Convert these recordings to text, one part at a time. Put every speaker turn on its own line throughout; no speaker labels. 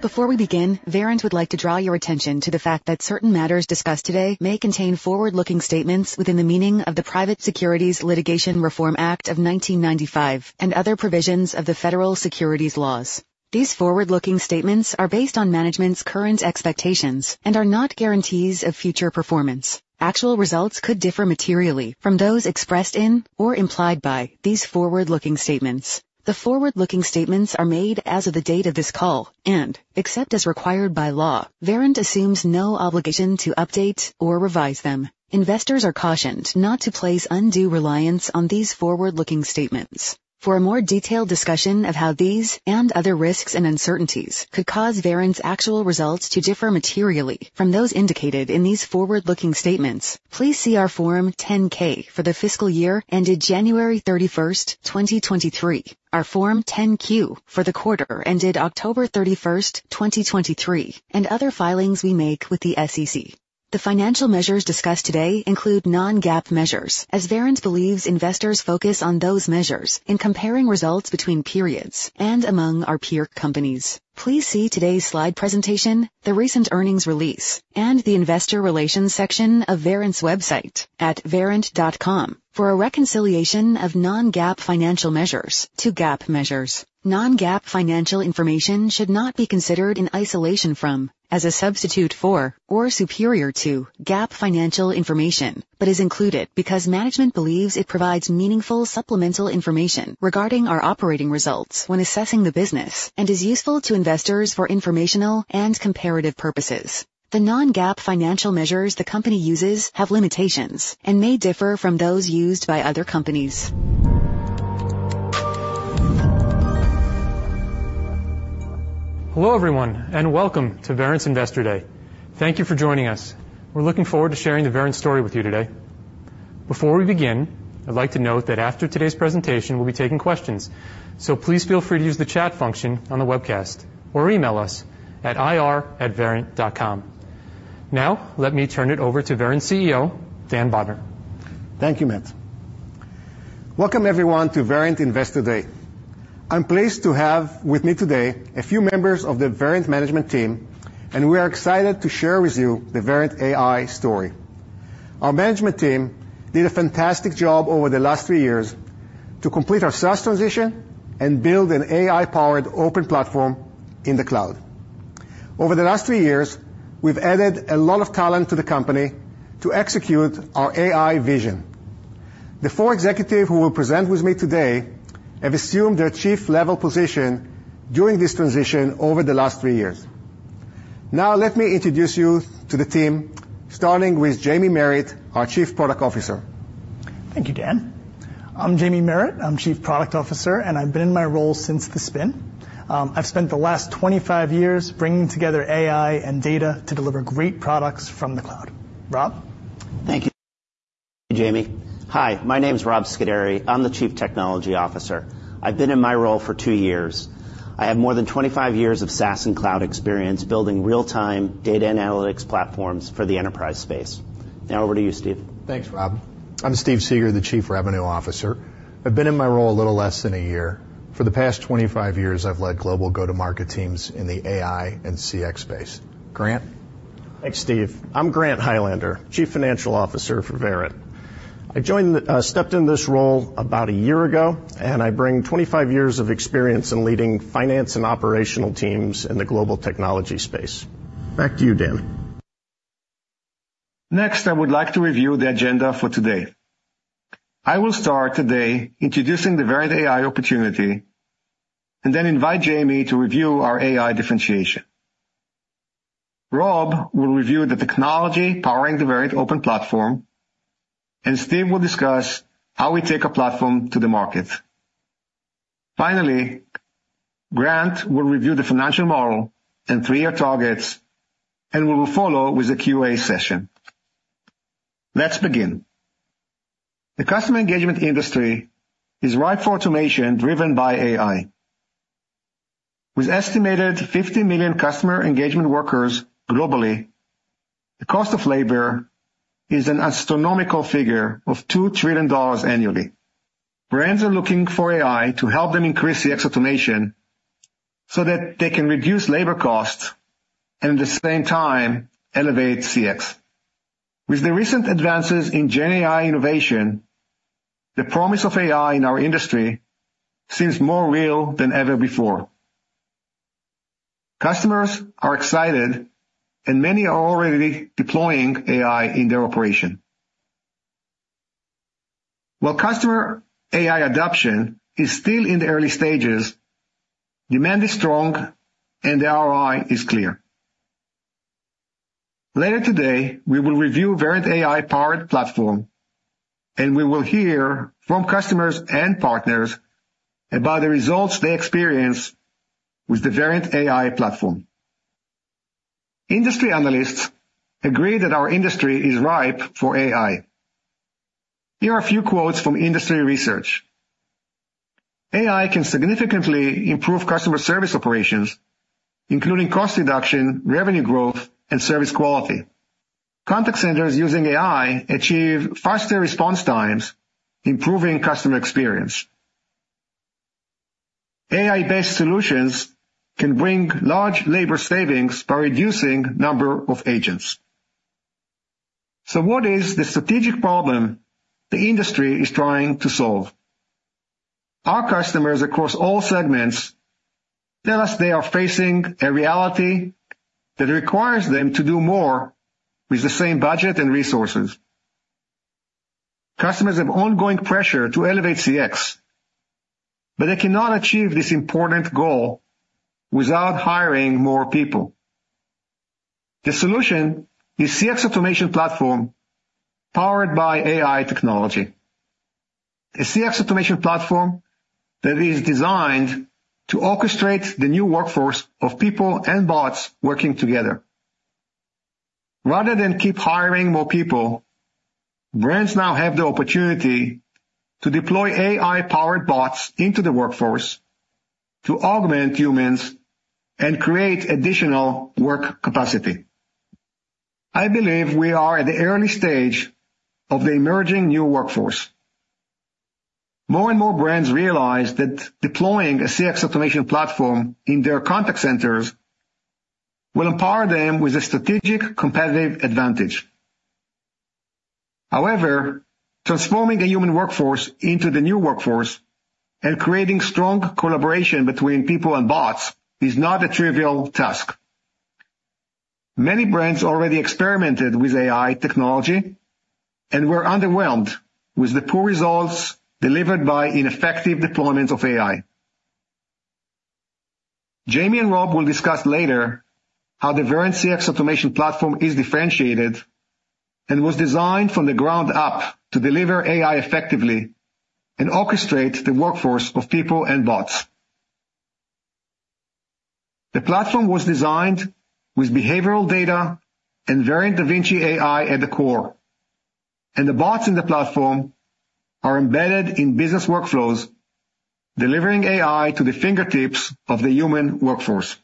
Before we begin, Verint would like to draw your attention to the fact that certain matters discussed today may contain forward-looking statements within the meaning of the Private Securities Litigation Reform Act of 1995, and other provisions of the federal securities laws. These forward-looking statements are based on management's current expectations and are not guarantees of future performance. Actual results could differ materially from those expressed in or implied by these forward-looking statements. The forward-looking statements are made as of the date of this call, and except as required by law, Verint assumes no obligation to update or revise them. Investors are cautioned not to place undue reliance on these forward-looking statements. For a more detailed discussion of how these and other risks and uncertainties could cause Verint's actual results to differ materially from those indicated in these forward-looking statements, please see our Form 10-K for the fiscal year ended January 31, 2023, our Form 10-Q for the quarter ended October 31, 2023, and other filings we make with the SEC. The financial measures discussed today include non-GAAP measures, as Verint believes investors focus on those measures in comparing results between periods and among our peer companies. Please see today's slide presentation, the recent earnings release, and the investor relations section of Verint's website at verint.com for a reconciliation of non-GAAP financial measures to GAAP measures. Non-GAAP financial information should not be considered in isolation from, as a substitute for, or superior to GAAP financial information, but is included because management believes it provides meaningful supplemental information regarding our operating results when assessing the business, and is useful to investors for informational and comparative purposes. The non-GAAP financial measures the company uses have limitations and may differ from those used by other companies.
Hello, everyone, and welcome to Verint Investor Day. Thank you for joining us. We're looking forward to sharing the Verint story with you today. Before we begin, I'd like to note that after today's presentation, we'll be taking questions, so please feel free to use the chat function on the webcast or email us at ir@verint.com. Now, let me turn it over to Verint CEO, Dan Bodner.
Thank you, Matt. Welcome, everyone, to Verint Investor Day. I'm pleased to have with me today a few members of the Verint management team, and we are excited to share with you the Verint AI story. Our management team did a fantastic job over the last three years to complete our SaaS transition and build an AI-powered open platform in the cloud. Over the last three years, we've added a lot of talent to the company to execute our AI vision. The four executives who will present with me today have assumed their chief-level position during this transition over the last three years. Now, let me introduce you to the team, starting with Jaime Meritt, our Chief Product Officer.
Thank you, Dan. I'm Jaime Meritt, Chief Product Officer, and I've been in my role since the spin. I've spent the last 25 years bringing together AI and data to deliver great products from the cloud. Rob?
Thank you, Jaime. Hi, my name is Rob Scudiere. I'm the Chief Technology Officer. I've been in my role for 2 years. I have more than 25 years of SaaS and cloud experience building real-time data and analytics platforms for the enterprise space. Now over to you, Steve.
Thanks, Rob. I'm Steve Seger, the Chief Revenue Officer. I've been in my role a little less than a year. For the past 25 years, I've led global go-to-market teams in the AI and CX space. Grant?
Thanks, Steve. I'm Grant Highlander, Chief Financial Officer for Verint. I joined, stepped into this role about a year ago, and I bring 25 years of experience in leading finance and operational teams in the global technology space. Back to you, Dan.
Next, I would like to review the agenda for today. I will start today introducing the Verint AI opportunity and then invite Jaime to review our AI differentiation. Rob will review the technology powering the Verint Open Platform, and Steve will discuss how we take our platform to the market. Finally, Grant will review the financial model and three-year targets, and we will follow with a Q&A session. Let's begin. The customer engagement industry is ripe for automation, driven by AI. With estimated 50 million customer engagement workers globally, the cost of labor is an astronomical figure of $2 trillion annually. Brands are looking for AI to help them increase CX automation so that they can reduce labor costs and at the same time elevate CX. With the recent advances in GenAI innovation, the promise of AI in our industry seems more real than ever before. Customers are excited, and many are already deploying AI in their operation. While customer AI adoption is still in the early stages, demand is strong, and the ROI is clear. Later today, we will review Verint AI-powered platform, and we will hear from customers and partners about the results they experience with the Verint AI platform. Industry analysts agree that our industry is ripe for AI. Here are a few quotes from industry research: "AI can significantly improve customer service operations, including cost reduction, revenue growth, and service quality."... Contact centers using AI achieve faster response times, improving customer experience. AI-based solutions can bring large labor savings by reducing number of agents. So what is the strategic problem the industry is trying to solve? Our customers, across all segments, tell us they are facing a reality that requires them to do more with the same budget and resources. Customers have ongoing pressure to elevate CX, but they cannot achieve this important goal without hiring more people. The solution is CX automation platform powered by AI technology. A CX automation platform that is designed to orchestrate the new workforce of people and bots working together. Rather than keep hiring more people, brands now have the opportunity to deploy AI-powered bots into the workforce to augment humans and create additional work capacity. I believe we are at the early stage of the emerging new workforce. More and more brands realize that deploying a CX automation platform in their contact centers will empower them with a strategic competitive advantage. However, transforming a human workforce into the new workforce and creating strong collaboration between people and bots is not a trivial task. Many brands already experimented with AI technology and were underwhelmed with the poor results delivered by ineffective deployment of AI. Jaime and Rob will discuss later how the Verint CX Automation Platform is differentiated and was designed from the ground up to deliver AI effectively and orchestrate the workforce of people and bots. The platform was designed with behavioral data and Verint DaVinci AI at the core, and the bots in the platform are embedded in business workflows, delivering AI to the fingertips of the human workforce.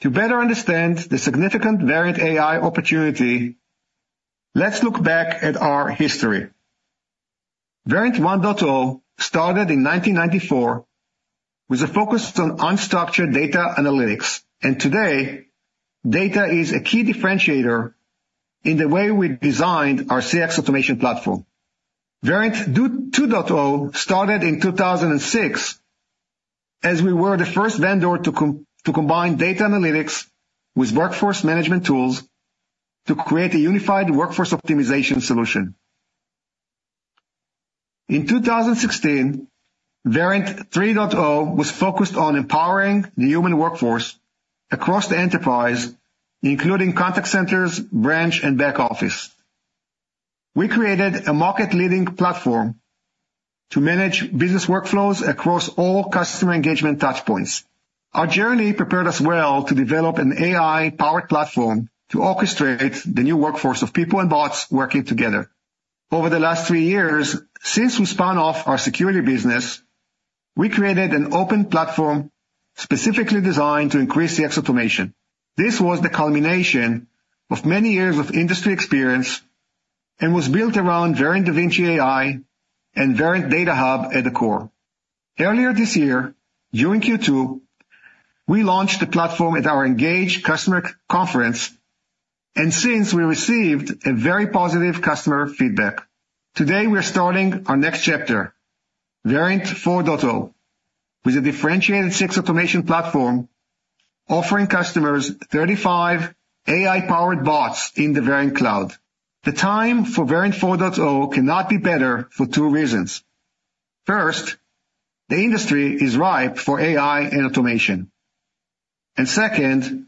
To better understand the significant Verint AI opportunity, let's look back at our history. Verint 1.0 started in 1994 with a focus on unstructured data analytics, and today, data is a key differentiator in the way we designed our CX Automation Platform. Verint 2.0 started in 2006, as we were the first vendor to to combine data analytics with workforce management tools to create a unified workforce optimization solution. In 2016, Verint 3.0 was focused on empowering the human workforce across the enterprise, including contact centers, branch, and back office. We created a market-leading platform to manage business workflows across all customer engagement touchpoints. Our journey prepared us well to develop an AI-powered platform to orchestrate the new workforce of people and bots working together. Over the last three years, since we spun off our security business, we created an open platform specifically designed to increase CX automation. This was the culmination of many years of industry experience and was built around Verint DaVinci AI and Verint Data Hub at the core. Earlier this year, during Q2, we launched the platform at our Engage customer conference, and since we received a very positive customer feedback. Today, we are starting our next chapter, Verint 4.0, with a differentiated CX automation platform offering customers 35 AI-powered bots in the Verint Cloud. The time for Verint 4.0 cannot be better for two reasons. First, the industry is ripe for AI and automation. Second,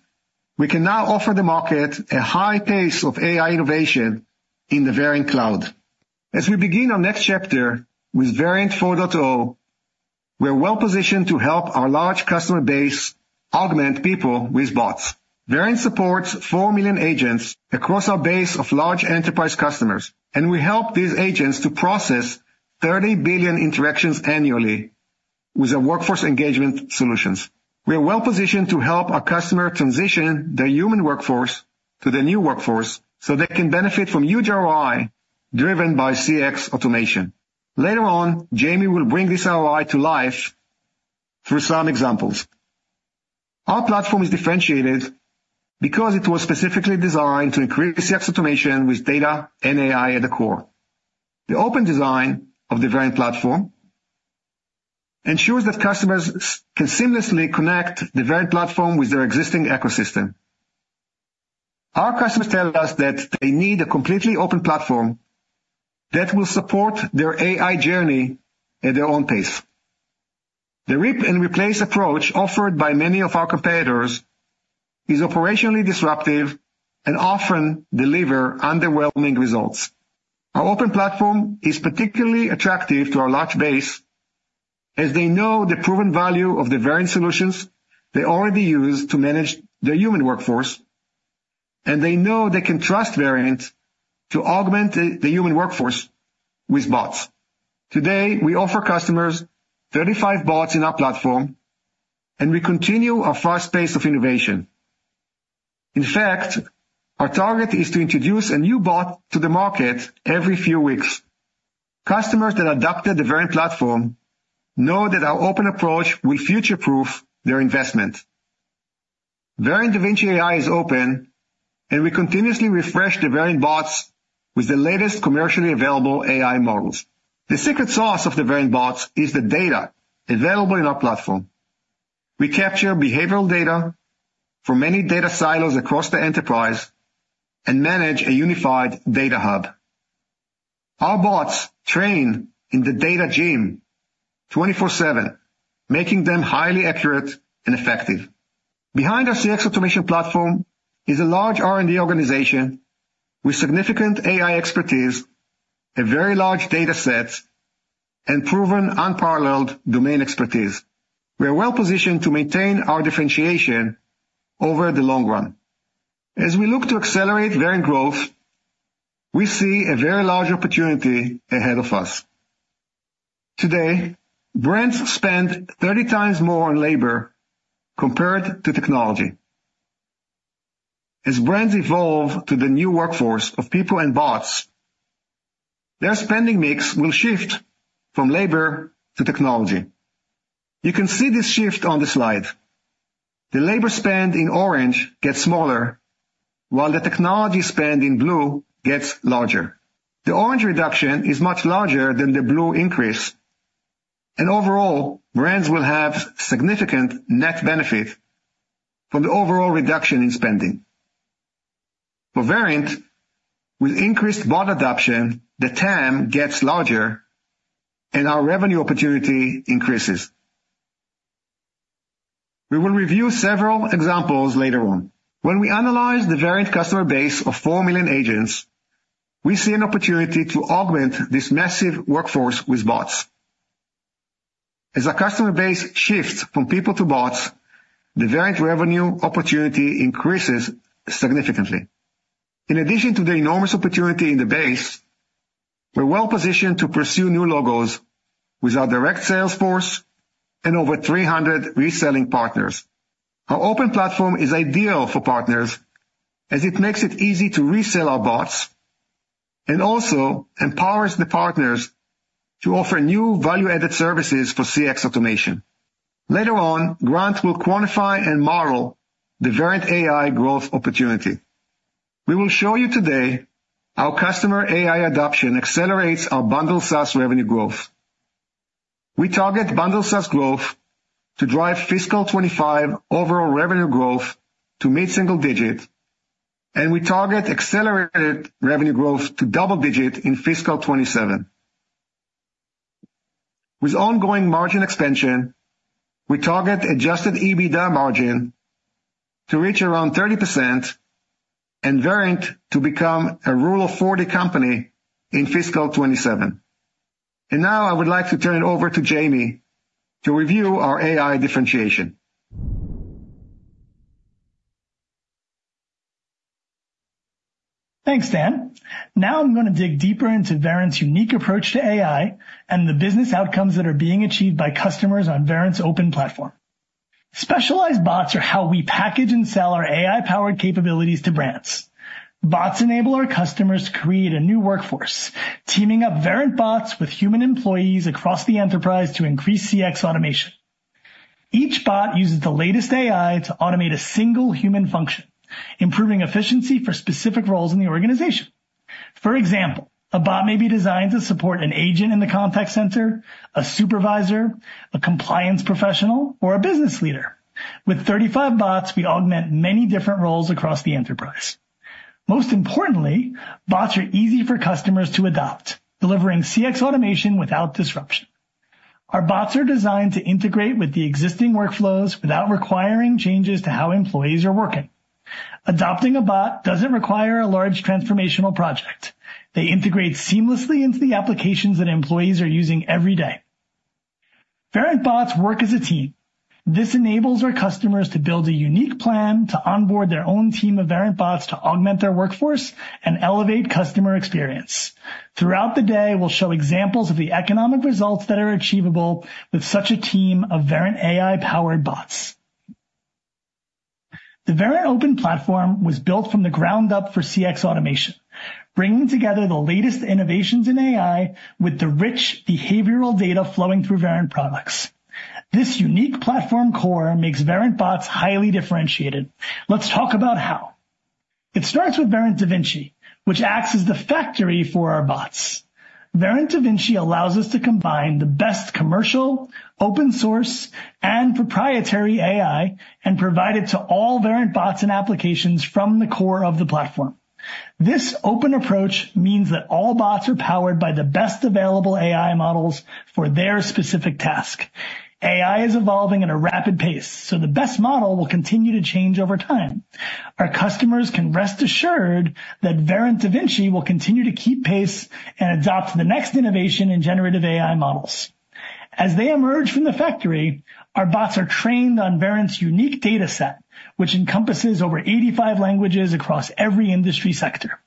we can now offer the market a high pace of AI innovation in the Verint Cloud. As we begin our next chapter with Verint 4.0, we're well positioned to help our large customer base augment people with bots. Verint supports 4 million agents across our base of large enterprise customers, and we help these agents to process 30 billion interactions annually with our Workforce Engagement solutions. We are well positioned to help our customer transition their human workforce to the new workforce, so they can benefit from huge ROI driven by CX automation. Later on, Jaime will bring this ROI to life through some examples. Our platform is differentiated because it was specifically designed to increase CX automation with data and AI at the core. The open design of the Verint platform ensures that customers can seamlessly connect the Verint platform with their existing ecosystem. Our customers tell us that they need a completely open platform that will support their AI journey at their own pace. The rip and replace approach offered by many of our competitors is operationally disruptive and often delivers underwhelming results. Our open platform is particularly attractive to our large base as they know the proven value of the Verint solutions they already use to manage their human workforce, and they know they can trust Verint to augment the human workforce with bots. Today, we offer customers 35 bots in our platform. We continue our fast pace of innovation. In fact, our target is to introduce a new bot to the market every few weeks. Customers that adopted the Verint platform know that our open approach will future-proof their investment. Verint DaVinci AI is open, and we continuously refresh the Verint bots with the latest commercially available AI models. The secret sauce of the Verint bots is the data available in our platform. We capture behavioral data from many data silos across the enterprise and manage a unified Data Hub. Our bots train in the Data Gym 24/7, making them highly accurate and effective. Behind our CX Automation Platform is a large R&D organization with significant AI expertise, a very large data set, and proven, unparalleled domain expertise. We are well positioned to maintain our differentiation over the long run. As we look to accelerate Verint growth, we see a very large opportunity ahead of us. Today, brands spend 30 times more on labor compared to technology. As brands evolve to the new workforce of people and bots, their spending mix will shift from labor to technology. You can see this shift on the slide. The labor spend in orange gets smaller, while the technology spend in blue gets larger. The orange reduction is much larger than the blue increase, and overall, brands will have significant net benefit from the overall reduction in spending. For Verint, with increased bot adoption, the TAM gets larger and our revenue opportunity increases. We will review several examples later on. When we analyze the Verint customer base of 4 million agents, we see an opportunity to augment this massive workforce with bots. As our customer base shifts from people to bots, the Verint revenue opportunity increases significantly. In addition to the enormous opportunity in the base, we're well positioned to pursue new logos with our direct sales force and over 300 reselling partners. Our open platform is ideal for partners, as it makes it easy to resell our bots and also empowers the partners to offer new value-added services for CX automation. Later on, Grant will quantify and model the Verint AI growth opportunity. We will show you today how customer AI adoption accelerates our bundled SaaS revenue growth. We target bundled SaaS growth to drive fiscal 2025 overall revenue growth to mid-single-digit, and we target accelerated revenue growth to double-digit in fiscal 2027. With ongoing margin expansion, we target Adjusted EBITDA margin to reach around 30% and Verint to become a Rule of 40 company in fiscal 2027. Now I would like to turn it over to Jaime to review our AI differentiation.
Thanks, Dan. Now I'm going to dig deeper into Verint's unique approach to AI and the business outcomes that are being achieved by customers on Verint's open platform. Specialized bots are how we package and sell our AI-powered capabilities to brands. Bots enable our customers to create a new workforce, teaming up Verint bots with human employees across the enterprise to increase CX automation. Each bot uses the latest AI to automate a single human function, improving efficiency for specific roles in the organization. For example, a bot may be designed to support an agent in the contact center, a supervisor, a compliance professional, or a business leader. With 35 bots, we augment many different roles across the enterprise. Most importantly, bots are easy for customers to adopt, delivering CX automation without disruption. Our bots are designed to integrate with the existing workflows without requiring changes to how employees are working. Adopting a bot doesn't require a large transformational project. They integrate seamlessly into the applications that employees are using every day. Verint bots work as a team. This enables our customers to build a unique plan to onboard their own team of Verint bots to augment their workforce and elevate customer experience. Throughout the day, we'll show examples of the economic results that are achievable with such a team of Verint AI-powered bots. The Verint Open Platform was built from the ground up for CX automation, bringing together the latest innovations in AI with the rich behavioral data flowing through Verint products. This unique platform core makes Verint bots highly differentiated. Let's talk about how. It starts with Verint DaVinci, which acts as the factory for our bots. Verint DaVinci allows us to combine the best commercial, open source, and proprietary AI and provide it to all Verint bots and applications from the core of the platform. This open approach means that all bots are powered by the best available AI models for their specific task. AI is evolving at a rapid pace, so the best model will continue to change over time. Our customers can rest assured that Verint DaVinci will continue to keep pace and adopt the next innovation in generative AI models. As they emerge from the factory, our bots are trained on Verint's unique data set, which encompasses over 85 languages across every industry sector....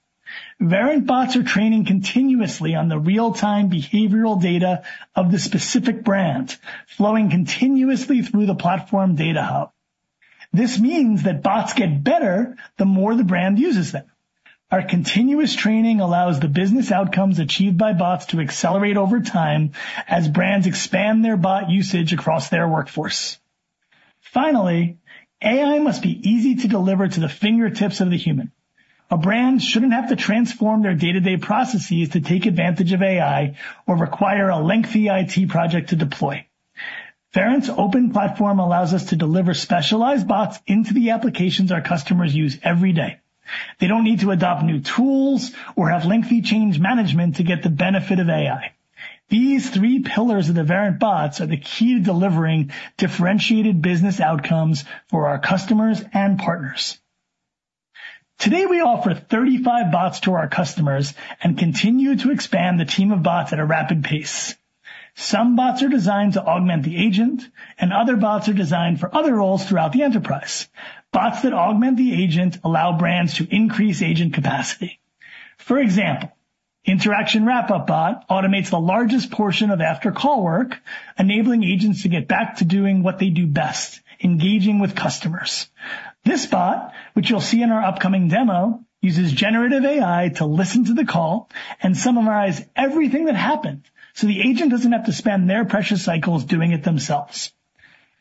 Verint bots are training continuously on the real-time behavioral data of the specific brand, flowing continuously through the platform Data Hub. This means that bots get better the more the brand uses them. Our continuous training allows the business outcomes achieved by bots to accelerate over time as brands expand their bot usage across their workforce. Finally, AI must be easy to deliver to the fingertips of the human. A brand shouldn't have to transform their day-to-day processes to take advantage of AI or require a lengthy IT project to deploy. Verint's Open Platform allows us to deliver specialized bots into the applications our customers use every day. They don't need to adopt new tools or have lengthy change management to get the benefit of AI. These three pillars of the Verint bots are the key to delivering differentiated business outcomes for our customers and partners. Today, we offer 35 bots to our customers and continue to expand the team of bots at a rapid pace. Some bots are designed to augment the agent, and other bots are designed for other roles throughout the enterprise. Bots that augment the agent allow brands to increase agent capacity. For example, Interaction Wrap-Up Bot automates the largest portion of after-call work, enabling agents to get back to doing what they do best, engaging with customers. This bot, which you'll see in our upcoming demo, uses generative AI to listen to the call and summarize everything that happened, so the agent doesn't have to spend their precious cycles doing it themselves.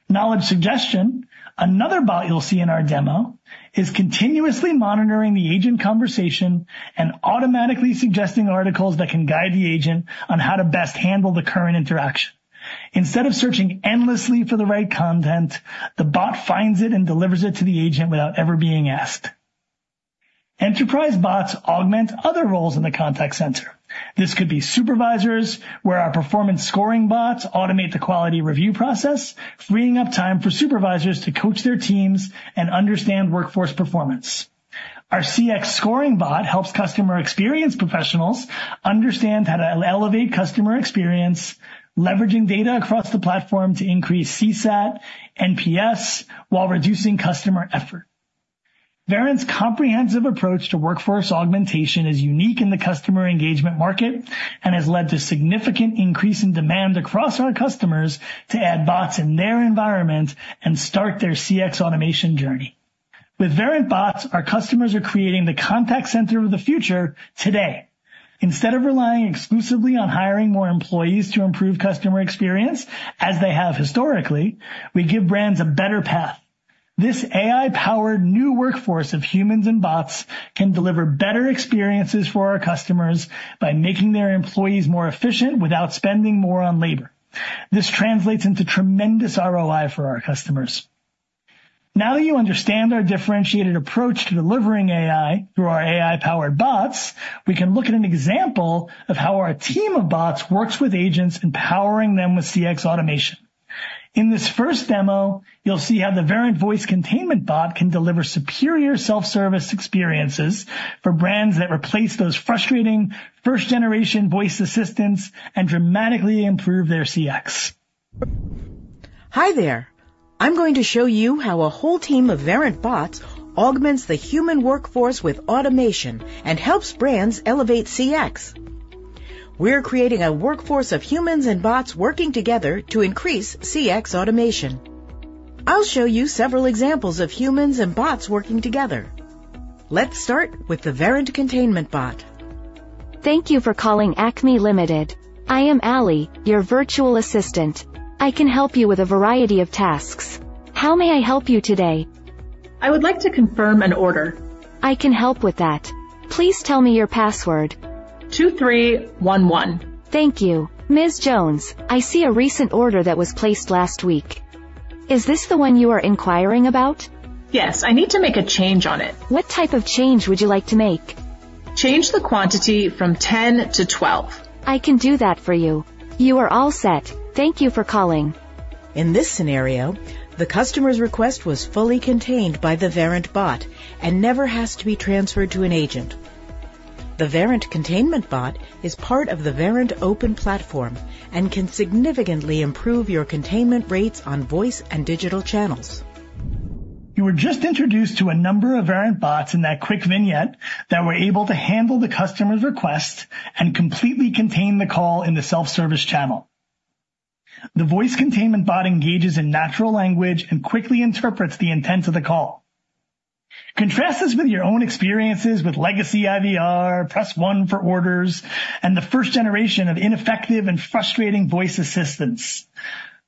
Knowledge Suggestion Bot, another bot you'll see in our demo, is continuously monitoring the agent conversation and automatically suggesting articles that can guide the agent on how to best handle the current interaction. Instead of searching endlessly for the right content, the bot finds it and delivers it to the agent without ever being asked. Enterprise bots augment other roles in the contact center. This could be supervisors, where our Performance Scoring Bots automate the quality review process, freeing up time for supervisors to coach their teams and understand workforce performance. Our CX Scoring Bot helps customer experience professionals understand how to elevate customer experience, leveraging data across the platform to increase CSAT, NPS, while reducing customer effort. Verint's comprehensive approach to workforce augmentation is unique in the customer engagement market and has led to significant increase in demand across our customers to add bots in their environment and start their CX Automation journey. With Verint bots, our customers are creating the contact center of the future today. Instead of relying exclusively on hiring more employees to improve customer experience, as they have historically, we give brands a better path. This AI-powered new workforce of humans and bots can deliver better experiences for our customers by making their employees more efficient without spending more on labor. This translates into tremendous ROI for our customers. Now that you understand our differentiated approach to delivering AI through our AI-powered bots, we can look at an example of how our team of bots works with agents, empowering them with CX automation. In this first demo, you'll see how the Verint Voice Containment Bot can deliver superior self-service experiences for brands that replace those frustrating first-generation voice assistants and dramatically improve their CX.
Hi there. I'm going to show you how a whole team of Verint bots augments the human workforce with automation and helps brands elevate CX. We're creating a workforce of humans and bots working together to increase CX automation. I'll show you several examples of humans and bots working together. Let's start with the Verint Containment Bot.
Thank you for calling Acme Limited. I am Ally, your virtual assistant. I can help you with a variety of tasks. How may I help you today?
I would like to confirm an order.
I can help with that. Please tell me your password.
2311.
Thank you. Ms. Jones, I see a recent order that was placed last week. Is this the one you are inquiring about?
Yes, I need to make a change on it.
What type of change would you like to make?
Change the quantity from 10 to 12.
I can do that for you. You are all set. Thank you for calling.
In this scenario, the customer's request was fully contained by the Verint bot and never has to be transferred to an agent. The Verint Containment Bot is part of the Verint Open Platform and can significantly improve your containment rates on voice and digital channels.
You were just introduced to a number of Verint bots in that quick vignette that were able to handle the customer's request and completely contain the call in the self-service channel. The Voice Containment Bot engages in natural language and quickly interprets the intent of the call. Contrast this with your own experiences with legacy IVR, press one for orders, and the first generation of ineffective and frustrating voice assistants.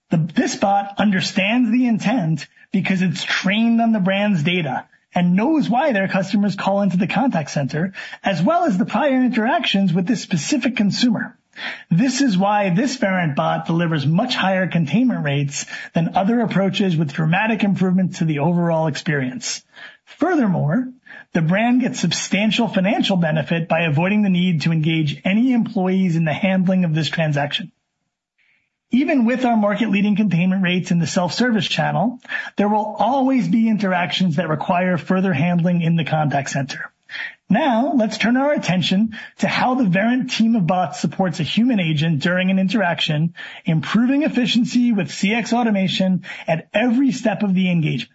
This bot understands the intent because it's trained on the brand's data and knows why their customers call into the contact center, as well as the prior interactions with this specific consumer. This is why this Verint bot delivers much higher containment rates than other approaches, with dramatic improvement to the overall experience. Furthermore, the brand gets substantial financial benefit by avoiding the need to engage any employees in the handling of this transaction. Even with our market-leading containment rates in the self-service channel, there will always be interactions that require further handling in the contact center. Now, let's turn our attention to how the Verint team of bots supports a human agent during an interaction, improving efficiency with CX automation at every step of the engagement.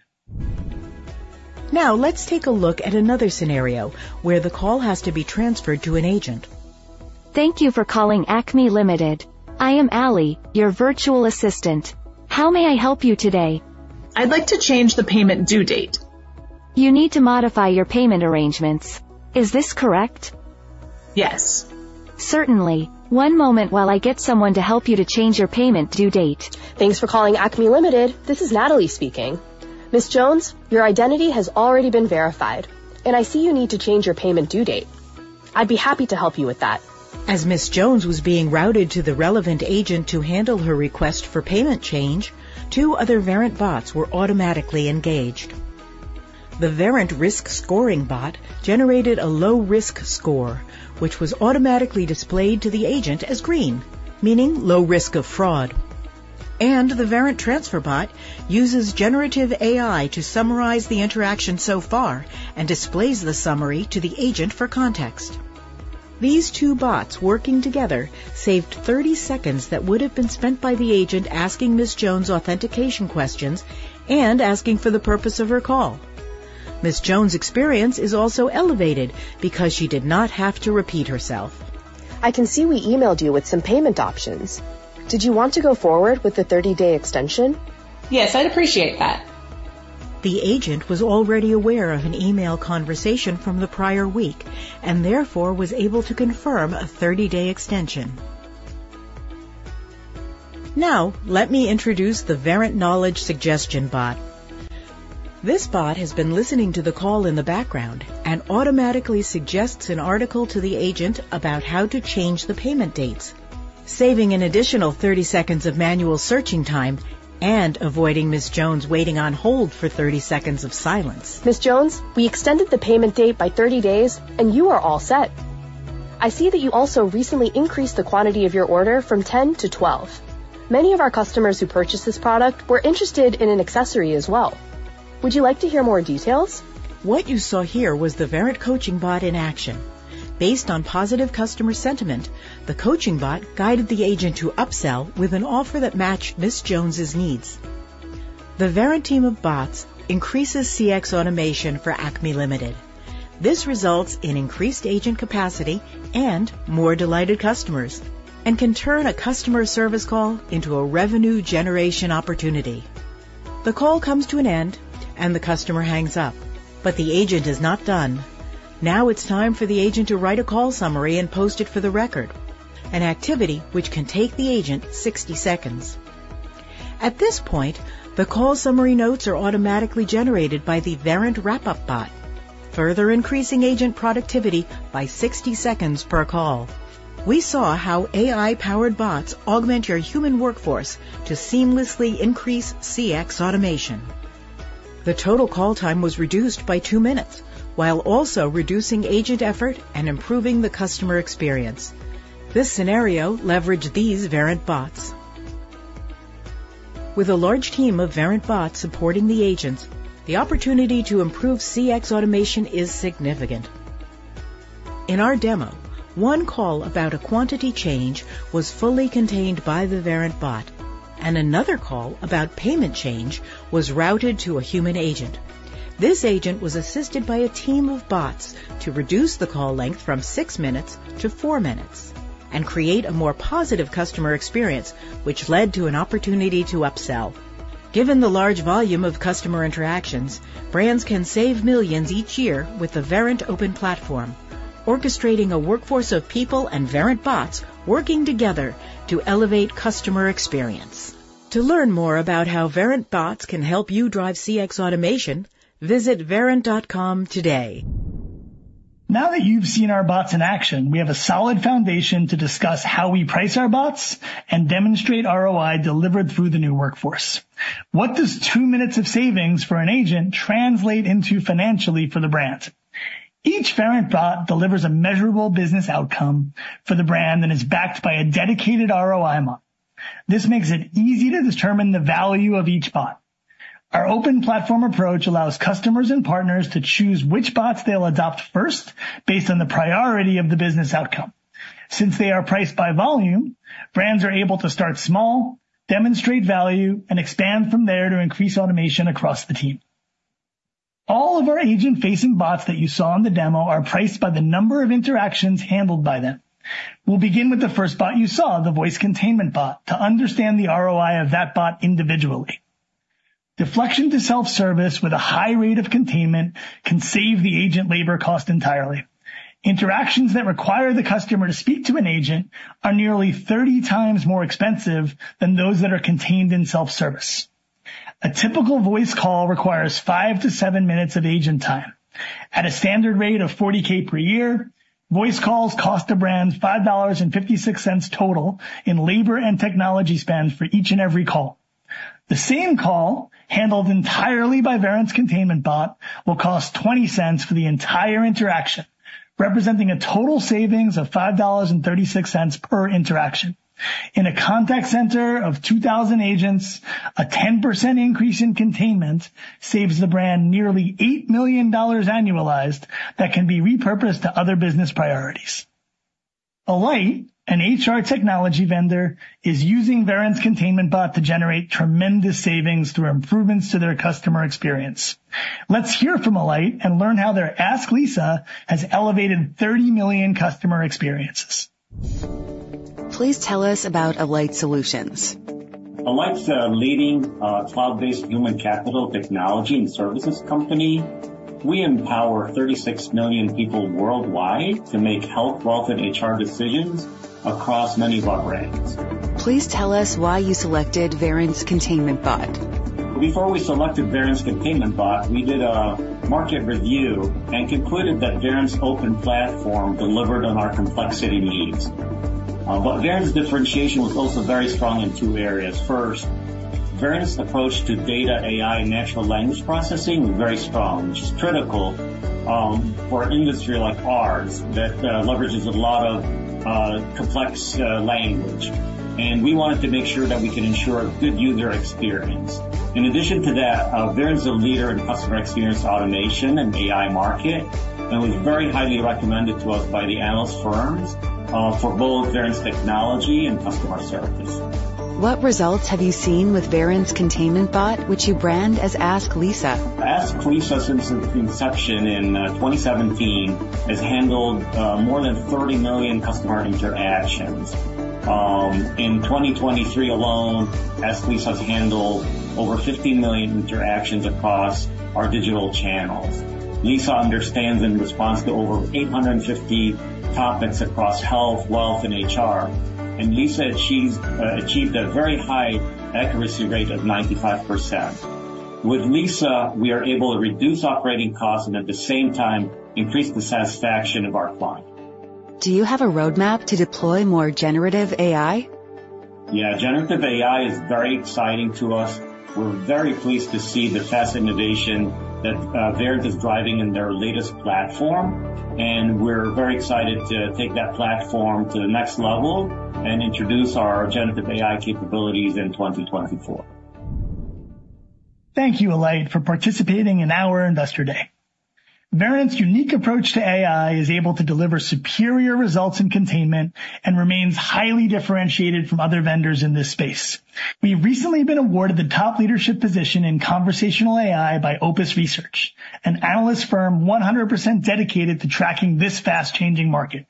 Now, let's take a look at another scenario where the call has to be transferred to an agent.
Thank you for calling Acme Limited. I am Ally, your virtual assistant. How may I help you today?
I'd like to change the payment due date.
You need to modify your payment arrangements. Is this correct?
Yes.
Certainly. One moment while I get someone to help you to change your payment due date.
Thanks for calling Acme Limited. This is Natalie speaking. Ms. Jones, your identity has already been verified, and I see you need to change your payment due date. I'd be happy to help you with that.
As Ms. Jones was being routed to the relevant agent to handle her request for payment change, two other Verint bots were automatically engaged. The Verint Risk Scoring Bot generated a low-risk score, which was automatically displayed to the agent as green, meaning low risk of fraud. The Verint Transfer Bot uses generative AI to summarize the interaction so far and displays the summary to the agent for context. These two bots working together saved 30 seconds that would have been spent by the agent asking Ms. Jones authentication questions and asking for the purpose of her call. Ms. Jones' experience is also elevated because she did not have to repeat herself.
I can see we emailed you with some payment options. Did you want to go forward with the 30-day extension? Yes, I'd appreciate that.
The agent was already aware of an email conversation from the prior week and therefore was able to confirm a 30-day extension. Now, let me introduce the Verint Knowledge Suggestion Bot. This bot has been listening to the call in the background and automatically suggests an article to the agent about how to change the payment dates, saving an additional 30 seconds of manual searching time and avoiding Ms. Jones waiting on hold for 30 seconds of silence.
Ms. Jones, we extended the payment date by 30 days, and you are all set. I see that you also recently increased the quantity of your order from 10 to 12. Many of our customers who purchased this product were interested in an accessory as well. Would you like to hear more details?
What you saw here was the Verint Coaching Bot in action. Based on positive customer sentiment, the Coaching Bot guided the agent to upsell with an offer that matched Ms. Jones' needs. The Verint team of bots increases CX automation for Acme Limited. This results in increased agent capacity and more delighted customers and can turn a customer service call into a revenue generation opportunity. The call comes to an end and the customer hangs up, but the agent is not done. Now it's time for the agent to write a call summary and post it for the record, an activity which can take the agent 60 seconds. At this point, the call summary notes are automatically generated by the Verint Wrap-Up Bot, further increasing agent productivity by 60 seconds per call. We saw how AI-powered bots augment your human workforce to seamlessly increase CX automation. The total call time was reduced by 2 minutes, while also reducing agent effort and improving the customer experience. This scenario leveraged these Verint bots. With a large team of Verint bots supporting the agents, the opportunity to improve CX automation is significant. In our demo, 1 call about a quantity change was fully contained by the Verint bot, and another call about payment change was routed to a human agent. This agent was assisted by a team of bots to reduce the call length from 6 minutes to 4 minutes and create a more positive customer experience, which led to an opportunity to upsell. Given the large volume of customer interactions, brands can save $ millions each year with the Verint Open Platform, orchestrating a workforce of people and Verint bots working together to elevate customer experience. To learn more about how Verint bots can help you drive CX automation, visit verint.com today.
Now that you've seen our bots in action, we have a solid foundation to discuss how we price our bots and demonstrate ROI delivered through the new workforce. What does 2 minutes of savings for an agent translate into financially for the brand? Each Verint bot delivers a measurable business outcome for the brand and is backed by a dedicated ROI model. This makes it easy to determine the value of each bot. Our open platform approach allows customers and partners to choose which bots they'll adopt first, based on the priority of the business outcome. Since they are priced by volume, brands are able to start small, demonstrate value, and expand from there to increase automation across the team. All of our agent-facing bots that you saw in the demo are priced by the number of interactions handled by them. We'll begin with the first bot you saw, the Voice Containment Bot, to understand the ROI of that bot individually. Deflection to self-service with a high rate of containment can save the agent labor cost entirely. Interactions that require the customer to speak to an agent are nearly 30 times more expensive than those that are contained in self-service. A typical voice call requires 5-7 minutes of agent time. At a standard rate of $40,000 per year, voice calls cost a brand $5.56 total in labor and technology spend for each and every call. The same call, handled entirely by Verint's Containment Bot, will cost $0.20 for the entire interaction, representing a total savings of $5.36 per interaction. In a contact center of 2,000 agents, a 10% increase in containment saves the brand nearly $8 million annualized that can be repurposed to other business priorities. Alight, an HR technology vendor, is using Verint's Containment Bot to generate tremendous savings through improvements to their customer experience. Let's hear from Alight and learn how their Ask Lisa has elevated 30 million customer experiences.
Please tell us about Alight Solutions. Alight's a leading, cloud-based human capital technology and services company. We empower 36 million people worldwide to make health, wealth, and HR decisions across many of our brands. Please tell us why you selected Verint's Containment Bot? Before we selected Verint's Containment Bot, we did a market review and concluded that Verint's Open Platform delivered on our complexity needs. But Verint's differentiation was also very strong in two areas. First, Verint's approach to data, AI, and natural language processing was very strong, which is critical for an industry like ours that leverages a lot of complex language. We wanted to make sure that we could ensure good user experience. In addition to that, Verint's a leader in customer experience, automation, and AI market, and was very highly recommended to us by the analyst firms for both Verint's technology and customer services. What results have you seen with Verint's Containment Bot, which you brand as Ask Lisa? Ask Lisa, since its inception in 2017, has handled more than 30 million customer interactions. In 2023 alone, Ask Lisa has handled over 50 million interactions across our digital channels. Lisa understands and responds to over 850 topics across health, wealth, and HR, and Lisa achieved a very high accuracy rate of 95%. With Lisa, we are able to reduce operating costs and at the same time, increase the satisfaction of our client. Do you have a roadmap to deploy more generative AI? Yeah, generative AI is very exciting to us. We're very pleased to see the fast innovation that Verint is driving in their latest platform, and we're very excited to take that platform to the next level and introduce our generative AI capabilities in 2024.
Thank you, Alight, for participating in our Investor Day. Verint's unique approach to AI is able to deliver superior results in containment and remains highly differentiated from other vendors in this space. We've recently been awarded the top leadership position in conversational AI by Opus Research, an analyst firm 100% dedicated to tracking this fast-changing market.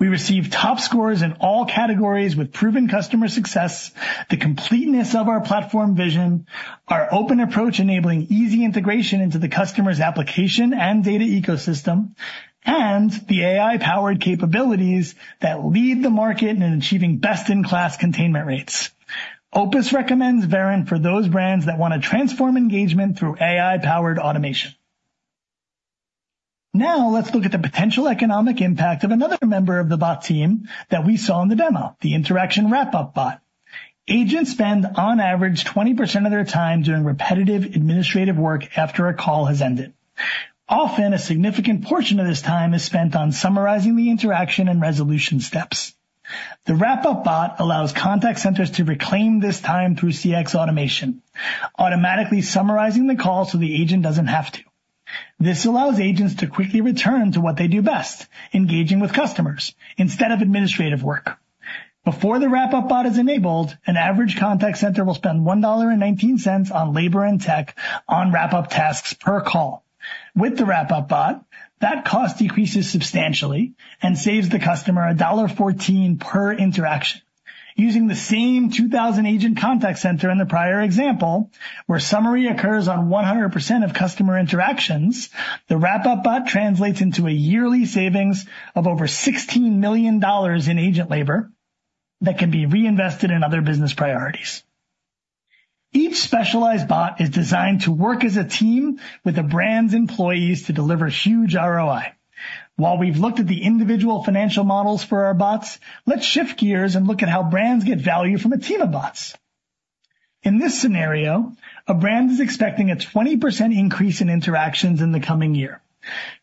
We received top scores in all categories with proven customer success, the completeness of our platform vision, our open approach enabling easy integration into the customer's application and data ecosystem, and the AI-powered capabilities that lead the market in achieving best-in-class containment rates. Opus recommends Verint for those brands that want to transform engagement through AI-powered automation. Now, let's look at the potential economic impact of another member of the bot team that we saw in the demo, the Interaction Wrap-Up Bot. Agents spend, on average, 20% of their time doing repetitive administrative work after a call has ended. Often, a significant portion of this time is spent on summarizing the interaction and resolution steps. The wrap-up bot allows contact centers to reclaim this time through CX automation, automatically summarizing the call so the agent doesn't have to. This allows agents to quickly return to what they do best, engaging with customers instead of administrative work. Before the wrap-up bot is enabled, an average contact center will spend $1.19 on labor and tech on wrap-up tasks per call. With the wrap-up bot, that cost decreases substantially and saves the customer $1.14 per interaction. Using the same 2,000 agent contact center in the prior example, where summary occurs on 100% of customer interactions, the wrap-up bot translates into a yearly savings of over $16 million in agent labor that can be reinvested in other business priorities. Each specialized bot is designed to work as a team with the brand's employees to deliver huge ROI. While we've looked at the individual financial models for our bots, let's shift gears and look at how brands get value from a team of bots. In this scenario, a brand is expecting a 20% increase in interactions in the coming year.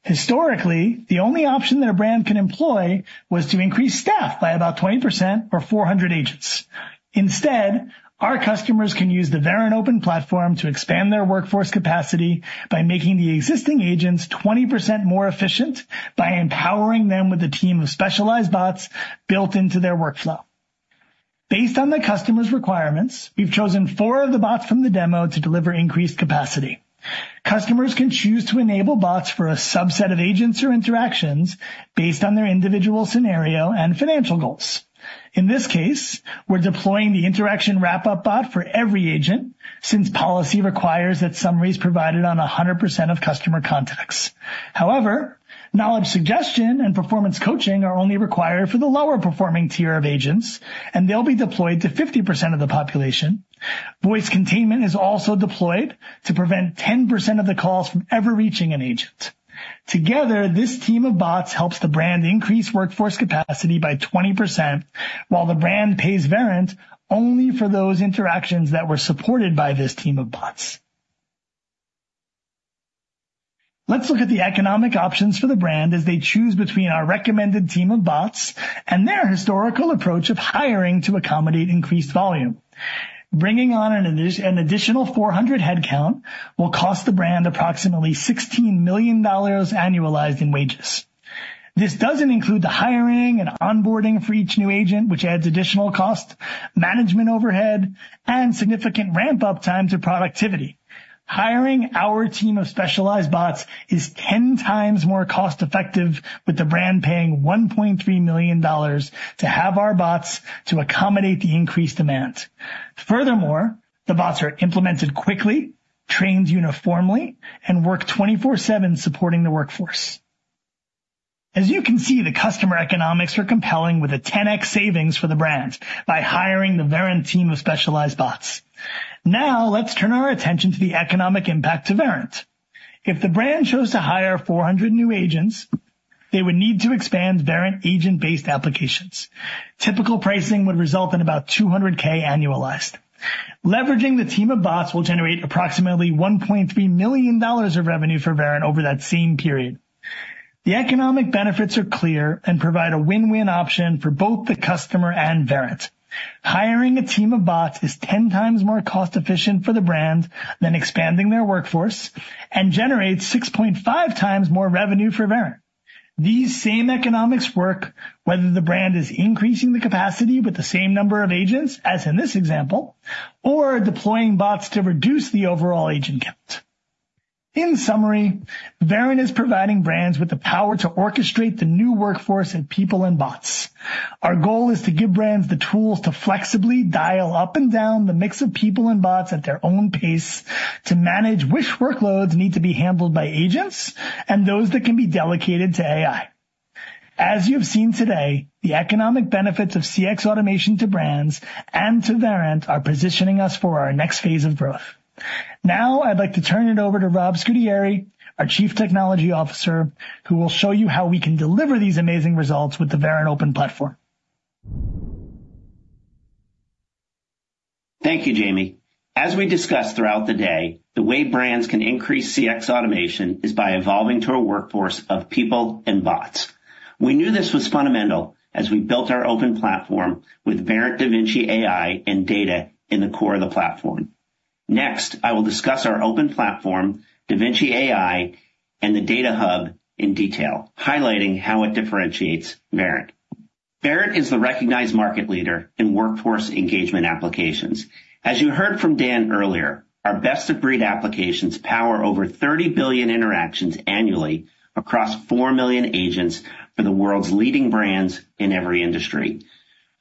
Historically, the only option that a brand can employ was to increase staff by about 20% or 400 agents. Instead, our customers can use the Verint Open Platform to expand their workforce capacity by making the existing agents 20% more efficient by empowering them with a team of specialized bots built into their workflow. Based on the customer's requirements, we've chosen four of the bots from the demo to deliver increased capacity. Customers can choose to enable bots for a subset of agents or interactions based on their individual scenario and financial goals. In this case, we're deploying the Interaction Wrap-Up Bot for every agent, since policy requires that summary is provided on 100% of customer contacts. However, knowledge suggestion and performance coaching are only required for the lower-performing tier of agents, and they'll be deployed to 50% of the population. Voice containment is also deployed to prevent 10% of the calls from ever reaching an agent. Together, this team of bots helps the brand increase workforce capacity by 20%, while the brand pays Verint only for those interactions that were supported by this team of bots. Let's look at the economic options for the brand as they choose between our recommended team of bots and their historical approach of hiring to accommodate increased volume. Bringing on an additional 400 headcount will cost the brand approximately $16 million annualized in wages. This doesn't include the hiring and onboarding for each new agent, which adds additional cost, management overhead, and significant ramp-up time to productivity. Hiring our team of specialized bots is 10 times more cost-effective, with the brand paying $1.3 million to have our bots to accommodate the increased demand. Furthermore, the bots are implemented quickly, trained uniformly, and work 24/7 supporting the workforce. As you can see, the customer economics are compelling, with a 10x savings for the brands by hiring the Verint team of specialized bots. Now let's turn our attention to the economic impact to Verint. If the brand chose to hire 400 new agents, they would need to expand Verint agent-based applications. Typical pricing would result in about $200,000 annualized. Leveraging the team of bots will generate approximately $1.3 million of revenue for Verint over that same period. The economic benefits are clear and provide a win-win option for both the customer and Verint. Hiring a team of bots is 10 times more cost efficient for the brand than expanding their workforce and generates 6.5 times more revenue for Verint. These same economics work whether the brand is increasing the capacity with the same number of agents, as in this example, or deploying bots to reduce the overall agent count. In summary, Verint is providing brands with the power to orchestrate the new workforce of people and bots. Our goal is to give brands the tools to flexibly dial up and down the mix of people and bots at their own pace, to manage which workloads need to be handled by agents and those that can be delegated to AI. As you have seen today, the economic benefits of CX automation to brands and to Verint are positioning us for our next phase of growth. Now, I'd like to turn it over to Rob Scudiere, our Chief Technology Officer, who will show you how we can deliver these amazing results with the Verint Open Platform.
Thank you, Jaime. As we discussed throughout the day, the way brands can increase CX automation is by evolving to a workforce of people and bots. We knew this was fundamental as we built our Open Platform with Verint DaVinci AI and data in the core of the platform. Next, I will discuss our Open Platform, DaVinci AI, and the Data Hub in detail, highlighting how it differentiates Verint. Verint is the recognized market leader in workforce engagement applications. As you heard from Dan earlier, our best-of-breed applications power over 30 billion interactions annually across 4 million agents for the world's leading brands in every industry.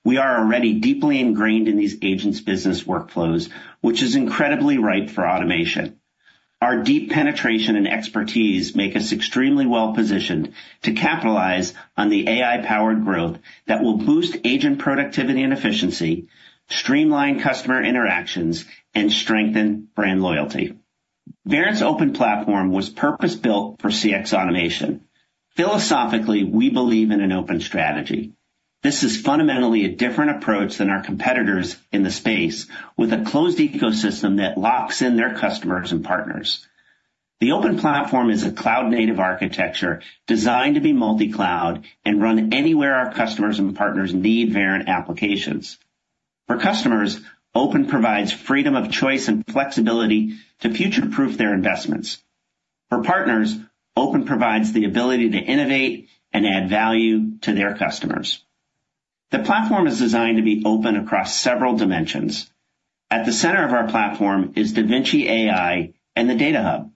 We are already deeply ingrained in these agents' business workflows, which is incredibly ripe for automation. Our deep penetration and expertise make us extremely well-positioned to capitalize on the AI-powered growth that will boost agent productivity and efficiency, streamline customer interactions, and strengthen brand loyalty. Verint's Open Platform was purpose-built for CX automation. Philosophically, we believe in an open strategy. This is fundamentally a different approach than our competitors in the space, with a closed ecosystem that locks in their customers and partners. The Open Platform is a cloud-native architecture designed to be multi-cloud and run anywhere our customers and partners need Verint applications. For customers, Open provides freedom of choice and flexibility to future-proof their investments. For partners, Open provides the ability to innovate and add value to their customers. The platform is designed to be open across several dimensions. At the center of our platform is DaVinci AI and the Data Hub.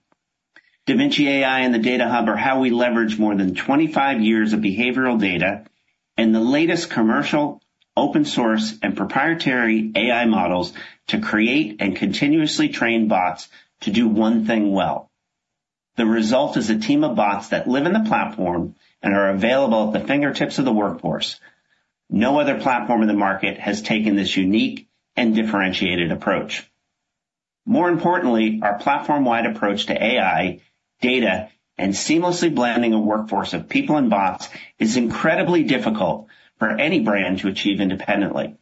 DaVinci AI and the Data Hub are how we leverage more than 25 years of behavioral data and the latest commercial, open source, and proprietary AI models to create and continuously train bots to do one thing well. The result is a team of bots that live in the platform and are available at the fingertips of the workforce. No other platform in the market has taken this unique and differentiated approach. More importantly, our platform-wide approach to AI, data, and seamlessly blending a workforce of people and bots is incredibly difficult for any brand to achieve independently.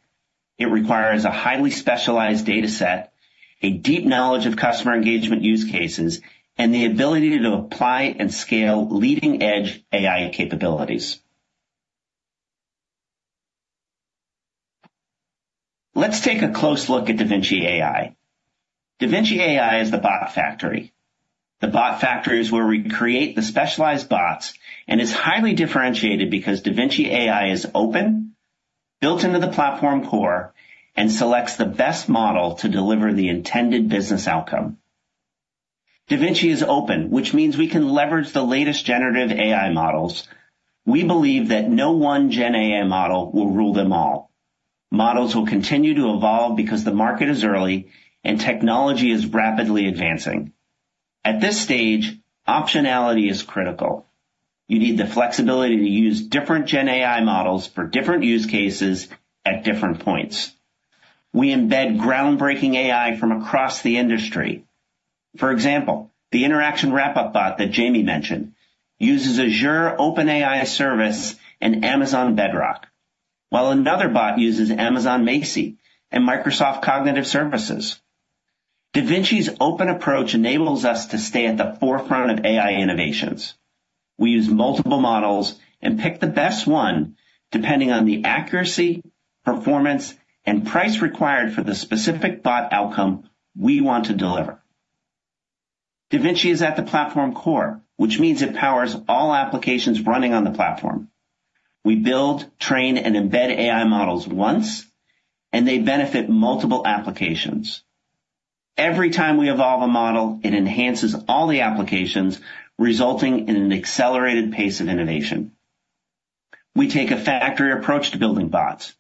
It requires a highly specialized data set, a deep knowledge of customer engagement use cases, and the ability to apply and scale leading-edge AI capabilities. Let's take a close look at DaVinci AI. DaVinci AI is the Bot Factory. The Bot Factory is where we create the specialized bots and is highly differentiated because DaVinci AI is open, built into the platform core, and selects the best model to deliver the intended business outcome. DaVinci is open, which means we can leverage the latest generative AI models. We believe that no one gen AI model will rule them all. Models will continue to evolve because the market is early and technology is rapidly advancing. At this stage, optionality is critical. You need the flexibility to use different gen AI models for different use cases at different points. We embed groundbreaking AI from across the industry. For example, the Interaction Wrap-Up Bot that Jaime mentioned uses Azure OpenAI Service and Amazon Bedrock, while another bot uses Amazon Macie and Microsoft Cognitive Services. DaVinci's open approach enables us to stay at the forefront of AI innovations. We use multiple models and pick the best one, depending on the accuracy, performance, and price required for the specific bot outcome we want to deliver. DaVinci is at the platform core, which means it powers all applications running on the platform. We build, train, and embed AI models once, and they benefit multiple applications. Every time we evolve a model, it enhances all the applications, resulting in an accelerated pace of innovation. We take a factory approach to building bots.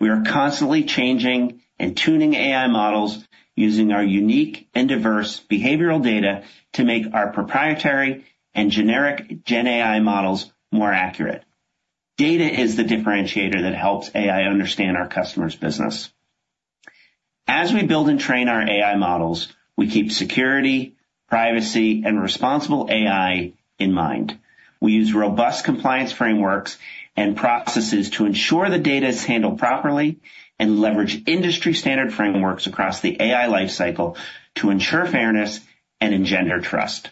We are constantly changing and tuning AI models using our unique and diverse behavioral data to make our proprietary and generic GenAI models more accurate. Data is the differentiator that helps AI understand our customer's business. As we build and train our AI models, we keep security, privacy, and responsible AI in mind. We use robust compliance frameworks and processes to ensure the data is handled properly and leverage industry-standard frameworks across the AI life cycle to ensure fairness and engender trust.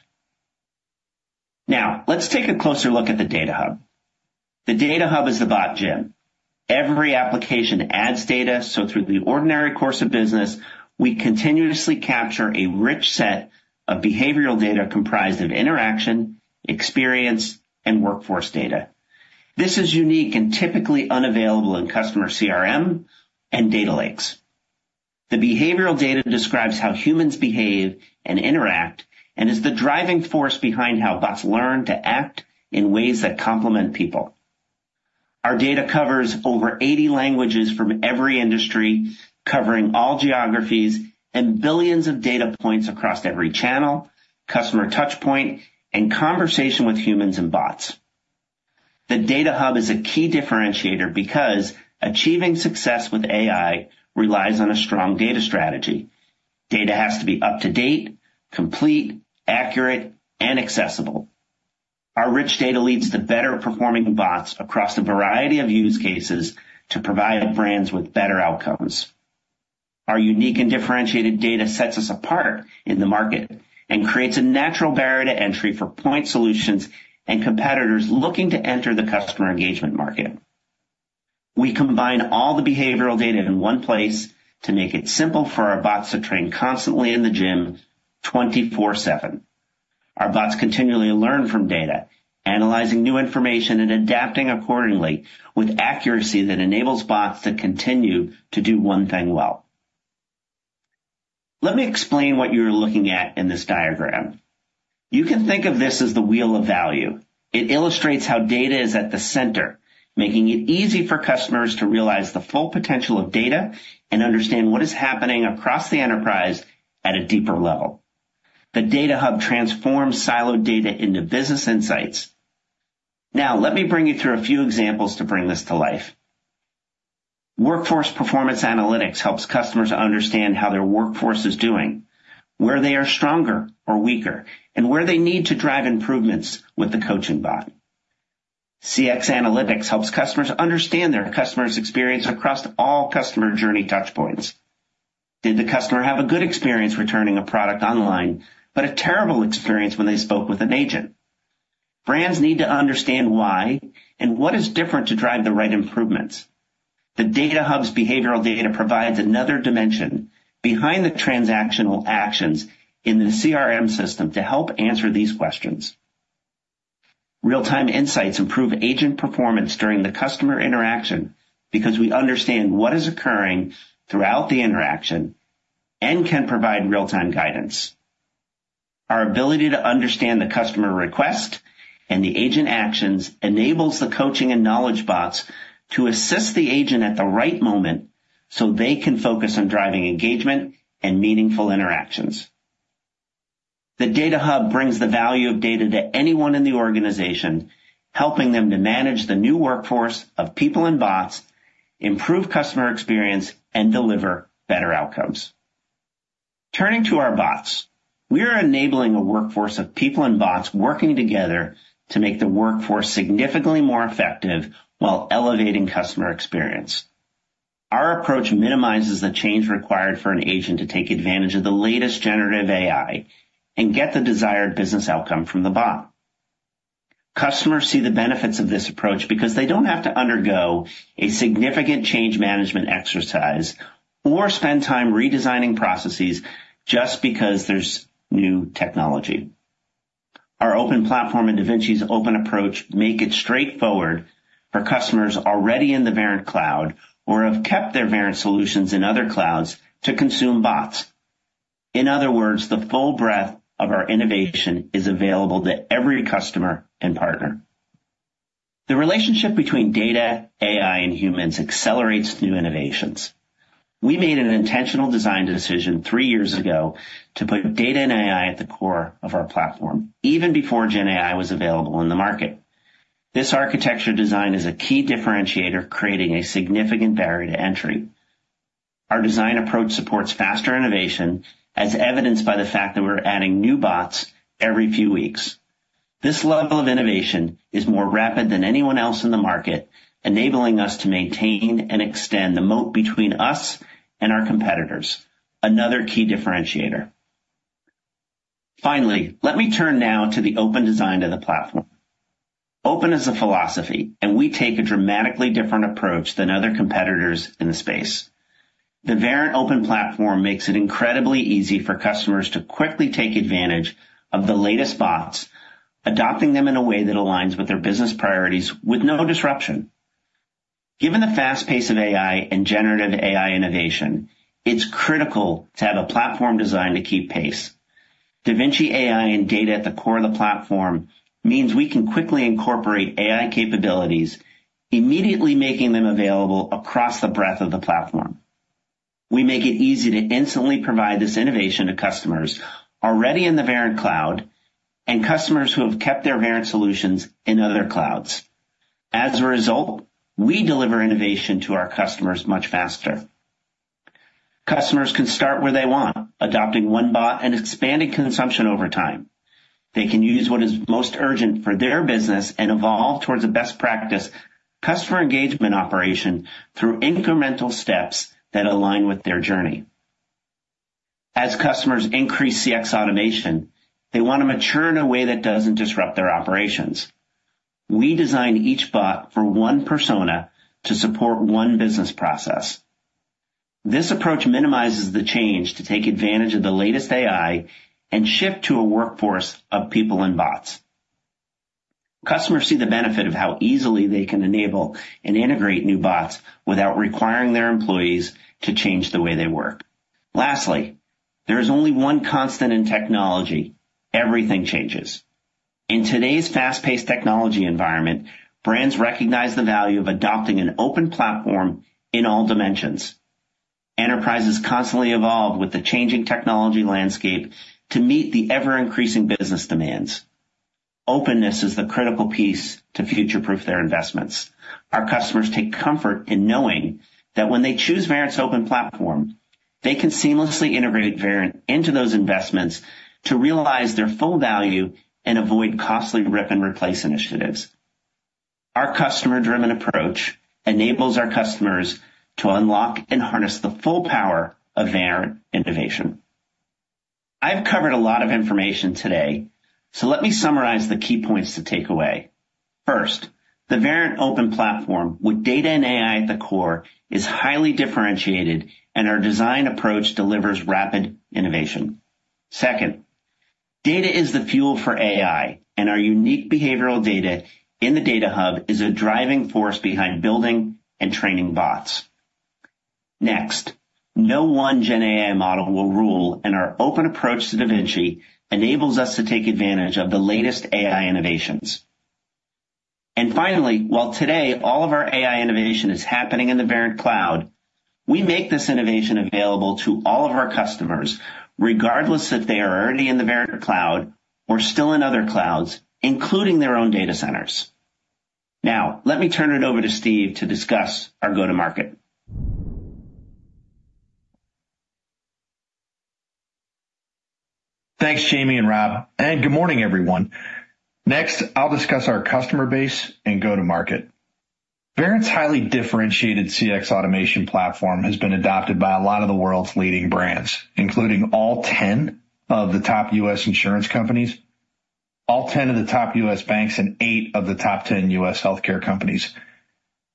Now, let's take a closer look at the Data Hub. The Data Hub is the bot gym. Every application adds data, so through the ordinary course of business, we continuously capture a rich set of behavioral data comprised of interaction, experience, and workforce data. This is unique and typically unavailable in customer CRM and data lakes. The behavioral data describes how humans behave and interact, and is the driving force behind how bots learn to act in ways that complement people. Our data covers over 80 languages from every industry, covering all geographies and billions of data points across every channel, customer touch point, and conversation with humans and bots. The Data Hub is a key differentiator because achieving success with AI relies on a strong data strategy. Data has to be up-to-date, complete, accurate, and accessible. Our rich data leads to better-performing bots across a variety of use cases to provide brands with better outcomes. Our unique and differentiated data sets us apart in the market and creates a natural barrier to entry for point solutions and competitors looking to enter the customer engagement market. We combine all the behavioral data in one place to make it simple for our bots to train constantly in the gym 24/7. Our bots continually learn from data, analyzing new information and adapting accordingly with accuracy that enables bots to continue to do one thing well. Let me explain what you're looking at in this diagram. You can think of this as the wheel of value. It illustrates how data is at the center, making it easy for customers to realize the full potential of data and understand what is happening across the enterprise at a deeper level. The Data Hub transforms siloed data into business insights. Now, let me bring you through a few examples to bring this to life. Workforce performance analytics helps customers understand how their workforce is doing, where they are stronger or weaker, and where they need to drive improvements with the Coaching Bot. CX analytics helps customers understand their customers' experience across all customer journey touchpoints. Did the customer have a good experience returning a product online, but a terrible experience when they spoke with an agent? Brands need to understand why and what is different to drive the right improvements. The Data Hub's behavioral data provides another dimension behind the transactional actions in the CRM system to help answer these questions. Real-time insights improve agent performance during the customer interaction because we understand what is occurring throughout the interaction and can provide real-time guidance. Our ability to understand the customer request and the agent actions enables the Coaching and Knowledge Bots to assist the agent at the right moment, so they can focus on driving engagement and meaningful interactions. The Data Hub brings the value of data to anyone in the organization, helping them to manage the new workforce of people and bots, improve customer experience, and deliver better outcomes. Turning to our bots, we are enabling a workforce of people and bots working together to make the workforce significantly more effective while elevating customer experience. Our approach minimizes the change required for an agent to take advantage of the latest generative AI and get the desired business outcome from the bot. Customers see the benefits of this approach because they don't have to undergo a significant change management exercise or spend time redesigning processes just because there's new technology. Our open platform and DaVinci's open approach make it straightforward for customers already in the Verint Cloud or have kept their Verint solutions in other clouds to consume bots. In other words, the full breadth of our innovation is available to every customer and partner. The relationship between data, AI, and humans accelerates new innovations. We made an intentional design decision three years ago to put data and AI at the core of our platform, even before GenAI was available in the market. This architecture design is a key differentiator, creating a significant barrier to entry. Our design approach supports faster innovation, as evidenced by the fact that we're adding new bots every few weeks... This level of innovation is more rapid than anyone else in the market, enabling us to maintain and extend the moat between us and our competitors, another key differentiator. Finally, let me turn now to the open design of the platform. Open is a philosophy, and we take a dramatically different approach than other competitors in the space. The Verint Open Platform makes it incredibly easy for customers to quickly take advantage of the latest bots, adopting them in a way that aligns with their business priorities with no disruption. Given the fast pace of AI and generative AI innovation, it's critical to have a platform designed to keep pace. DaVinci AI and data at the core of the platform means we can quickly incorporate AI capabilities, immediately making them available across the breadth of the platform. We make it easy to instantly provide this innovation to customers already in the Verint Cloud, and customers who have kept their Verint solutions in other clouds. As a result, we deliver innovation to our customers much faster. Customers can start where they want, adopting one bot and expanding consumption over time. They can use what is most urgent for their business and evolve towards a best practice customer engagement operation through incremental steps that align with their journey. As customers increase CX automation, they want to mature in a way that doesn't disrupt their operations. We design each bot for one persona to support one business process. This approach minimizes the change to take advantage of the latest AI and shift to a workforce of people and bots. Customers see the benefit of how easily they can enable and integrate new bots without requiring their employees to change the way they work. Lastly, there is only one constant in technology: everything changes. In today's fast-paced technology environment, brands recognize the value of adopting an open platform in all dimensions. Enterprises constantly evolve with the changing technology landscape to meet the ever-increasing business demands. Openness is the critical piece to future-proof their investments. Our customers take comfort in knowing that when they choose Verint's Open Platform, they can seamlessly integrate Verint into those investments to realize their full value and avoid costly rip-and-replace initiatives. Our customer-driven approach enables our customers to unlock and harness the full power of Verint innovation. I've covered a lot of information today, so let me summarize the key points to take away. First, the Verint Open Platform, with data and AI at the core, is highly differentiated, and our design approach delivers rapid innovation. Second, data is the fuel for AI, and our unique behavioral data in the Data Hub is a driving force behind building and training bots. Next, no one GenAI model will rule, and our open approach to DaVinci enables us to take advantage of the latest AI innovations. And finally, while today all of our AI innovation is happening in the Verint Cloud, we make this innovation available to all of our customers, regardless if they are already in the Verint Cloud or still in other clouds, including their own data centers. Now, let me turn it over to Steve to discuss our go-to-market.
Thanks, Jaime and Rob, and good morning, everyone. Next, I'll discuss our customer base and go to market. Verint's highly differentiated CX Automation Platform has been adopted by a lot of the world's leading brands, including all 10 of the top U.S. insurance companies, all 10 of the top U.S. banks, and eight of the top 10 U.S. healthcare companies.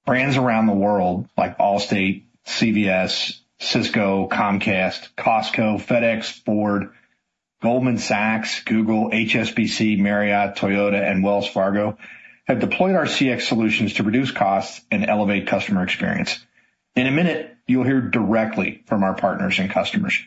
Brands around the world, like Allstate, CVS, Cisco, Comcast, Costco, FedEx, Ford, Goldman Sachs, Google, HSBC, Marriott, Toyota, and Wells Fargo, have deployed our CX solutions to reduce costs and elevate customer experience. In a minute, you'll hear directly from our partners and customers.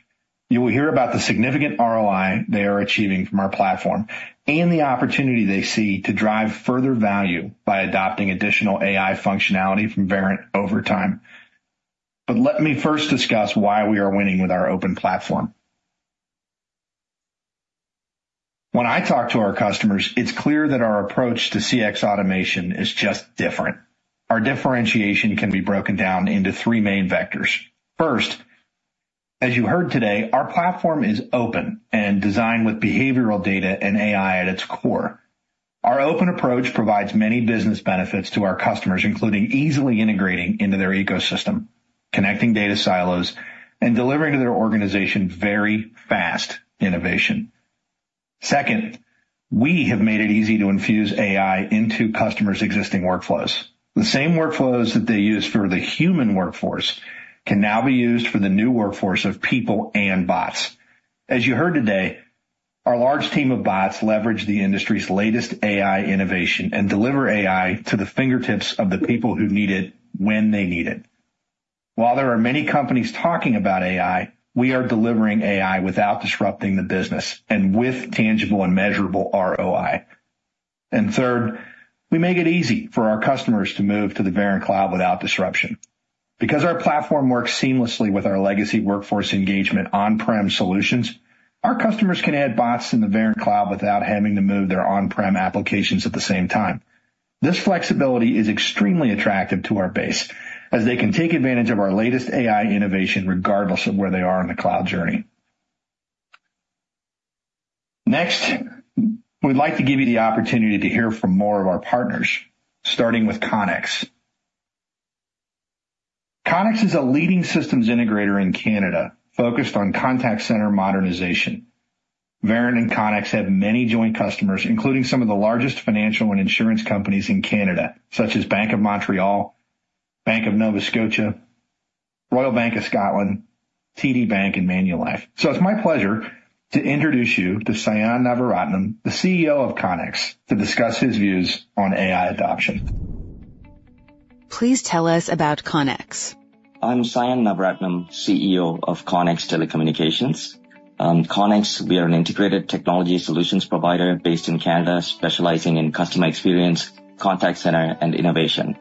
You will hear about the significant ROI they are achieving from our platform and the opportunity they see to drive further value by adopting additional AI functionality from Verint over time. But let me first discuss why we are winning with our Open Platform. When I talk to our customers, it's clear that our approach to CX automation is just different. Our differentiation can be broken down into three main vectors. First, as you heard today, our platform is open and designed with behavioral data and AI at its core. Our open approach provides many business benefits to our customers, including easily integrating into their ecosystem, connecting data silos, and delivering to their organization very fast innovation. Second, we have made it easy to infuse AI into customers' existing workflows. The same workflows that they use for the human workforce can now be used for the new workforce of people and bots. As you heard today, our large team of bots leverage the industry's latest AI innovation and deliver AI to the fingertips of the people who need it, when they need it. While there are many companies talking about AI, we are delivering AI without disrupting the business and with tangible and measurable ROI. Third, we make it easy for our customers to move to the Verint Cloud without disruption. Because our platform works seamlessly with our legacy workforce engagement on-prem solutions, our customers can add bots in the Verint Cloud without having to move their on-prem applications at the same time. This flexibility is extremely attractive to our base, as they can take advantage of our latest AI innovation regardless of where they are in the cloud journey. Next, we'd like to give you the opportunity to hear from more of our partners, starting with Connex. Connex is a leading systems integrator in Canada, focused on contact center modernization. Verint and Connex have many joint customers, including some of the largest financial and insurance companies in Canada, such as Bank of Montreal, Bank of Nova Scotia, Royal Bank of Canada, TD Bank, and Manulife. So it's my pleasure to introduce you to Sayan Navaratnam, the CEO of Connex, to discuss his views on AI adoption.
Please tell us about Connex?
I'm Sayan Navaratnam, CEO of Connex Telecommunications. Connex, we are an integrated technology solutions provider based in Canada, specializing in customer experience, contact center, and innovation.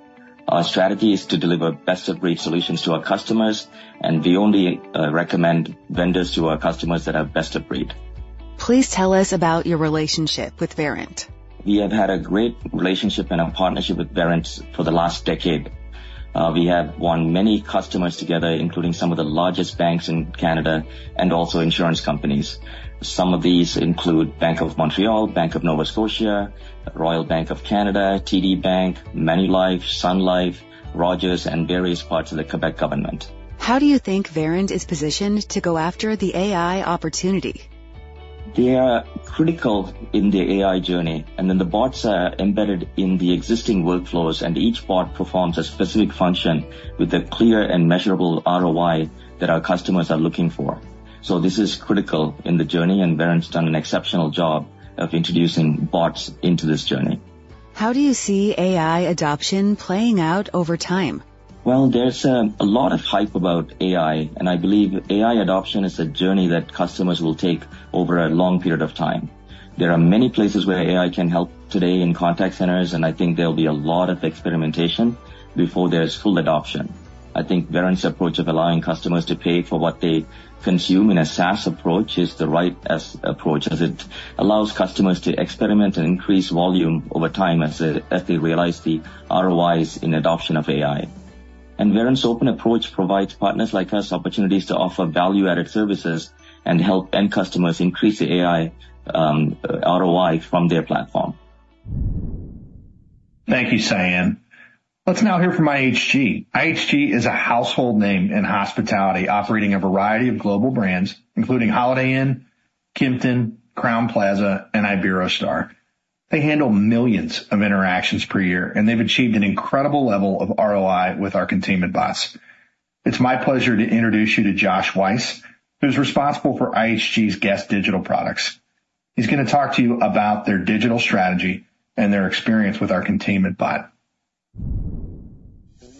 Our strategy is to deliver best-of-breed solutions to our customers, and we only recommend vendors to our customers that are best of breed.
Please tell us about your relationship with Verint.
We have had a great relationship and a partnership with Verint for the last decade. We have won many customers together, including some of the largest banks in Canada and also insurance companies. Some of these include Bank of Montreal, Bank of Nova Scotia, Royal Bank of Canada, TD Bank, Manulife, Sun Life, Rogers, and various parts of the Quebec government.
How do you think Verint is positioned to go after the AI opportunity?
They are critical in the AI journey, and then the bots are embedded in the existing workflows, and each bot performs a specific function with a clear and measurable ROI that our customers are looking for. So this is critical in the journey, and Verint's done an exceptional job of introducing bots into this journey.
How do you see AI adoption playing out over time?
Well, there's a lot of hype about AI, and I believe AI adoption is a journey that customers will take over a long period of time. There are many places where AI can help today in contact centers, and I think there'll be a lot of experimentation before there is full adoption. I think Verint's approach of allowing customers to pay for what they consume in a SaaS approach is the right approach, as it allows customers to experiment and increase volume over time as they realize the ROIs in adoption of AI. And Verint's open approach provides partners like us opportunities to offer value-added services and help end customers increase the AI ROI from their platform.
Thank you, Sayan. Let's now hear from IHG. IHG is a household name in hospitality, operating a variety of global brands, including Holiday Inn, Kimpton, Crowne Plaza, and Iberostar. They handle millions of interactions per year, and they've achieved an incredible level of ROI with our Containment Bots. It's my pleasure to introduce you to Josh Weiss, who's responsible for IHG's guest digital products. He's gonna talk to you about their digital strategy and their experience with our Containment Bot.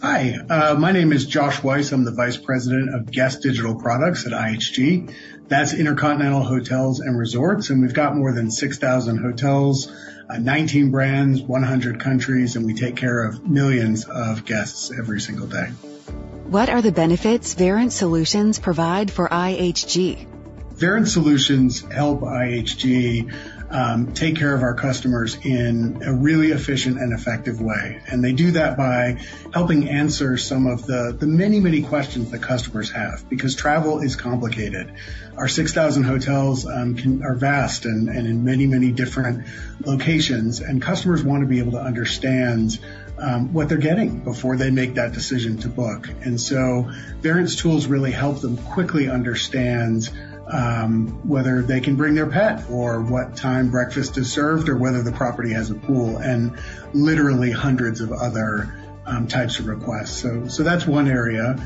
Hi! My name is Josh Weiss. I'm the Vice President of Guest Digital Products at IHG. That's InterContinental Hotels and Resorts, and we've got more than 6,000 hotels, 19 brands, 100 countries, and we take care of millions of guests every single day.
What are the benefits Verint solutions provide for IHG?
Verint solutions help IHG take care of our customers in a really efficient and effective way. They do that by helping answer some of the many, many questions that customers have, because travel is complicated. Our 6,000 hotels are vast and in many, many different locations, and customers want to be able to understand what they're getting before they make that decision to book. So Verint's tools really help them quickly understand whether they can bring their pet or what time breakfast is served or whether the property has a pool, and literally hundreds of other types of requests. So that's one area.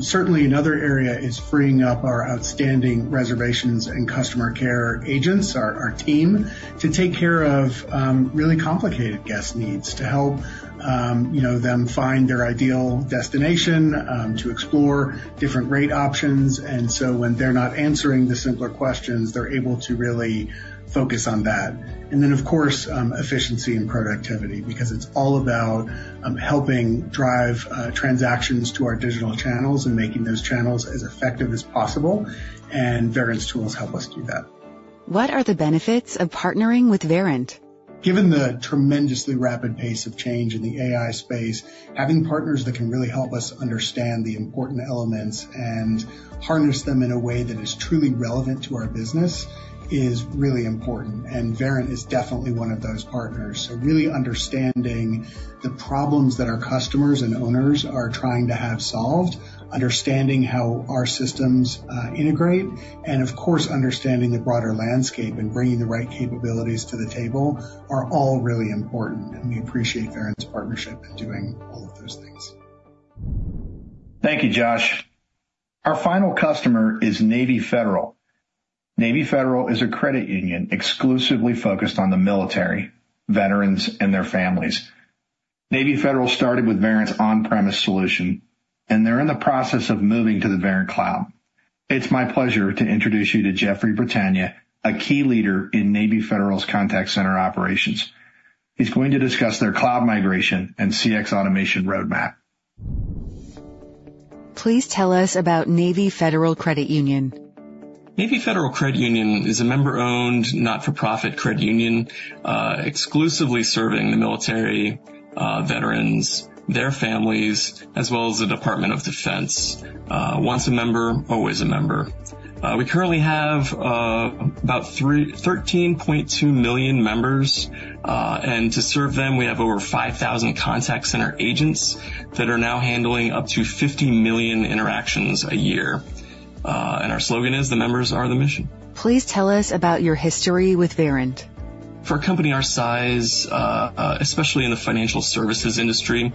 Certainly another area is freeing up our outstanding reservations and customer care agents, our team, to take care of really complicated guest needs. To help, you know, them find their ideal destination, to explore different rate options. So when they're not answering the simpler questions, they're able to really focus on that. Then, of course, efficiency and productivity, because it's all about helping drive transactions to our digital channels and making those channels as effective as possible, and Verint's tools help us do that.
What are the benefits of partnering with Verint?
Given the tremendously rapid pace of change in the AI space, having partners that can really help us understand the important elements and harness them in a way that is truly relevant to our business is really important, and Verint is definitely one of those partners. Really understanding the problems that our customers and owners are trying to have solved, understanding how our systems integrate, and of course, understanding the broader landscape and bringing the right capabilities to the table, are all really important, and we appreciate Verint's partnership in doing all of those things.
Thank you, Josh. Our final customer is Navy Federal. Navy Federal is a credit union exclusively focused on the military, veterans, and their families. Navy Federal started with Verint's on-premise solution, and they're in the process of moving to the Verint Cloud. It's my pleasure to introduce you to Jeffrey Brittain, a key leader in Navy Federal's contact center operations. He's going to discuss their cloud migration and CX automation roadmap....
Please tell us about Navy Federal Credit Union?
Navy Federal Credit Union is a member-owned, not-for-profit credit union, exclusively serving the military, veterans, their families, as well as the Department of Defense. Once a member, always a member. We currently have about 13.2 million members. And to serve them, we have over 5,000 contact center agents that are now handling up to 50 million interactions a year. And our slogan is: "The members are the mission.
Please tell us about your history with Verint.
For a company our size, especially in the financial services industry,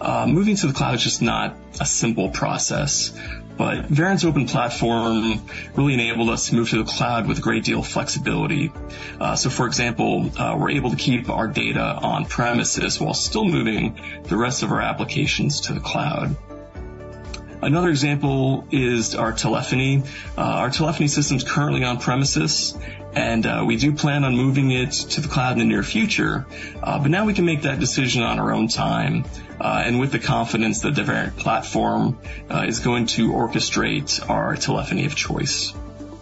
moving to the cloud is just not a simple process. But Verint's Open Platform really enabled us to move to the cloud with a great deal of flexibility. So for example, we're able to keep our data on premises while still moving the rest of our applications to the cloud. Another example is our telephony. Our telephony system's currently on premises, and we do plan on moving it to the cloud in the near future. But now we can make that decision on our own time, and with the confidence that the Verint platform is going to orchestrate our telephony of choice.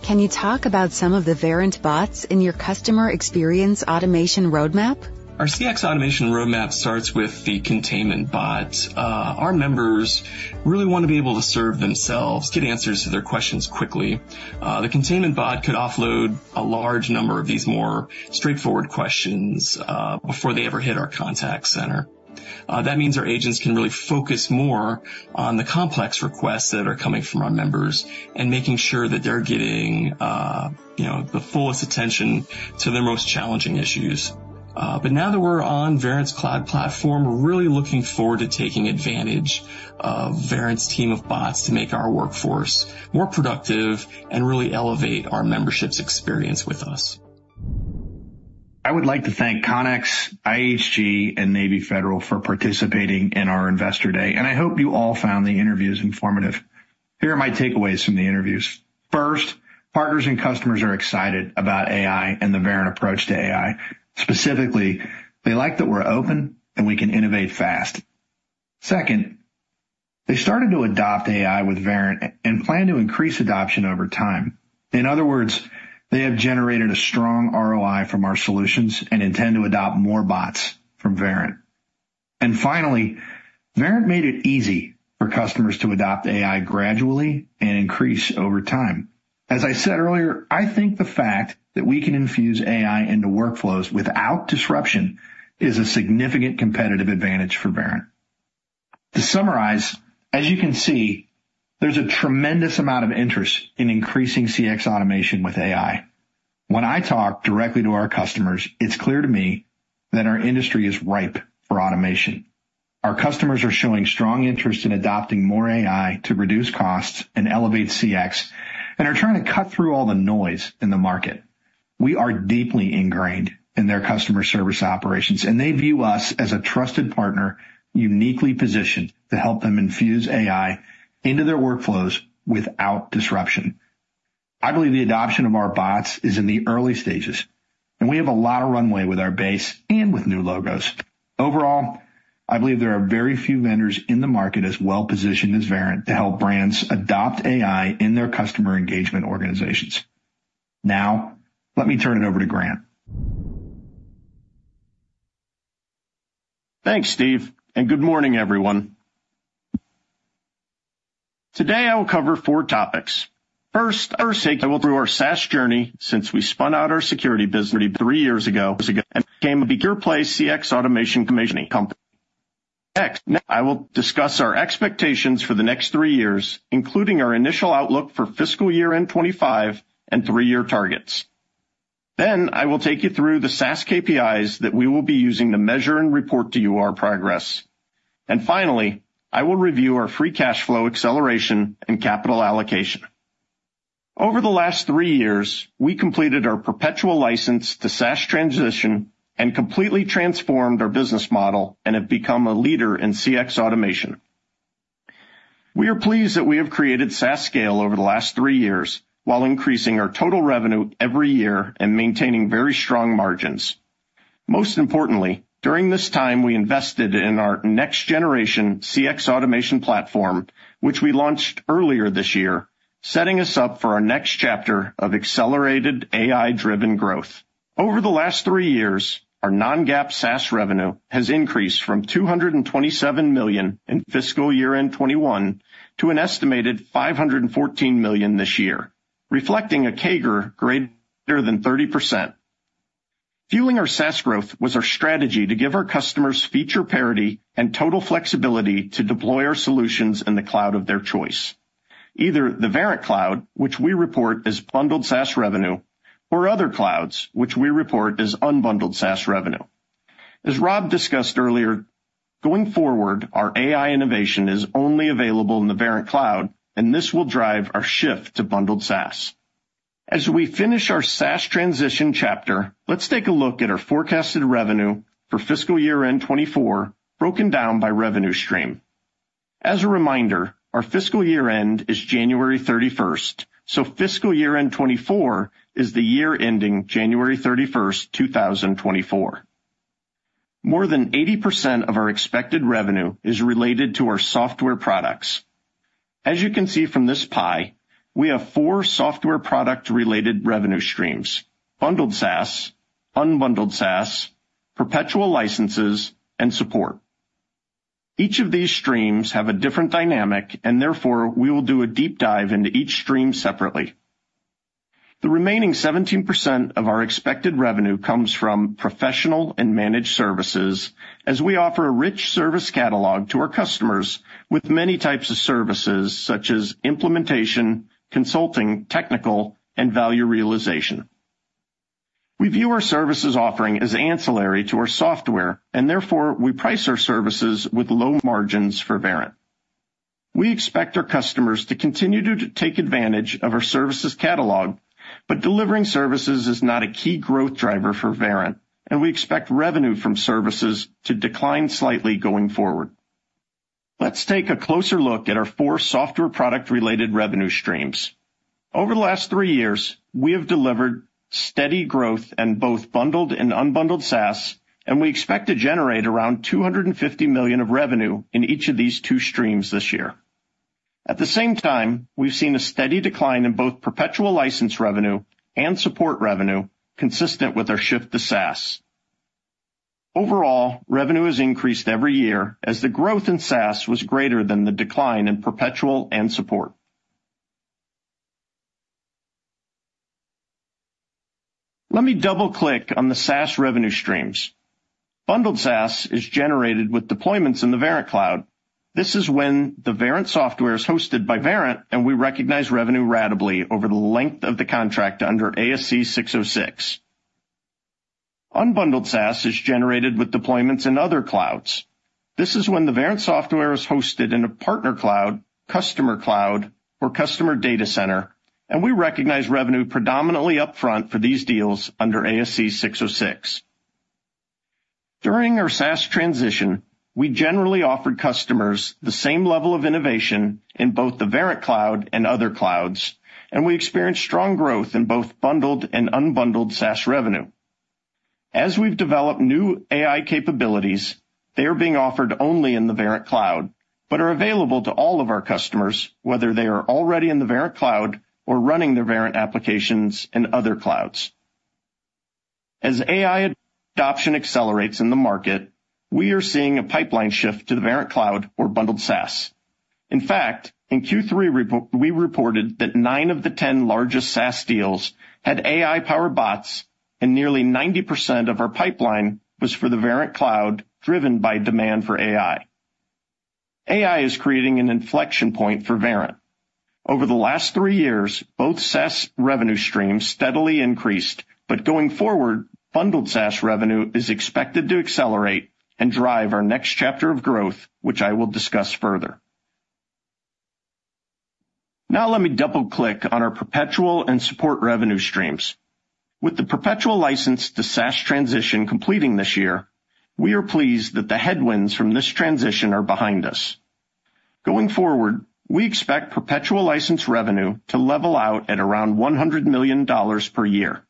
Can you talk about some of the Verint bots in your customer experience automation roadmap?
Our CX automation roadmap starts with the Containment Bot. Our members really want to be able to serve themselves, get answers to their questions quickly. The Containment Bot could offload a large number of these more straightforward questions, before they ever hit our contact center. That means our agents can really focus more on the complex requests that are coming from our members and making sure that they're getting, you know, the fullest attention to their most challenging issues. But now that we're on Verint's cloud platform, we're really looking forward to taking advantage of Verint's team of bots to make our workforce more productive and really elevate our membership's experience with us.
I would like to thank Connex, IHG, and Navy Federal for participating in our Investor Day, and I hope you all found the interviews informative. Here are my takeaways from the interviews. First, partners and customers are excited about AI and the Verint approach to AI. Specifically, they like that we're open and we can innovate fast. Second, they started to adopt AI with Verint and plan to increase adoption over time. In other words, they have generated a strong ROI from our solutions and intend to adopt more bots from Verint. Finally, Verint made it easy for customers to adopt AI gradually and increase over time. As I said earlier, I think the fact that we can infuse AI into workflows without disruption is a significant competitive advantage for Verint. To summarize, as you can see, there's a tremendous amount of interest in increasing CX automation with AI. When I talk directly to our customers, it's clear to me that our industry is ripe for automation. Our customers are showing strong interest in adopting more AI to reduce costs and elevate CX and are trying to cut through all the noise in the market. We are deeply ingrained in their customer service operations, and they view us as a trusted partner, uniquely positioned to help them infuse AI into their workflows without disruption. I believe the adoption of our bots is in the early stages, and we have a lot of runway with our base and with new logos. Overall, I believe there are very few vendors in the market as well-positioned as Verint to help brands adopt AI in their customer engagement organizations. Now, let me turn it over to Grant.
Thanks, Steve, and good morning, everyone. Today, I will cover four topics. First, I will take you through our SaaS journey since we spun out our security business three years ago and became a pure play CX automation company. Next, I will discuss our expectations for the next three years, including our initial outlook for fiscal year-end 2025 and three-year targets. Then I will take you through the SaaS KPIs that we will be using to measure and report to you our progress. And finally, I will review our free cash flow acceleration and capital allocation. Over the last three years, we completed our perpetual license to SaaS transition and completely transformed our business model and have become a leader in CX automation. We are pleased that we have created SaaS scale over the last three years while increasing our total revenue every year and maintaining very strong margins. Most importantly, during this time, we invested in our next generation CX automation platform, which we launched earlier this year, setting us up for our next chapter of accelerated AI-driven growth. Over the last three years, our non-GAAP SaaS revenue has increased from $227 million in fiscal year-end 2021 to an estimated $514 million this year, reflecting a CAGR greater than 30%. Fueling our SaaS growth was our strategy to give our customers feature parity and total flexibility to deploy our solutions in the cloud of their choice. Either the Verint Cloud, which we report as bundled SaaS revenue, or other clouds, which we report as unbundled SaaS revenue. As Rob discussed earlier, going forward, our AI innovation is only available in the Verint Cloud, and this will drive our shift to bundled SaaS. As we finish our SaaS transition chapter, let's take a look at our forecasted revenue for fiscal year end 2024, broken down by revenue stream. As a reminder, our fiscal year end is January thirty-first, so fiscal year end 2024 is the year ending January thirty-first, 2024. More than 80% of our expected revenue is related to our software products. As you can see from this pie, we have four software product-related revenue streams: bundled SaaS, unbundled SaaS, perpetual licenses, and support. Each of these streams have a different dynamic, and therefore, we will do a deep dive into each stream separately. The remaining 17% of our expected revenue comes from professional and managed services, as we offer a rich service catalog to our customers with many types of services, such as implementation, consulting, technical, and value realization. We view our services offering as ancillary to our software, and therefore we price our services with low margins for Verint. We expect our customers to continue to take advantage of our services catalog, but delivering services is not a key growth driver for Verint, and we expect revenue from services to decline slightly going forward. Let's take a closer look at our 4 software product-related revenue streams. Over the last 3 years, we have delivered steady growth in both bundled and unbundled SaaS, and we expect to generate around $250 million of revenue in each of these two streams this year. At the same time, we've seen a steady decline in both perpetual license revenue and support revenue, consistent with our shift to SaaS. Overall, revenue has increased every year as the growth in SaaS was greater than the decline in perpetual and support. Let me double-click on the SaaS revenue streams. Bundled SaaS is generated with deployments in the Verint Cloud. This is when the Verint software is hosted by Verint, and we recognize revenue ratably over the length of the contract under ASC 606. Unbundled SaaS is generated with deployments in other clouds. This is when the Verint software is hosted in a partner cloud, customer cloud, or customer data center, and we recognize revenue predominantly upfront for these deals under ASC 606. During our SaaS transition, we generally offered customers the same level of innovation in both the Verint Cloud and other clouds, and we experienced strong growth in both bundled and unbundled SaaS revenue. As we've developed new AI capabilities, they are being offered only in the Verint Cloud, but are available to all of our customers, whether they are already in the Verint Cloud or running their Verint applications in other clouds. As AI adoption accelerates in the market, we are seeing a pipeline shift to the Verint Cloud or bundled SaaS. In fact, in Q3, we reported that nine of the 10 largest SaaS deals had AI-powered bots, and nearly 90% of our pipeline was for the Verint Cloud, driven by demand for AI. AI is creating an inflection point for Verint. Over the last three years, both SaaS revenue streams steadily increased, but going forward, bundled SaaS revenue is expected to accelerate and drive our next chapter of growth, which I will discuss further. Now, let me double-click on our perpetual and support revenue streams. With the perpetual license to SaaS transition completing this year, we are pleased that the headwinds from this transition are behind us. Going forward, we expect perpetual license revenue to level out at around $100 million per year.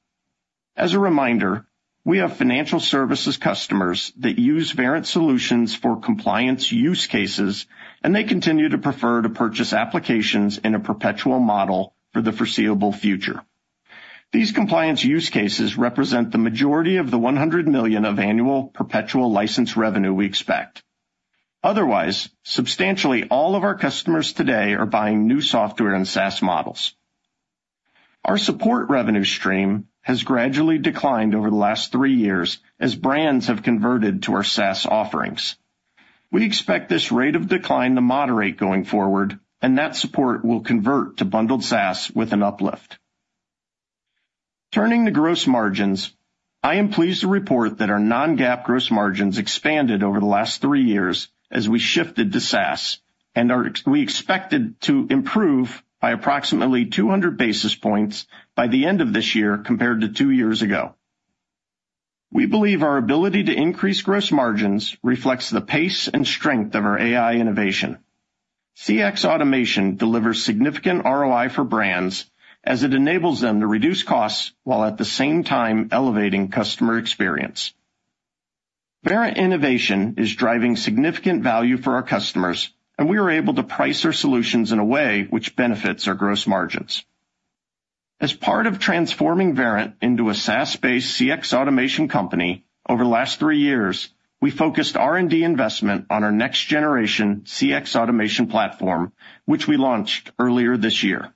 As a reminder, we have financial services customers that use Verint solutions for compliance use cases, and they continue to prefer to purchase applications in a perpetual model for the foreseeable future. These compliance use cases represent the majority of the $100 million of annual perpetual license revenue we expect. Otherwise, substantially all of our customers today are buying new software in SaaS models. Our support revenue stream has gradually declined over the last three years as brands have converted to our SaaS offerings. We expect this rate of decline to moderate going forward, and that support will convert to bundled SaaS with an uplift. Turning to gross margins, I am pleased to report that our non-GAAP gross margins expanded over the last three years as we shifted to SaaS and are expected to improve by approximately 200 basis points by the end of this year compared to two years ago. We believe our ability to increase gross margins reflects the pace and strength of our AI innovation. CX automation delivers significant ROI for brands as it enables them to reduce costs while at the same time elevating customer experience. Verint innovation is driving significant value for our customers, and we are able to price our solutions in a way which benefits our gross margins. As part of transforming Verint into a SaaS-based CX automation company, over the last three years, we focused R&D investment on our next generation CX automation platform, which we launched earlier this year.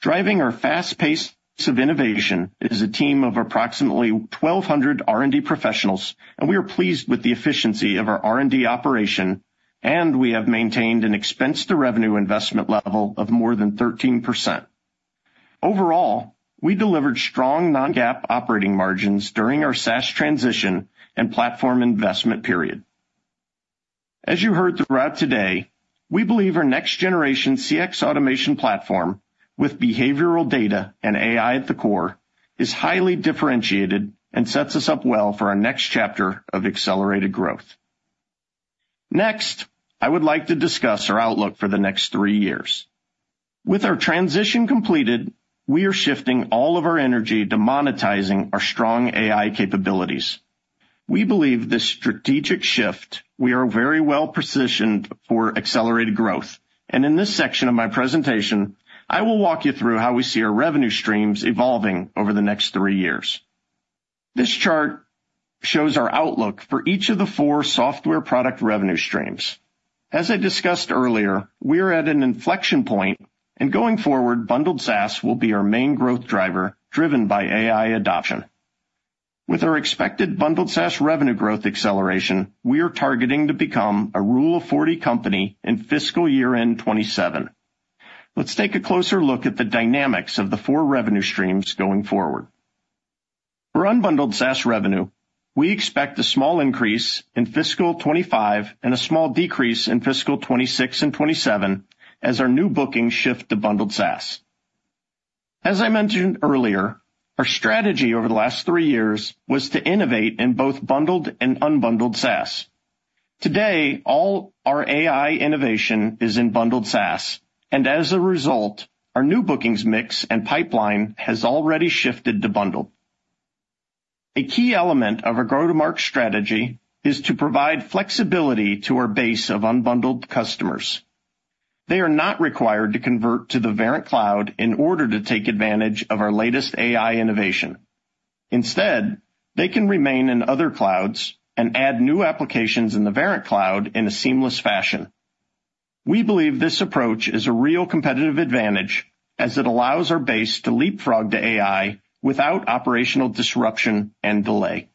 Driving our fast pace of innovation is a team of approximately 1,200 R&D professionals, and we are pleased with the efficiency of our R&D operation, and we have maintained an expense to revenue investment level of more than 13%. Overall, we delivered strong non-GAAP operating margins during our SaaS transition and platform investment period. As you heard throughout today, we believe our next generation CX automation platform, with behavioral data and AI at the core, is highly differentiated and sets us up well for our next chapter of accelerated growth. Next, I would like to discuss our outlook for the next three years. With our transition completed, we are shifting all of our energy to monetizing our strong AI capabilities. We believe this strategic shift. We are very well positioned for accelerated growth. In this section of my presentation, I will walk you through how we see our revenue streams evolving over the next three years. This chart shows our outlook for each of the four software product revenue streams. As I discussed earlier, we are at an inflection point, and going forward, bundled SaaS will be our main growth driver, driven by AI adoption. With our expected bundled SaaS revenue growth acceleration, we are targeting to become a Rule of 40 company in fiscal year-end 2027. Let's take a closer look at the dynamics of the four revenue streams going forward. For unbundled SaaS revenue, we expect a small increase in fiscal 2025 and a small decrease in fiscal 2026 and 2027 as our new bookings shift to bundled SaaS. As I mentioned earlier, our strategy over the last three years was to innovate in both bundled and unbundled SaaS. Today, all our AI innovation is in Bundled SaaS, and as a result, our new bookings mix and pipeline has already shifted to bundled. A key element of our go-to-market strategy is to provide flexibility to our base of unbundled customers. They are not required to convert to the Verint Cloud in order to take advantage of our latest AI innovation. Instead, they can remain in other clouds and add new applications in the Verint Cloud in a seamless fashion. We believe this approach is a real competitive advantage as it allows our base to leapfrog to AI without operational disruption and delay.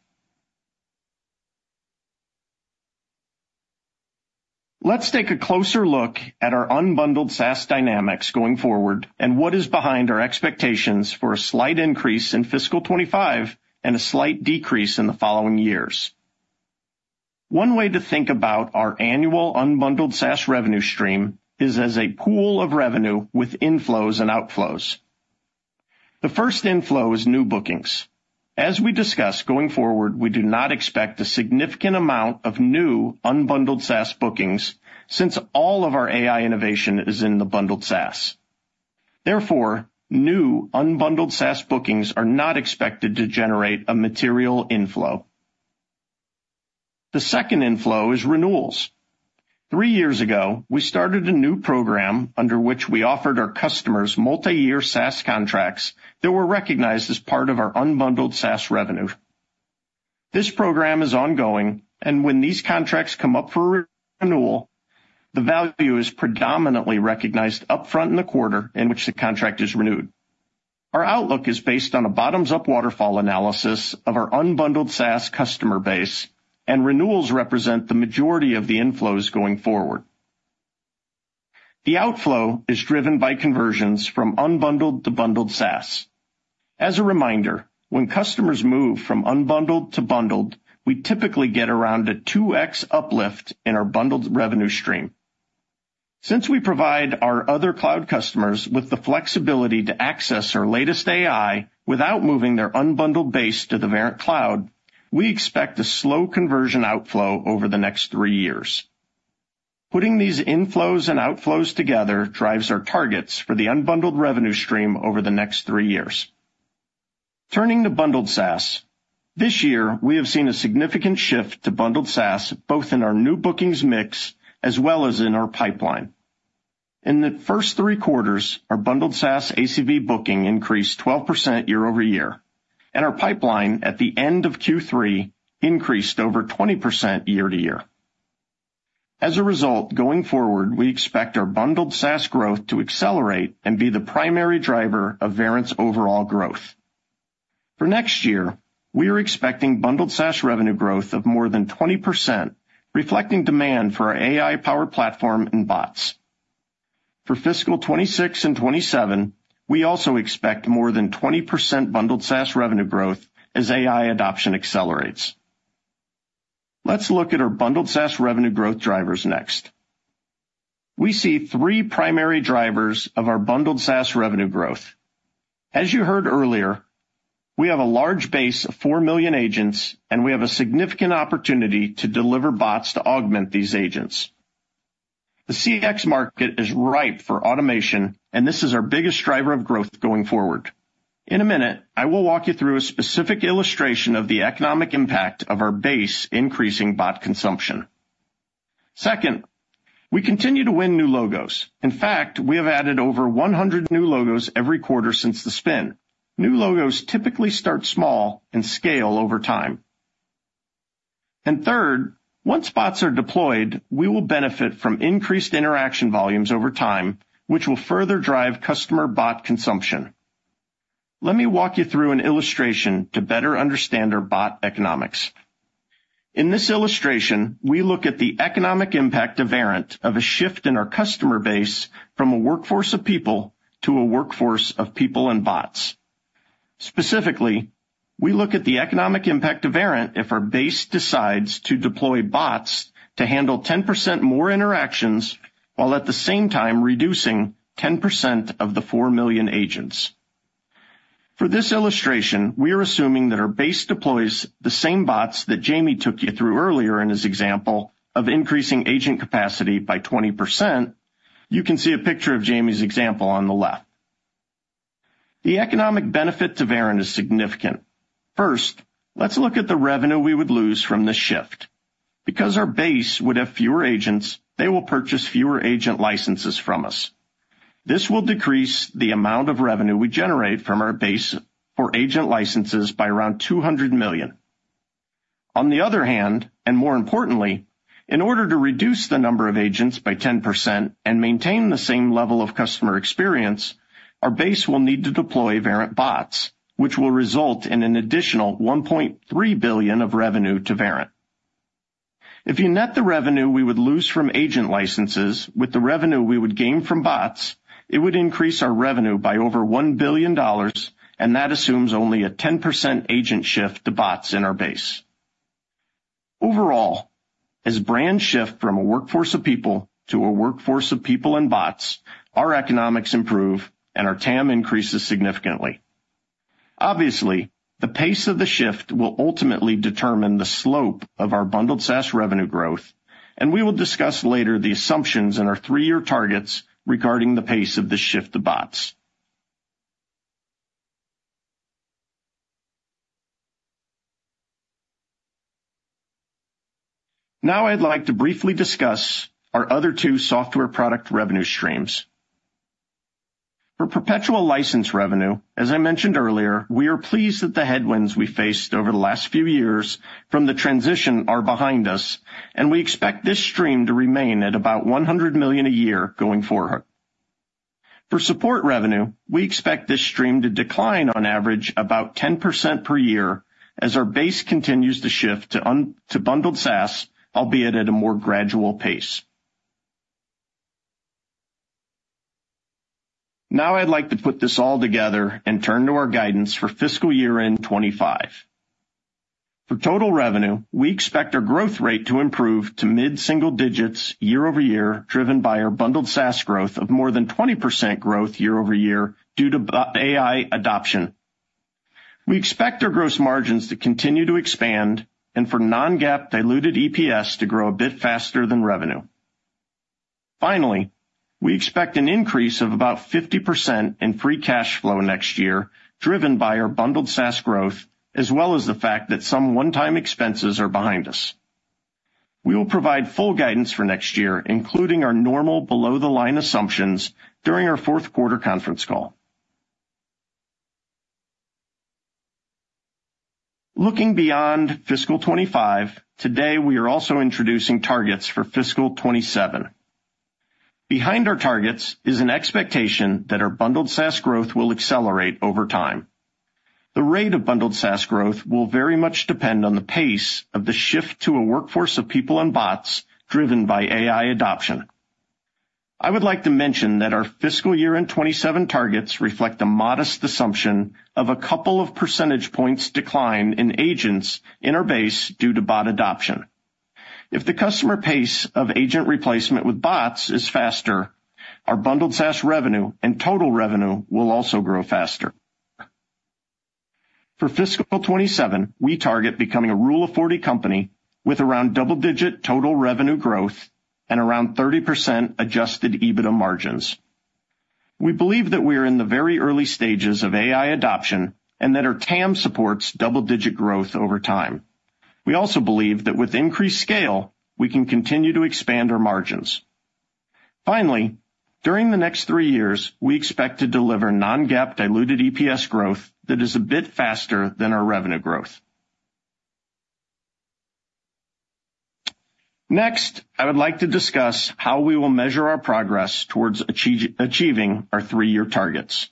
Let's take a closer look at our Unbundled SaaS dynamics going forward and what is behind our expectations for a slight increase in fiscal 2025 and a slight decrease in the following years. One way to think about our annual unbundled SaaS revenue stream is as a pool of revenue with inflows and outflows. The first inflow is new bookings. As we discuss going forward, we do not expect a significant amount of new unbundled SaaS bookings since all of our AI innovation is in the bundled SaaS. Therefore, new unbundled SaaS bookings are not expected to generate a material inflow. The second inflow is renewals. Three years ago, we started a new program under which we offered our customers multi-year SaaS contracts that were recognized as part of our unbundled SaaS revenue. This program is ongoing, and when these contracts come up for renewal, the value is predominantly recognized upfront in the quarter in which the contract is renewed. Our outlook is based on a bottoms-up waterfall analysis of our unbundled SaaS customer base, and renewals represent the majority of the inflows going forward. The outflow is driven by conversions from unbundled to bundled SaaS. As a reminder, when customers move from unbundled to bundled, we typically get around a 2 times uplift in our bundled revenue stream. Since we provide our other cloud customers with the flexibility to access our latest AI without moving their unbundled base to the Verint Cloud, we expect a slow conversion outflow over the next three years. Putting these inflows and outflows together drives our targets for the unbundled revenue stream over the next three years. Turning to bundled SaaS, this year we have seen a significant shift to bundled SaaS, both in our new bookings mix as well as in our pipeline. In the first three quarters, our bundled SaaS ACV booking increased 12% year-over-year, and our pipeline at the end of Q3 increased over 20% year-over-year. As a result, going forward, we expect our bundled SaaS growth to accelerate and be the primary driver of Verint's overall growth. For next year, we are expecting bundled SaaS revenue growth of more than 20%, reflecting demand for our AI-powered platform and bots. For fiscal 2026 and 2027, we also expect more than 20% bundled SaaS revenue growth as AI adoption accelerates. Let's look at our bundled SaaS revenue growth drivers next. We see three primary drivers of our bundled SaaS revenue growth. As you heard earlier, we have a large base of 4 million agents, and we have a significant opportunity to deliver bots to augment these agents. The CX market is ripe for automation, and this is our biggest driver of growth going forward. In a minute, I will walk you through a specific illustration of the economic impact of our base increasing bot consumption. Second, we continue to win new logos. In fact, we have added over 100 new logos every quarter since the spin. New logos typically start small and scale over time. And third, once bots are deployed, we will benefit from increased interaction volumes over time, which will further drive customer bot consumption. Let me walk you through an illustration to better understand our bot economics. In this illustration, we look at the economic impact of Verint, of a shift in our customer base from a workforce of people to a workforce of people and bots. Specifically, we look at the economic impact of Verint if our base decides to deploy bots to handle 10% more interactions, while at the same time reducing 10% of the 4 million agents. For this illustration, we are assuming that our base deploys the same bots that Jaime took you through earlier in his example of increasing agent capacity by 20%. You can see a picture of Jaimie's example on the left. The economic benefit to Verint is significant. First, let's look at the revenue we would lose from this shift. Because our base would have fewer agents, they will purchase fewer agent licenses from us. This will decrease the amount of revenue we generate from our base for agent licenses by around $200 million. On the other hand, and more importantly, in order to reduce the number of agents by 10% and maintain the same level of customer experience, our base will need to deploy Verint bots, which will result in an additional $1.3 billion of revenue to Verint. If you net the revenue we would lose from agent licenses with the revenue we would gain from bots, it would increase our revenue by over $1 billion, and that assumes only a 10% agent shift to bots in our base. Overall, as brands shift from a workforce of people to a workforce of people and bots, our economics improve and our TAM increases significantly. Obviously, the pace of the shift will ultimately determine the slope of our bundled SaaS revenue growth, and we will discuss later the assumptions in our three-year targets regarding the pace of the shift to bots. Now I'd like to briefly discuss our other two software product revenue streams. For perpetual license revenue, as I mentioned earlier, we are pleased that the headwinds we faced over the last few years from the transition are behind us, and we expect this stream to remain at about $100 million a year going forward. For support revenue, we expect this stream to decline on average about 10% per year as our base continues to shift to unbundled SaaS, albeit at a more gradual pace. Now I'd like to put this all together and turn to our guidance for fiscal year-end 2025. For total revenue, we expect our growth rate to improve to mid-single digits year-over-year, driven by our Bundled SaaS growth of more than 20% year-over-year due to AI adoption. We expect our gross margins to continue to expand and for non-GAAP diluted EPS to grow a bit faster than revenue. Finally, we expect an increase of about 50% in free cash flow next year, driven by our Bundled SaaS growth, as well as the fact that some one-time expenses are behind us. We will provide full guidance for next year, including our normal below-the-line assumptions, during our fourth quarter conference call. Looking beyond fiscal 2025, today we are also introducing targets for fiscal 2027. Behind our targets is an expectation that our Bundled SaaS growth will accelerate over time. The rate of bundled SaaS growth will very much depend on the pace of the shift to a workforce of people and bots, driven by AI adoption. I would like to mention that our fiscal 2027 targets reflect a modest assumption of a couple of percentage points decline in agents in our base due to bot adoption. If the customer pace of agent replacement with bots is faster, our bundled SaaS revenue and total revenue will also grow faster. For fiscal 2027, we target becoming a Rule of 40 company with around double-digit total revenue growth and around 30% adjusted EBITDA margins. We believe that we are in the very early stages of AI adoption and that our TAM supports double-digit growth over time. We also believe that with increased scale, we can continue to expand our margins. Finally, during the next three years, we expect to deliver Non-GAAP diluted EPS growth that is a bit faster than our revenue growth. Next, I would like to discuss how we will measure our progress towards achieving our three-year targets.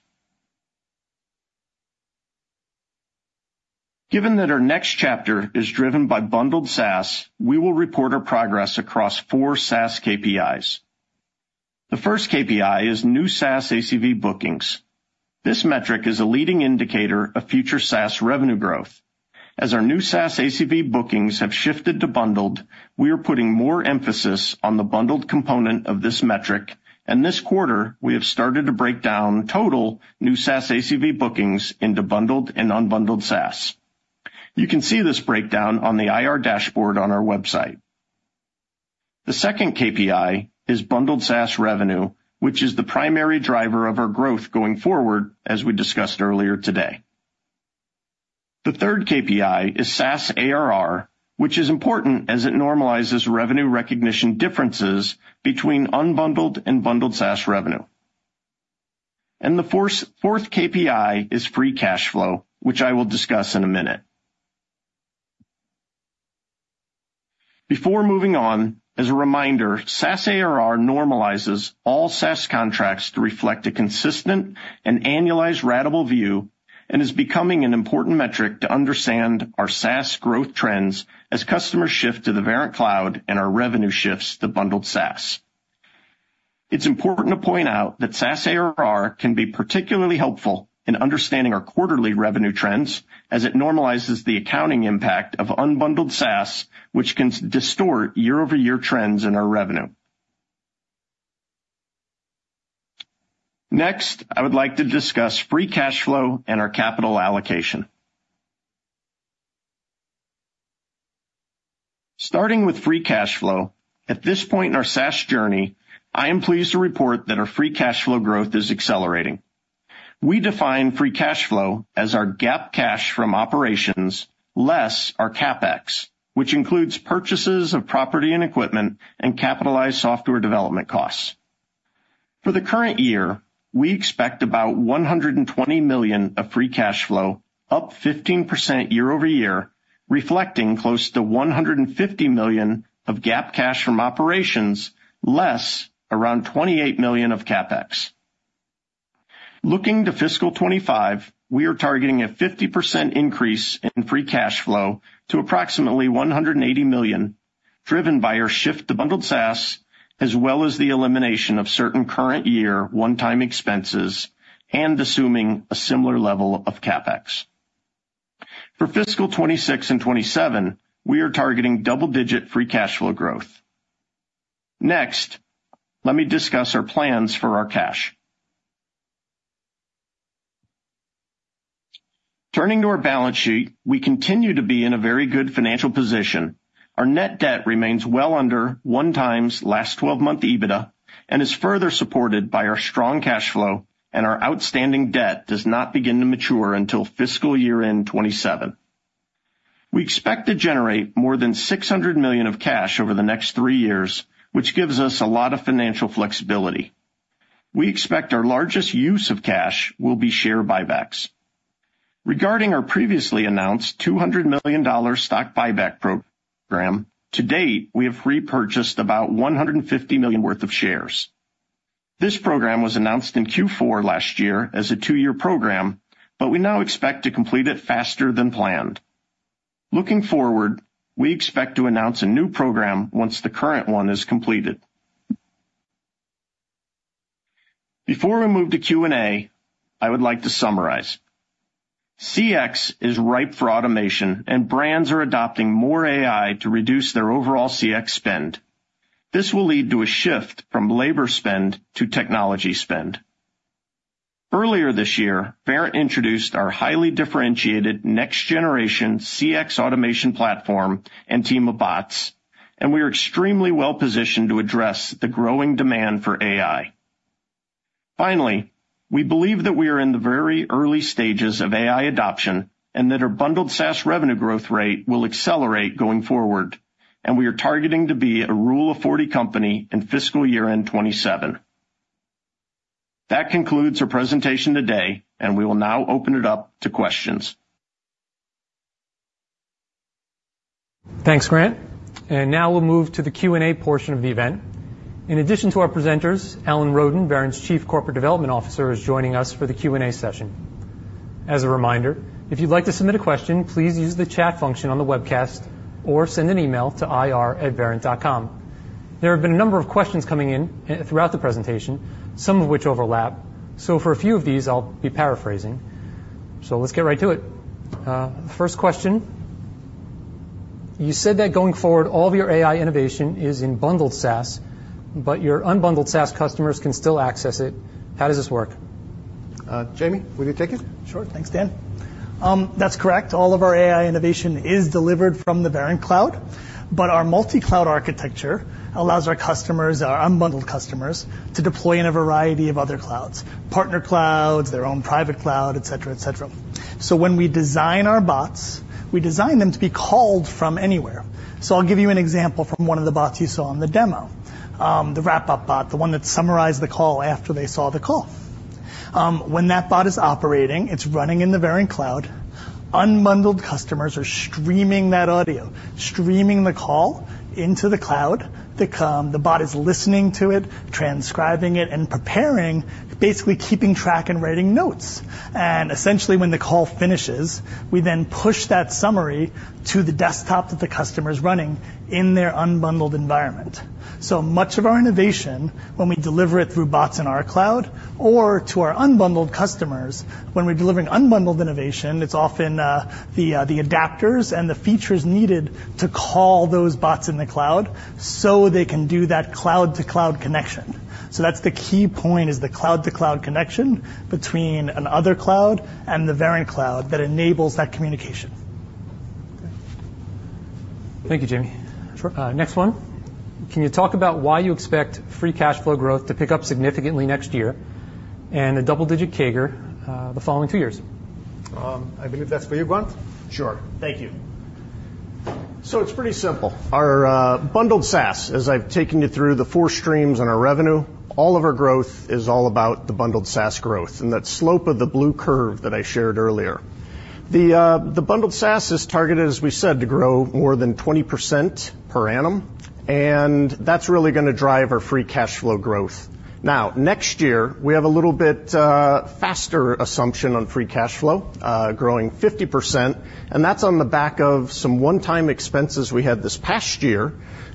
Given that our next chapter is driven by bundled SaaS, we will report our progress across four SaaS KPIs. The first KPI is new SaaS ACV bookings. This metric is a leading indicator of future SaaS revenue growth. As our new SaaS ACV bookings have shifted to bundled, we are putting more emphasis on the bundled component of this metric, and this quarter, we have started to break down total new SaaS ACV bookings into bundled and unbundled SaaS. You can see this breakdown on the IR dashboard on our website. The second KPI is bundled SaaS revenue, which is the primary driver of our growth going forward, as we discussed earlier today. The third KPI is SaaS ARR, which is important as it normalizes revenue recognition differences between unbundled and bundled SaaS revenue. The fourth KPI is free cash flow, which I will discuss in a minute. Before moving on, as a reminder, SaaS ARR normalizes all SaaS contracts to reflect a consistent and annualized ratable view and is becoming an important metric to understand our SaaS growth trends as customers shift to the Verint Cloud and our revenue shifts to bundled SaaS. It's important to point out that SaaS ARR can be particularly helpful in understanding our quarterly revenue trends as it normalizes the accounting impact of unbundled SaaS, which can distort year-over-year trends in our revenue. Next, I would like to discuss free cash flow and our capital allocation. Starting with free cash flow, at this point in our SaaS journey, I am pleased to report that our free cash flow growth is accelerating. We define free cash flow as our GAAP cash from operations, less our CapEx, which includes purchases of property and equipment and capitalized software development costs. For the current year, we expect about $120 million of free cash flow, up 15% year-over-year, reflecting close to $150 million of GAAP cash from operations, less around $28 million of CapEx. Looking to fiscal 2025, we are targeting a 50% increase in free cash flow to approximately $180 million, driven by our shift to bundled SaaS, as well as the elimination of certain current year one-time expenses and assuming a similar level of CapEx. For fiscal 2026 and 2027, we are targeting double-digit free cash flow growth. Next, let me discuss our plans for our cash. Turning to our balance sheet, we continue to be in a very good financial position. Our net debt remains well under 1 times last 12-month EBITDA and is further supported by our strong cash flow, and our outstanding debt does not begin to mature until fiscal year-end 2027. We expect to generate more than $600 million of cash over the next three years, which gives us a lot of financial flexibility. We expect our largest use of cash will be share buybacks. Regarding our previously announced $200 million stock buyback program, to date, we have repurchased about $150 million worth of shares. This program was announced in Q4 last year as a 2-year program, but we now expect to complete it faster than planned. Looking forward, we expect to announce a new program once the current one is completed. Before we move to Q&A, I would like to summarize. CX is ripe for automation, and brands are adopting more AI to reduce their overall CX spend. This will lead to a shift from labor spend to technology spend. Earlier this year, Verint introduced our highly differentiated next-generation CX automation platform and team of bots, and we are extremely well positioned to address the growing demand for AI. Finally, we believe that we are in the very early stages of AI adoption and that our bundled SaaS revenue growth rate will accelerate going forward, and we are targeting to be a Rule of 40 company in fiscal year-end 2027. That concludes our presentation today, and we will now open it up to questions.
Thanks, Grant. And now we'll move to the Q&A portion of the event. In addition to our presenters, Alan Roden, Verint's Chief Corporate Development Officer, is joining us for the Q&A session. As a reminder, if you'd like to submit a question, please use the chat function on the webcast or send an email to ir@verint.com. There have been a number of questions coming in throughout the presentation, some of which overlap. So for a few of these, I'll be paraphrasing. So let's get right to it. The first question: You said that going forward, all of your AI innovation is in bundled SaaS, but your unbundled SaaS customers can still access it. How does this work?
Jaime, will you take it?
Sure. Thanks, Dan. That's correct. All of our AI innovation is delivered from the Verint Cloud, but our multi-cloud architecture allows our customers, our unbundled customers, to deploy in a variety of other clouds, partner clouds, their own private cloud, et cetera, et cetera. So when we design our bots, we design them to be called from anywhere. So I'll give you an example from one of the bots you saw on the demo. The wrap-up bot, the one that summarized the call after they saw the call. When that bot is operating, it's running in the Verint Cloud. Unbundled customers are streaming that audio, streaming the call into the cloud. The bot is listening to it, transcribing it, and preparing, basically keeping track and writing notes. Essentially, when the call finishes, we then push that summary to the desktop that the customer is running in their unbundled environment. So much of our innovation when we deliver it through bots in our cloud or to our unbundled customers, when we're delivering unbundled innovation, it's often the adapters and the features needed to call those bots in the cloud so they can do that cloud-to-cloud connection. So that's the key point, is the cloud-to-cloud connection between another cloud and the Verint Cloud that enables that communication.
Thank you, Jaime. Next one. Can you talk about why you expect free cash flow growth to pick up significantly next year and a double-digit CAGR, the following two years?
I believe that's for you, Grant.
Sure. Thank you. So it's pretty simple. Our bundled SaaS, as I've taken you through the 4 streams on our revenue, all of our growth is all about the bundled SaaS growth and that slope of the blue curve that I shared earlier. The bundled SaaS is targeted, as we said, to grow more than 20% per annum, and that's really gonna drive our free cash flow growth. Now, next year, we have a little bit faster assumption on free cash flow growing 50%, and that's on the back of some one-time expenses we had this past year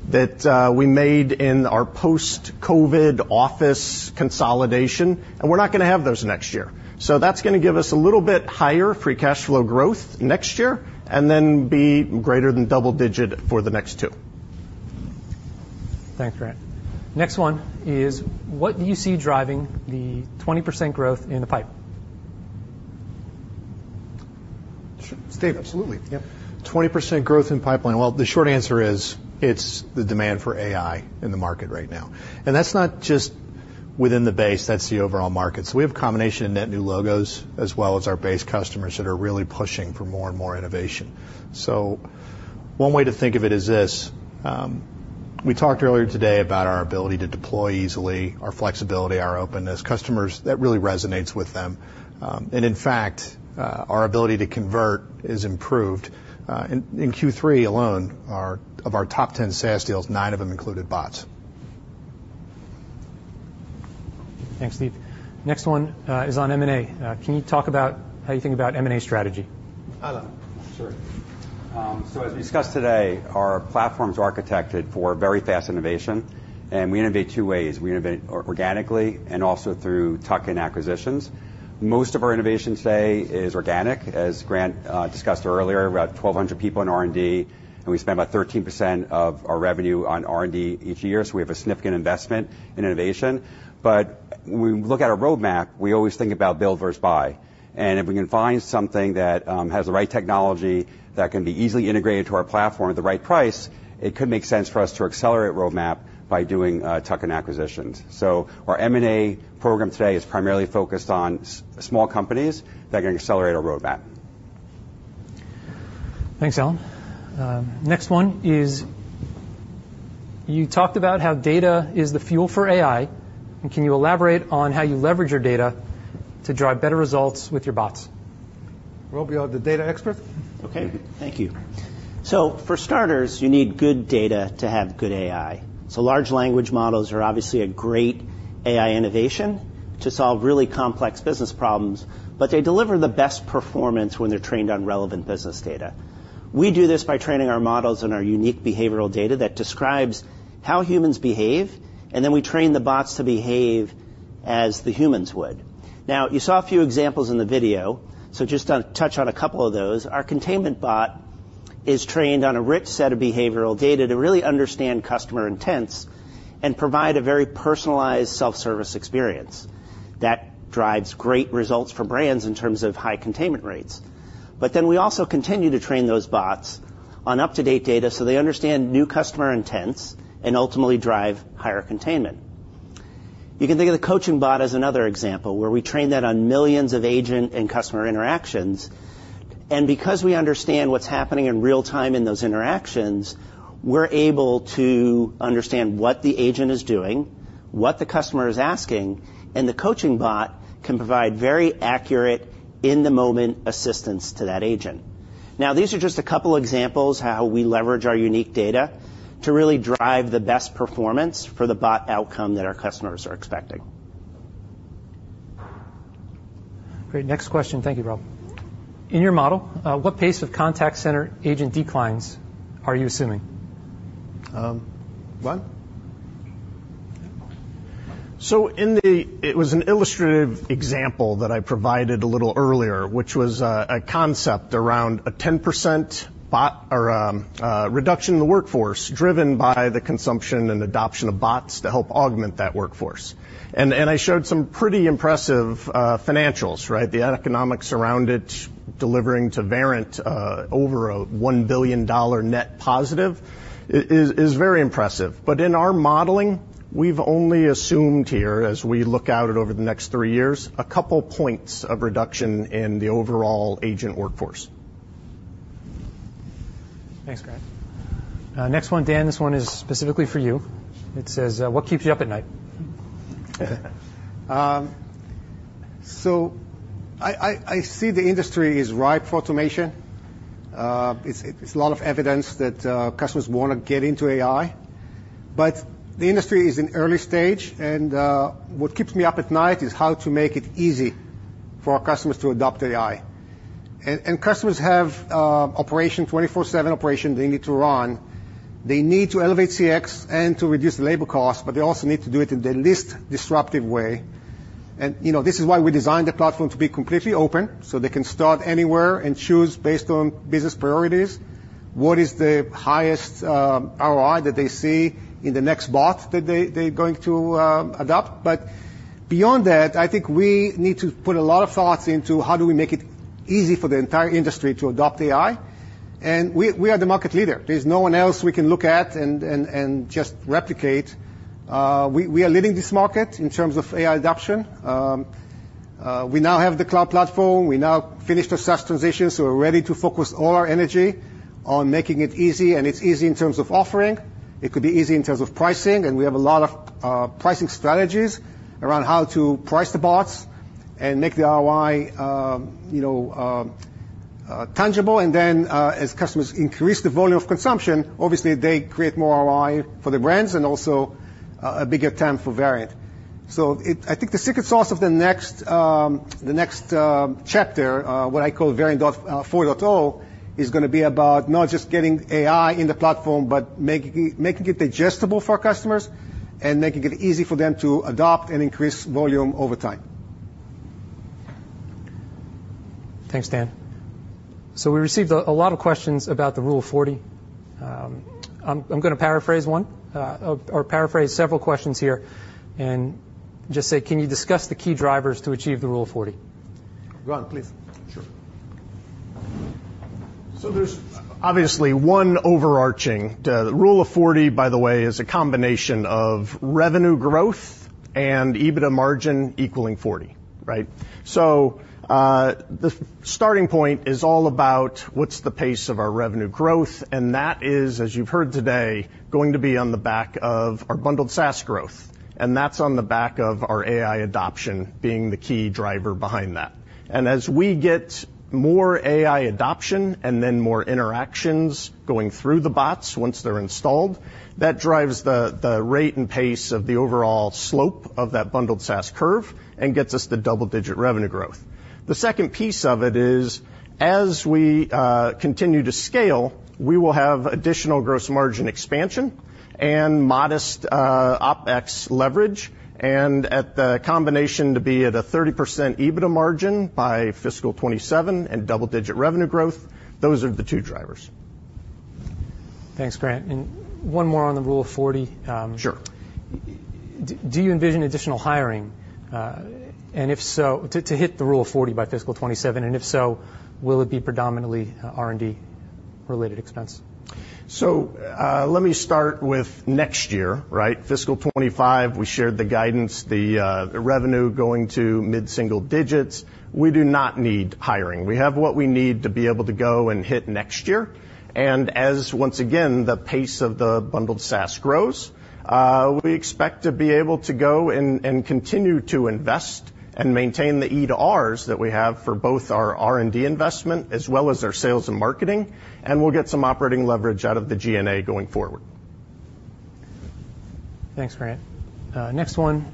that we made in our post-COVID office consolidation, and we're not gonna have those next year. So that's gonna give us a little bit higher free cash flow growth next year and then be greater than double-digit for the next two....
Thanks, Grant. Next one is: what do you see driving the 20% growth in the pipe?
Steve, absolutely. Yep. 20% growth in pipeline. Well, the short answer is it's the demand for AI in the market right now, and that's not just within the base, that's the overall market. So we have a combination of net new logos, as well as our base customers that are really pushing for more and more innovation. So one way to think of it is this, we talked earlier today about our ability to deploy easily, our flexibility, our openness. Customers, that really resonates with them. And in fact, our ability to convert is improved. In Q3 alone, our—of our top 10 SaaS deals, nine of them included bots.
Thanks, Steve. Next one is on M&A. Can you talk about how you think about M&A strategy?
Alan.
Sure. So as we discussed today, our platform's architected for very fast innovation, and we innovate two ways. We innovate organically and also through tuck-in acquisitions. Most of our innovation today is organic. As Grant discussed earlier, we have 1,200 people in R&D, and we spend about 13% of our revenue on R&D each year, so we have a significant investment in innovation. But when we look at our roadmap, we always think about build versus buy. And if we can find something that has the right technology, that can be easily integrated to our platform at the right price, it could make sense for us to accelerate roadmap by doing tuck-in acquisitions. So our M&A program today is primarily focused on small companies that can accelerate our roadmap.
Thanks, Alan. Next one is, you talked about how data is the fuel for AI, and can you elaborate on how you leverage your data to drive better results with your bots?
Rob, you're the data expert.
Okay, thank you. So for starters, you need good data to have good AI. So large language models are obviously a great AI innovation to solve really complex business problems, but they deliver the best performance when they're trained on relevant business data. We do this by training our models on our unique behavioral data that describes how humans behave, and then we train the bots to behave as the humans would. Now, you saw a few examples in the video, so just to touch on a couple of those, our Containment Bot is trained on a rich set of behavioral data to really understand customer intents and provide a very personalized self-service experience. That drives great results for brands in terms of high containment rates. But then we also continue to train those bots on up-to-date data, so they understand new customer intents and ultimately drive higher containment. You can think of the Coaching Bot as another example, where we train that on millions of agent and customer interactions, and because we understand what's happening in real time in those interactions, we're able to understand what the agent is doing, what the customer is asking, and the Coaching Bot can provide very accurate, in-the-moment assistance to that agent. Now, these are just a couple examples how we leverage our unique data to really drive the best performance for the bot outcome that our customers are expecting.
Great. Next question. Thank you, Rob. In your model, what pace of contact center agent declines are you assuming?
Grant? So in the illustrative example that I provided a little earlier, which was a concept around a 10% bot or a reduction in the workforce, driven by the consumption and adoption of bots to help augment that workforce. And I showed some pretty impressive financials, right? The economics around it, delivering to Verint over a $1 billion net positive is very impressive. But in our modeling, we've only assumed here, as we look out over the next three years, a couple points of reduction in the overall agent workforce.
Thanks, Grant. Next one, Dan, this one is specifically for you. It says, "What keeps you up at night?
So I see the industry is ripe for automation. It's a lot of evidence that customers wanna get into AI. But the industry is in early stage, and what keeps me up at night is how to make it easy for our customers to adopt AI. And customers have operation, 24/7 operation they need to run. They need to elevate CX and to reduce labor costs, but they also need to do it in the least disruptive way. And, you know, this is why we designed the platform to be completely open, so they can start anywhere and choose based on business priorities. What is the highest ROI that they see in the next bot that they're going to adopt? But beyond that, I think we need to put a lot of thoughts into how do we make it easy for the entire industry to adopt AI. And we are the market leader. There's no one else we can look at and just replicate. We are leading this market in terms of AI adoption. We now have the cloud platform. We now finished the SaaS transition, so we're ready to focus all our energy on making it easy, and it's easy in terms of offering. It could be easy in terms of pricing, and we have a lot of pricing strategies around how to price the bots and make the ROI, you know, tangible. And then, as customers increase the volume of consumption, obviously, they create more ROI for the brands and also a bigger TAM for Verint. So it... I think the secret sauce of the next chapter, what I call Verint 4.0, is gonna be about not just getting AI in the platform, but making it digestible for our customers and making it easy for them to adopt and increase volume over time.
Thanks, Dan. So we received a lot of questions about the Rule of 40. I'm gonna paraphrase one, or paraphrase several questions here and just say: Can you discuss the key drivers to achieve the Rule of 40?
Go on, please.
Sure. So there's obviously one overarching. The Rule of 40, by the way, is a combination of revenue growth and EBITDA margin equaling 40, right? So, the starting point is all about what's the pace of our revenue growth, and that is, as you've heard today, going to be on the back of our bundled SaaS growth, and that's on the back of our AI adoption being the key driver behind that. And as we get more AI adoption and then more interactions going through the bots once they're installed, that drives the, the rate and pace of the overall slope of that bundled SaaS curve and gets us the double-digit revenue growth. The second piece of it is, as we continue to scale, we will have additional gross margin expansion and modest OpEx leverage, and at the combination to be at a 30% EBITDA margin by fiscal 2027 and double-digit revenue growth. Those are the two drivers.
Thanks, Grant. One more on the Rule of 40.
Sure.
Do you envision additional hiring? And if so, to hit the Rule of 40 by fiscal 2027, and if so, will it be predominantly R&D-related expense?
So, let me start with next year, right? Fiscal 25, we shared the guidance, the, the revenue going to mid-single digits. We do not need hiring. We have what we need to be able to go and hit next year. And as once again, the pace of the bundled SaaS grows, we expect to be able to go and, and continue to invest and maintain the E-to-Rs that we have for both our R&D investment as well as our sales and marketing, and we'll get some operating leverage out of the G&A going forward.
Thanks, Grant. Next one.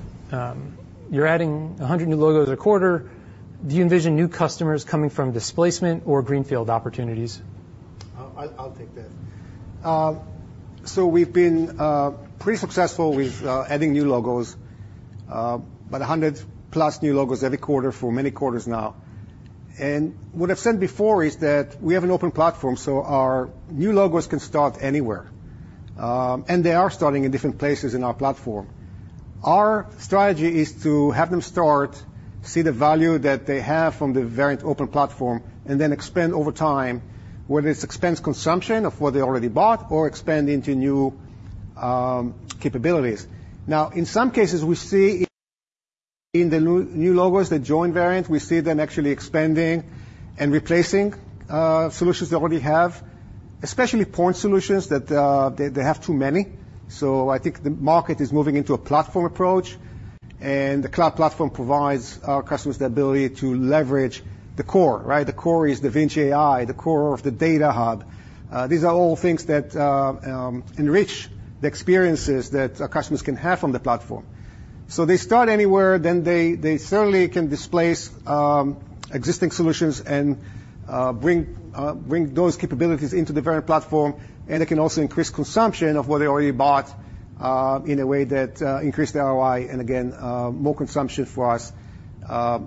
You're adding 100 new logos a quarter. Do you envision new customers coming from displacement or greenfield opportunities?
I'll take that. So we've been pretty successful with adding new logos, about 100+ new logos every quarter for many quarters now. What I've said before is that we have an open platform, so our new logos can start anywhere, and they are starting in different places in our platform. Our strategy is to have them start to see the value that they have from the Verint Open Platform, and then expand over time, whether it's expanded consumption of what they already bought or expand into new capabilities. Now, in some cases, we see in the new logos that join Verint, we see them actually expanding and replacing solutions they already have, especially point solutions that they have too many. So I think the market is moving into a platform approach, and the cloud platform provides our customers the ability to leverage the core, right? The core is DaVinci AI, the core of the Data Hub. These are all things that enrich the experiences that our customers can have on the platform. So they start anywhere, then they certainly can displace existing solutions and bring those capabilities into the Verint platform, and it can also increase consumption of what they already bought in a way that increase the ROI. And again, more consumption for us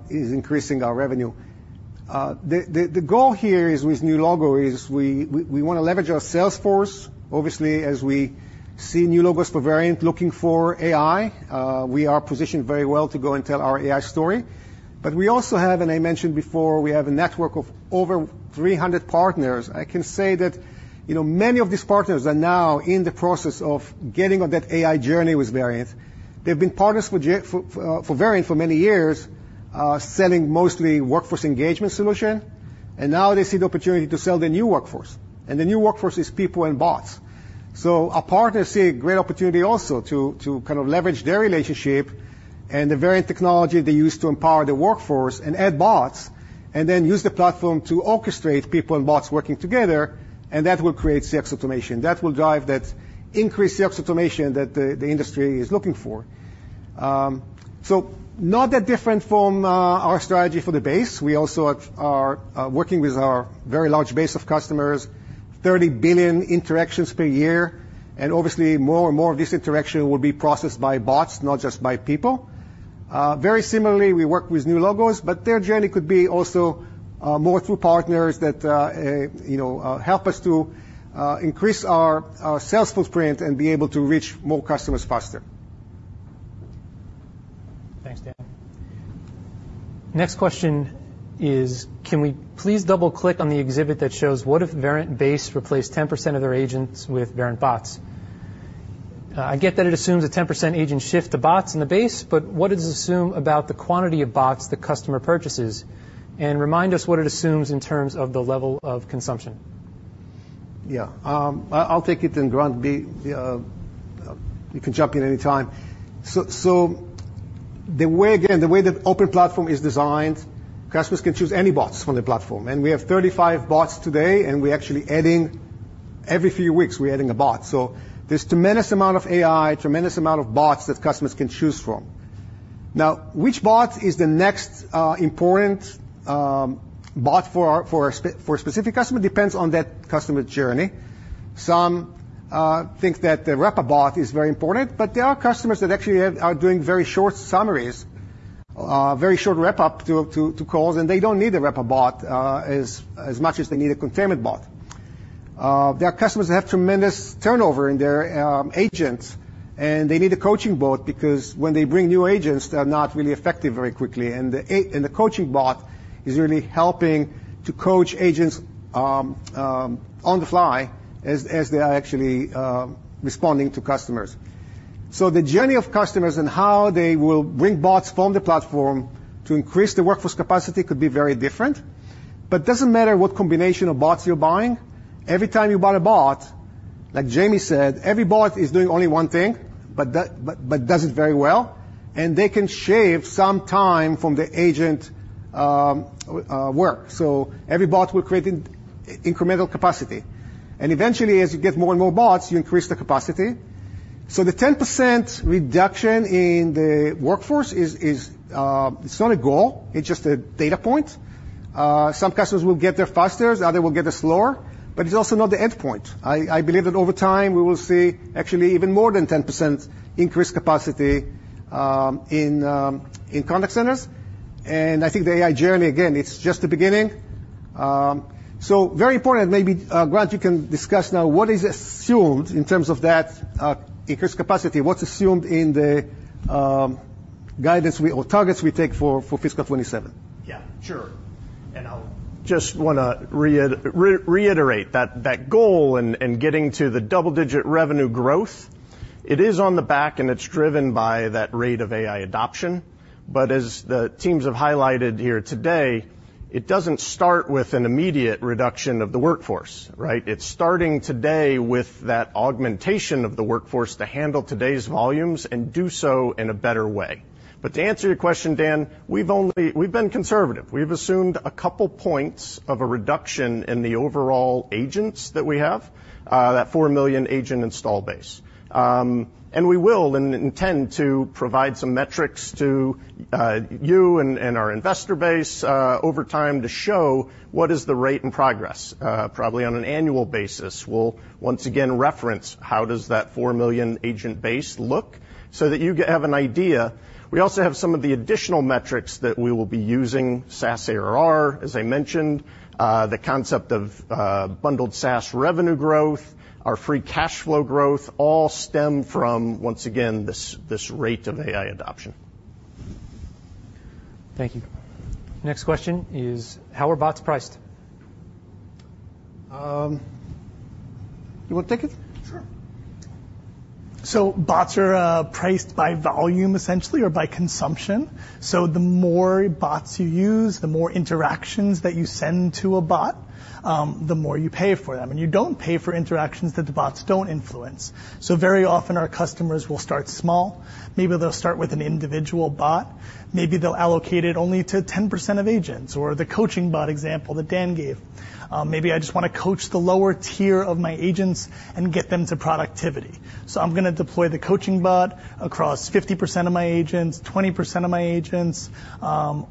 is increasing our revenue. The goal here is with new logo is we wanna leverage our sales force. Obviously, as we see new logos for Verint looking for AI, we are positioned very well to go and tell our AI story. But we also have, and I mentioned before, we have a network of over 300 partners. I can say that, you know, many of these partners are now in the process of getting on that AI journey with Verint. They've been partners with Verint for many years, selling mostly workforce engagement solution, and now they see the opportunity to sell the new workforce, and the new workforce is people and bots. So our partners see a great opportunity also to kind of leverage their relationship and the Verint technology they use to empower the workforce and add bots, and then use the platform to orchestrate people and bots working together, and that will create CX automation. That will drive that increased CX automation that the industry is looking for. So not that different from our strategy for the base. We also have working with our very large base of customers, 30 billion interactions per year, and obviously more and more of this interaction will be processed by bots, not just by people. Very similarly, we work with new logos, but their journey could be also more through partners that you know help us to increase our sales footprint and be able to reach more customers faster.
Thanks, Dan. Next question is: Can we please double-click on the exhibit that shows what if Verint base replaced 10% of their agents with Verint Bots? I get that it assumes a 10% agent shift to bots in the base, but what does it assume about the quantity of bots the customer purchases? And remind us what it assumes in terms of the level of consumption.
Yeah. I'll take it, and Grant... You can jump in any time. So, the way, again, the way that open platform is designed, customers can choose any bots from the platform. And we have 35 bots today, and we're actually adding every few weeks, we're adding a bot. So there's tremendous amount of AI, tremendous amount of bots that customers can choose from. Now, which bot is the next important bot for a specific customer? Depends on that customer's journey. Some think that the wrap-up bot is very important, but there are customers that actually have are doing very short summaries, very short wrap-up to calls, and they don't need a wrap-up bot as much as they need a Containment Bot. There are customers that have tremendous turnover in their agents, and they need a Coaching Bot because when they bring new agents, they are not really effective very quickly. And the Coaching Bot is really helping to coach agents on the fly as they are actually responding to customers. So the journey of customers and how they will bring bots from the platform to increase the workforce capacity could be very different. But it doesn't matter what combination of bots you're buying. Every time you buy a bot, like Jaime said, every bot is doing only one thing, but does it very well, and they can shave some time from the agent work. So every bot will create incremental capacity. And eventually, as you get more and more bots, you increase the capacity. So the 10% reduction in the workforce is, it's not a goal, it's just a data point. Some customers will get there faster, others will get there slower, but it's also not the endpoint. I believe that over time, we will see actually even more than 10% increased capacity in contact centers. And I think the AI journey, again, it's just the beginning. So very important. Maybe, Grant, you can discuss now what is assumed in terms of that increased capacity. What's assumed in the guidance we or targets we take for fiscal 2027?
Yeah, sure. And I just wanna reiterate that goal and getting to the double-digit revenue growth. It is on the back, and it's driven by that rate of AI adoption. But as the teams have highlighted here today, it doesn't start with an immediate reduction of the workforce, right? It's starting today with that augmentation of the workforce to handle today's volumes and do so in a better way. But to answer your question, Dan, we've only... We've been conservative. We've assumed a couple points of a reduction in the overall agents that we have, that 4 million agent install base. And we will and intend to provide some metrics to you and our investor base over time to show what is the rate and progress. Probably on an annual basis, we'll once again reference how does that 4 million agent base look so that you have an idea. We also have some of the additional metrics that we will be using, SaaS ARR, as I mentioned. The concept of bundled SaaS revenue growth, our free cash flow growth, all stem from, once again, this rate of AI adoption.
Thank you. Next question is: How are bots priced?
You wanna take it?
Sure. So bots are priced by volume, essentially, or by consumption. So the more bots you use, the more interactions that you send to a bot, the more you pay for them. And you don't pay for interactions that the bots don't influence. So very often, our customers will start small. Maybe they'll start with an individual bot. Maybe they'll allocate it only to 10% of agents or the Coaching Bot example that Dan gave. Maybe I just wanna coach the lower tier of my agents and get them to productivity. So I'm gonna deploy the Coaching Bot across 50% of my agents, 20% of my agents,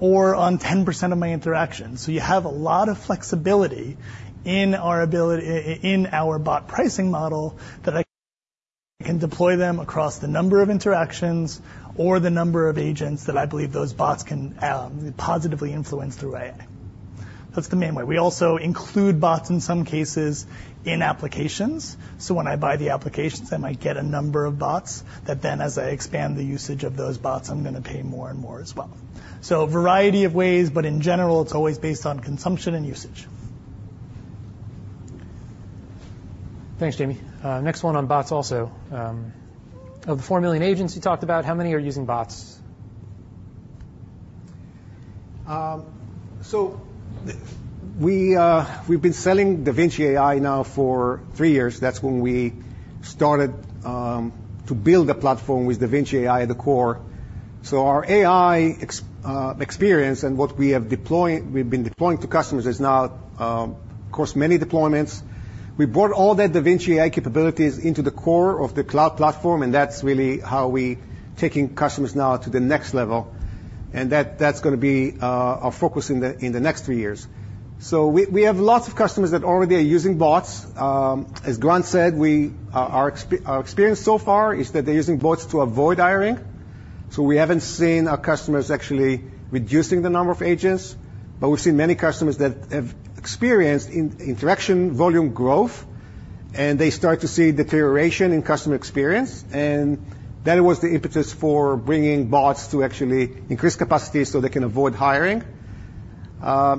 or on 10% of my interactions. So you have a lot of flexibility in our ability, in our bot pricing model, that I can deploy them across the number of interactions or the number of agents that I believe those bots can positively influence through AI. That's the main way. We also include bots, in some cases, in applications. So when I buy the applications, I might get a number of bots that then as I expand the usage of those bots, I'm gonna pay more and more as well. So a variety of ways, but in general, it's always based on consumption and usage.
Thanks, Jaime. Next one on bots also. Of the 4 million agents you talked about, how many are using bots?
We, we've been selling DaVinci AI now for three years. That's when we started to build a platform with DaVinci AI at the core. So our AI experience and what we have deployed, we've been deploying to customers is now across many deployments. We brought all that DaVinci AI capabilities into the core of the cloud platform, and that's really how we taking customers now to the next level, and that's gonna be our focus in the next three years. So we, we have lots of customers that already are using bots. As Grant said, we, our experience so far is that they're using bots to avoid hiring. So we haven't seen our customers actually reducing the number of agents, but we've seen many customers that have experienced interaction volume growth, and that was the impetus for bringing bots to actually increase capacity so they can avoid hiring.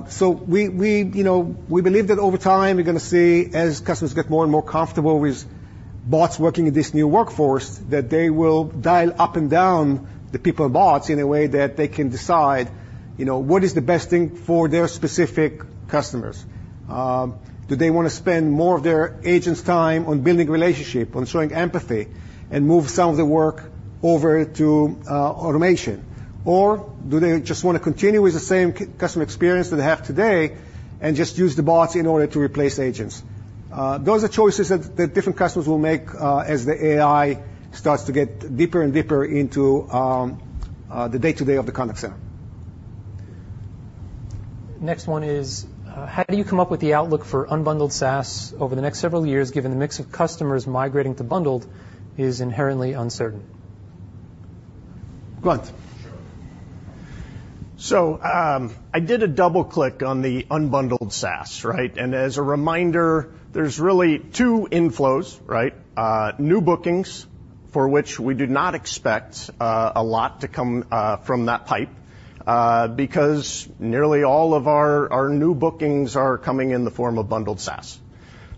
So we, you know, we believe that over time, we're gonna see, as customers get more and more comfortable with bots working in this new workforce, that they will dial up and down the people bots in a way that they can decide, you know, what is the best thing for their specific customers. Do they wanna spend more of their agents' time on building relationship, on showing empathy, and move some of the work over to automation? Or do they just wanna continue with the same customer experience that they have today and just use the bots in order to replace agents? Those are choices that different customers will make as the AI starts to get deeper and deeper into the day-to-day of the contact center....
Next one is, how do you come up with the outlook for unbundled SaaS over the next several years, given the mix of customers migrating to bundled is inherently uncertain? Grant.
Sure. So, I did a double click on the unbundled SaaS, right? And as a reminder, there's really two inflows, right? New bookings, for which we do not expect a lot to come from that pipe, because nearly all of our new bookings are coming in the form of bundled SaaS.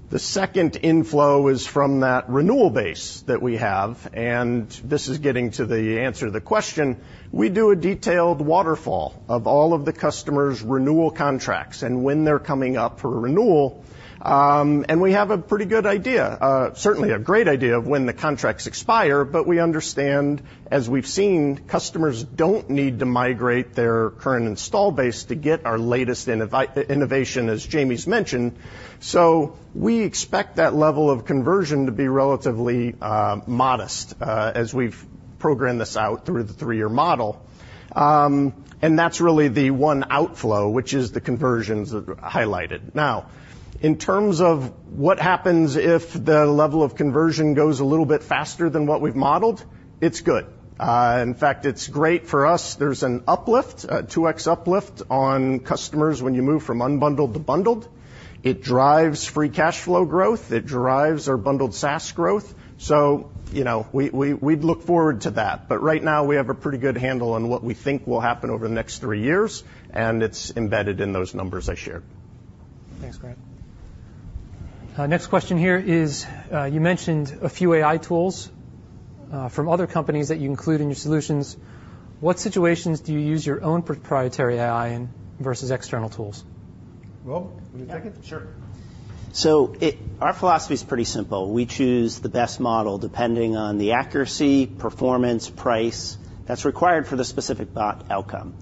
The second inflow is from that renewal base that we have, and this is getting to the answer to the question. We do a detailed waterfall of all of the customers' renewal contracts and when they're coming up for renewal. We have a pretty good idea, certainly a great idea of when the contracts expire, but we understand, as we've seen, customers don't need to migrate their current install base to get our latest innovation, as Jaime's mentioned. So we expect that level of conversion to be relatively modest as we've programmed this out through the 3-year model. And that's really the one outflow, which is the conversions highlighted. Now, in terms of what happens if the level of conversion goes a little bit faster than what we've modeled, it's good. In fact, it's great for us. There's an uplift, a 2x uplift on customers when you move from unbundled to bundled. It drives free cash flow growth. It drives our bundled SaaS growth. So, you know, we, we, we'd look forward to that. But right now, we have a pretty good handle on what we think will happen over the next 3 years, and it's embedded in those numbers I shared.
Thanks, Grant. Next question here is, you mentioned a few AI tools from other companies that you include in your solutions. What situations do you use your own proprietary AI in versus external tools?
Rob, want to take it?
Sure. So our philosophy is pretty simple. We choose the best model, depending on the accuracy, performance, price, that's required for the specific bot outcome.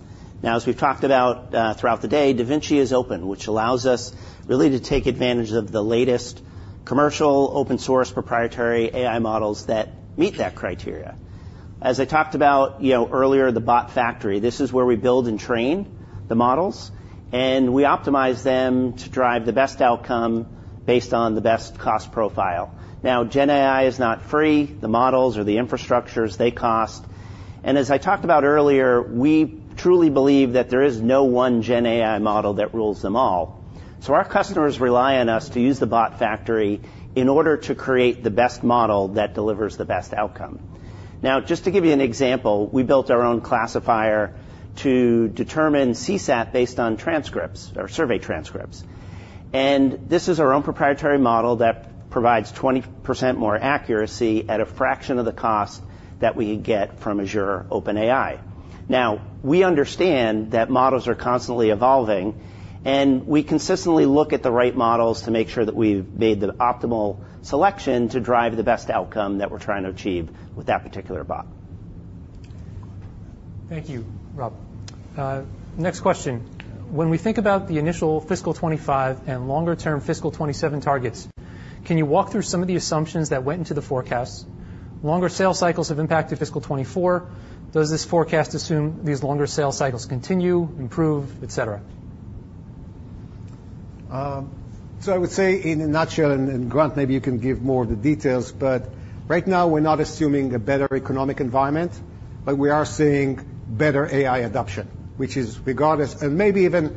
Now, as we've talked about throughout the day, DaVinci is open, which allows us really to take advantage of the latest commercial, open source, proprietary AI models that meet that criteria. As I talked about, you know, earlier, the Bot Factory, this is where we build and train the models, and we optimize them to drive the best outcome based on the best cost profile. Now, GenAI is not free. The models or the infrastructures, they cost. And as I talked about earlier, we truly believe that there is no one GenAI model that rules them all. So our customers rely on us to use the Bot Factory in order to create the best model that delivers the best outcome. Now, just to give you an example, we built our own classifier to determine CSAT based on transcripts or survey transcripts. This is our own proprietary model that provides 20% more accuracy at a fraction of the cost that we get from Azure OpenAI. Now, we understand that models are constantly evolving, and we consistently look at the right models to make sure that we've made the optimal selection to drive the best outcome that we're trying to achieve with that particular bot.
Thank you, Rob. Next question: When we think about the initial fiscal 2025 and longer-term fiscal 2027 targets, can you walk through some of the assumptions that went into the forecast? Longer sales cycles have impacted fiscal 2024. Does this forecast assume these longer sales cycles continue, improve, et cetera?
So I would say in a nutshell, and Grant, maybe you can give more of the details, but right now, we're not assuming a better economic environment, but we are seeing better AI adoption, which is regardless, and maybe even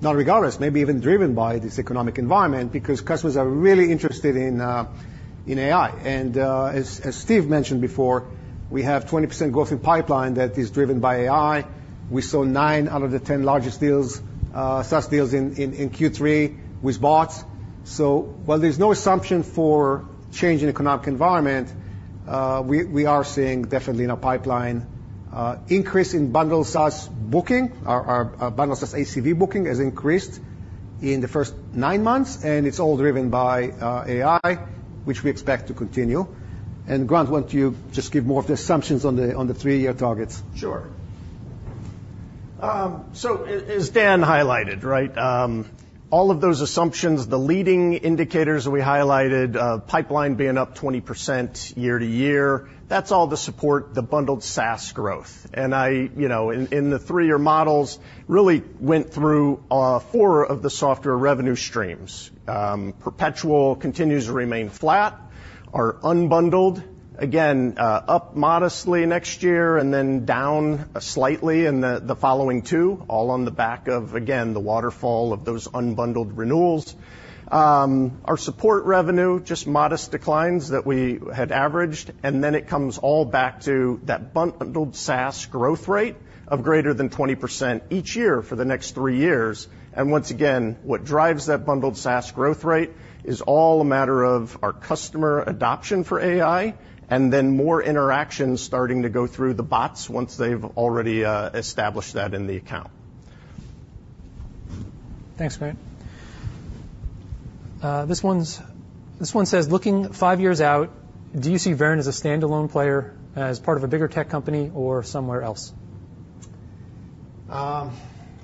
not regardless, maybe even driven by this economic environment, because customers are really interested in AI. And, as Steve mentioned before, we have 20% growth in pipeline that is driven by AI. We saw 9 out of the 10 largest deals, SaaS deals in Q3 with bots. So while there's no assumption for change in economic environment, we are seeing definitely in our pipeline, increase in Bundled SaaS booking. Our Bundled SaaS ACV booking has increased in the first 9 months, and it's all driven by AI, which we expect to continue.
And Grant, why don't you just give more of the assumptions on the three-year targets? Sure. So as Dan highlighted, right, all of those assumptions, the leading indicators we highlighted, pipeline being up 20% year-to-year, that's all to support the Bundled SaaS growth. And I, you know, in the three-year models, really went through four of the software revenue streams. Perpetual continues to remain flat. Our Unbundled, again, up modestly next year and then down slightly in the following two, all on the back of, again, the waterfall of those Unbundled renewals. Our support revenue, just modest declines that we had averaged, and then it comes all back to that Bundled SaaS growth rate of greater than 20% each year for the next three years. And once again, what drives that Bundled SaaS growth rate is all a matter of our customer adoption for AI, and then more interactions starting to go through the bots once they've already established that in the account.
Thanks, Grant. This one says: Looking five years out, do you see Verint as a standalone player, as part of a bigger tech company, or somewhere else?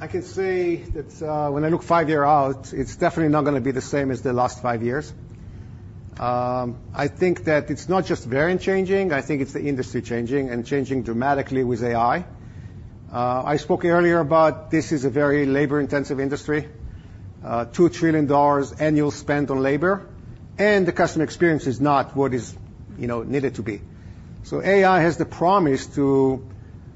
I can say that, when I look five-year out, it's definitely not gonna be the same as the last five years. ...
I think that it's not just Verint changing, I think it's the industry changing, and changing dramatically with AI. I spoke earlier about this is a very labor-intensive industry, $2 trillion annual spend on labor, and the customer experience is not what is, you know, needed to be. So AI has the promise to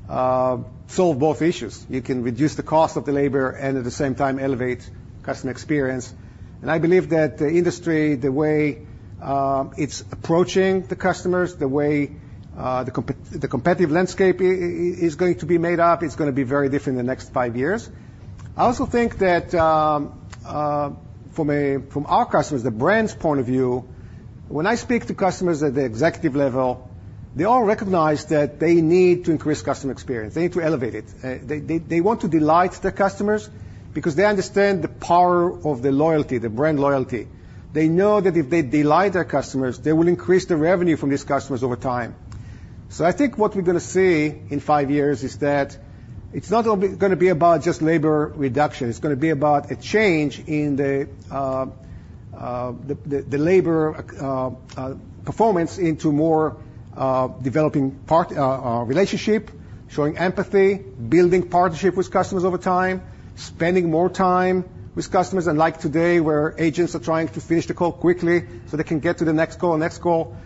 solve both issues. You can reduce the cost of the labor and at the same time elevate customer experience. And I believe that the industry, the way it's approaching the customers, the way the competitive landscape is going to be made up, it's gonna be very different in the next five years. I also think that from our customers, the brand's point of view, when I speak to customers at the executive level, they all recognize that they need to increase customer experience. They need to elevate it. They want to delight their customers because they understand the power of the loyalty, the brand loyalty. They know that if they delight their customers, they will increase the revenue from these customers over time. So I think what we're gonna see in five years is that it's not gonna be about just labor reduction, it's gonna be about a change in the labor performance into more developing part... relationship, showing empathy, building partnership with customers over time, spending more time with customers, unlike today, where agents are trying to finish the call quickly so they can get to the next call, next call.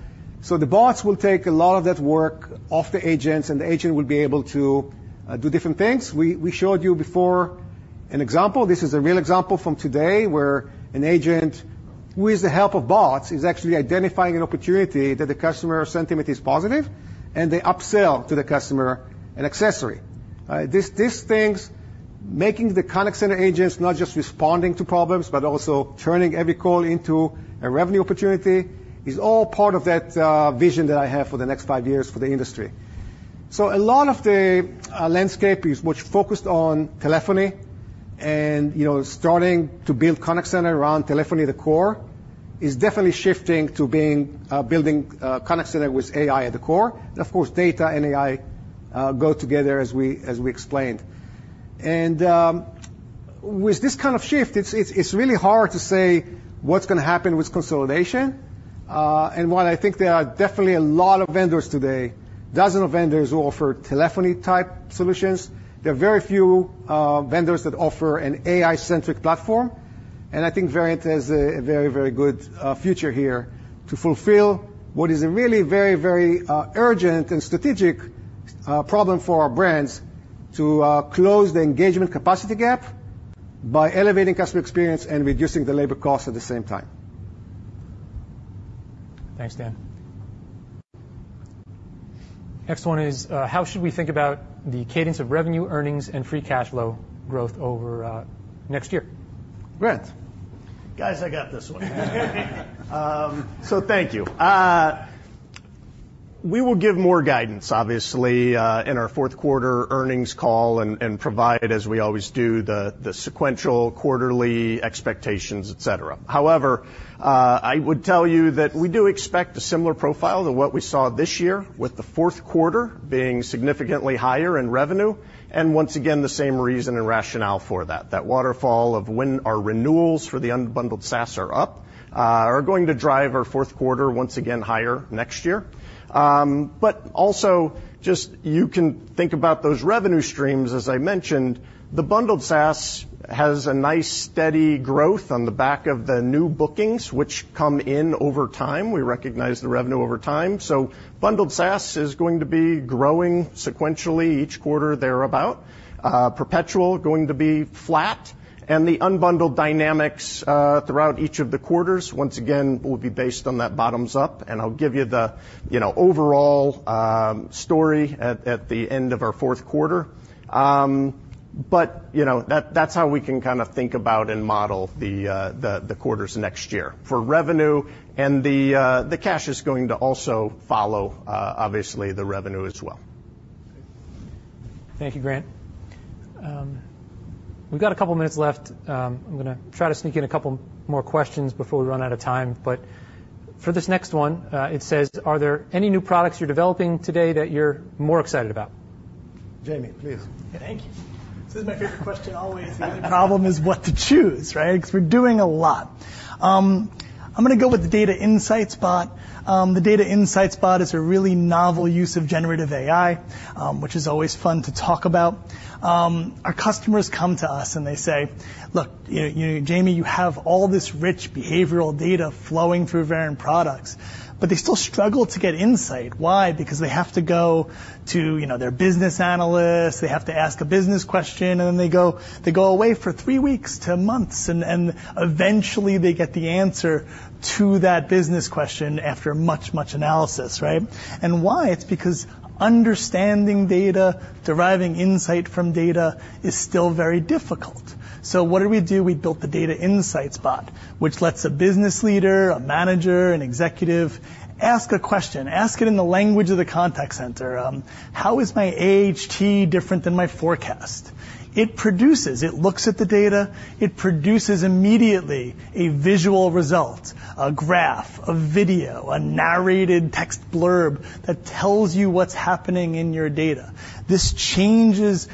So the bots will take a lot of that work off the agents, and the agent will be able to do different things. We showed you before an example. This is a real example from today, where an agent, with the help of bots, is actually identifying an opportunity that the customer sentiment is positive, and they upsell to the customer an accessory. These things, making the contact center agents, not just responding to problems, but also turning every call into a revenue opportunity, is all part of that vision that I have for the next five years for the industry. So a lot of the landscape is much focused on telephony and, you know, starting to build contact center around telephony. The core is definitely shifting to being building contact center with AI at the core. Of course, data and AI go together, as we explained. With this kind of shift, it's really hard to say what's gonna happen with consolidation. While I think there are definitely a lot of vendors today, dozens of vendors who offer telephony-type solutions, there are very few vendors that offer an AI-centric platform. I think Verint has a very, very good future here to fulfill what is a really very, very urgent and strategic problem for our brands to close the engagement capacity gap by elevating customer experience and reducing the labor costs at the same time.
Thanks, Dan. Next one is, "How should we think about the cadence of revenue, earnings, and free cash flow growth over next year?" Grant?
Guys, I got this one. So thank you. We will give more guidance, obviously, in our fourth quarter earnings call and provide, as we always do, the sequential quarterly expectations, et cetera. However, I would tell you that we do expect a similar profile to what we saw this year, with the fourth quarter being significantly higher in revenue. And once again, the same reason and rationale for that, that waterfall of when our renewals for the Unbundled SaaS are up are going to drive our fourth quarter once again higher next year. But also, just... You can think about those revenue streams. As I mentioned, the Bundled SaaS has a nice, steady growth on the back of the new bookings, which come in over time. We recognize the revenue over time, so Bundled SaaS is going to be growing sequentially each quarter thereabout. Perpetual going to be flat, and the Unbundled dynamics throughout each of the quarters, once again, will be based on that bottoms-up. I'll give you the, you know, overall story at the end of our fourth quarter. But, you know, that's how we can kind of think about and model the quarters next year. For revenue and the cash is going to also follow, obviously, the revenue as well.
Thank you, Grant. We've got a couple of minutes left. I'm gonna try to sneak in a couple more questions before we run out of time, but for this next one, it says: "Are there any new products you're developing today that you're more excited about?
jaime, please.
Thank you. This is my favorite question always. The only problem is what to choose, right? Because we're doing a lot. I'm gonna go with the Data Insights Bot. The Data Insights Bot is a really novel use of generative AI, which is always fun to talk about. Our customers come to us, and they say, "Look, Jaime, you have all this rich behavioral data flowing through Verint products," but they still struggle to get insight. Why? Because they have to go to, you know, their business analyst. They have to ask a business question, and then they go away for three weeks to months, and eventually, they get the answer to that business question after much, much analysis, right? And why? It's because understanding data, deriving insight from data, is still very difficult. So what did we do? We built the Data Insights Bot, which lets a business leader, a manager, an executive, ask a question, ask it in the language of the contact center. "How is my AHT different than my forecast?" It produces... It looks at the data, it produces immediately a visual result, a graph, a video, a narrated text blurb that tells you what's happening in your data. This changes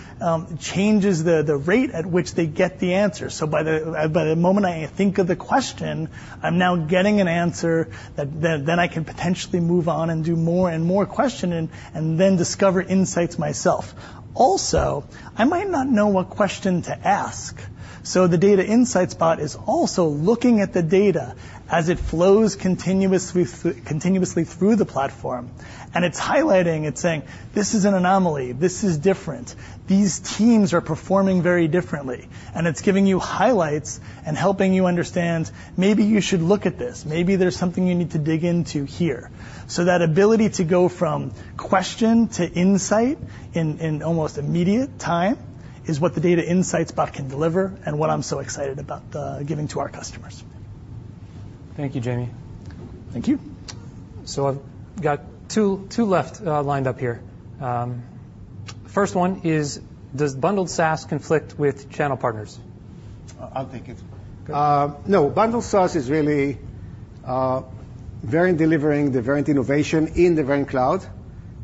changes the rate at which they get the answer. So by the moment I think of the question, I'm now getting an answer that... Then I can potentially move on and do more and more questioning, and then discover insights myself. Also, I might not know what question to ask, so the Data Insights Bot is also looking at the data as it flows continuously continuously through the platform, and it's highlighting, it's saying, "This is an anomaly. This is different. These teams are performing very differently." And it's giving you highlights and helping you understand, maybe you should look at this. Maybe there's something you need to dig into here. So that ability to go from question to insight in, in almost immediate time is what the Data Insights Bot can deliver and what I'm so excited about giving to our customers. ...
Thank you, Jaime.
Thank you.
I've got two left lined up here. First one is, does Bundled SaaS conflict with channel partners?
I'll take it.
Okay.
No, Bundled SaaS is really Verint delivering the Verint innovation in the Verint Cloud.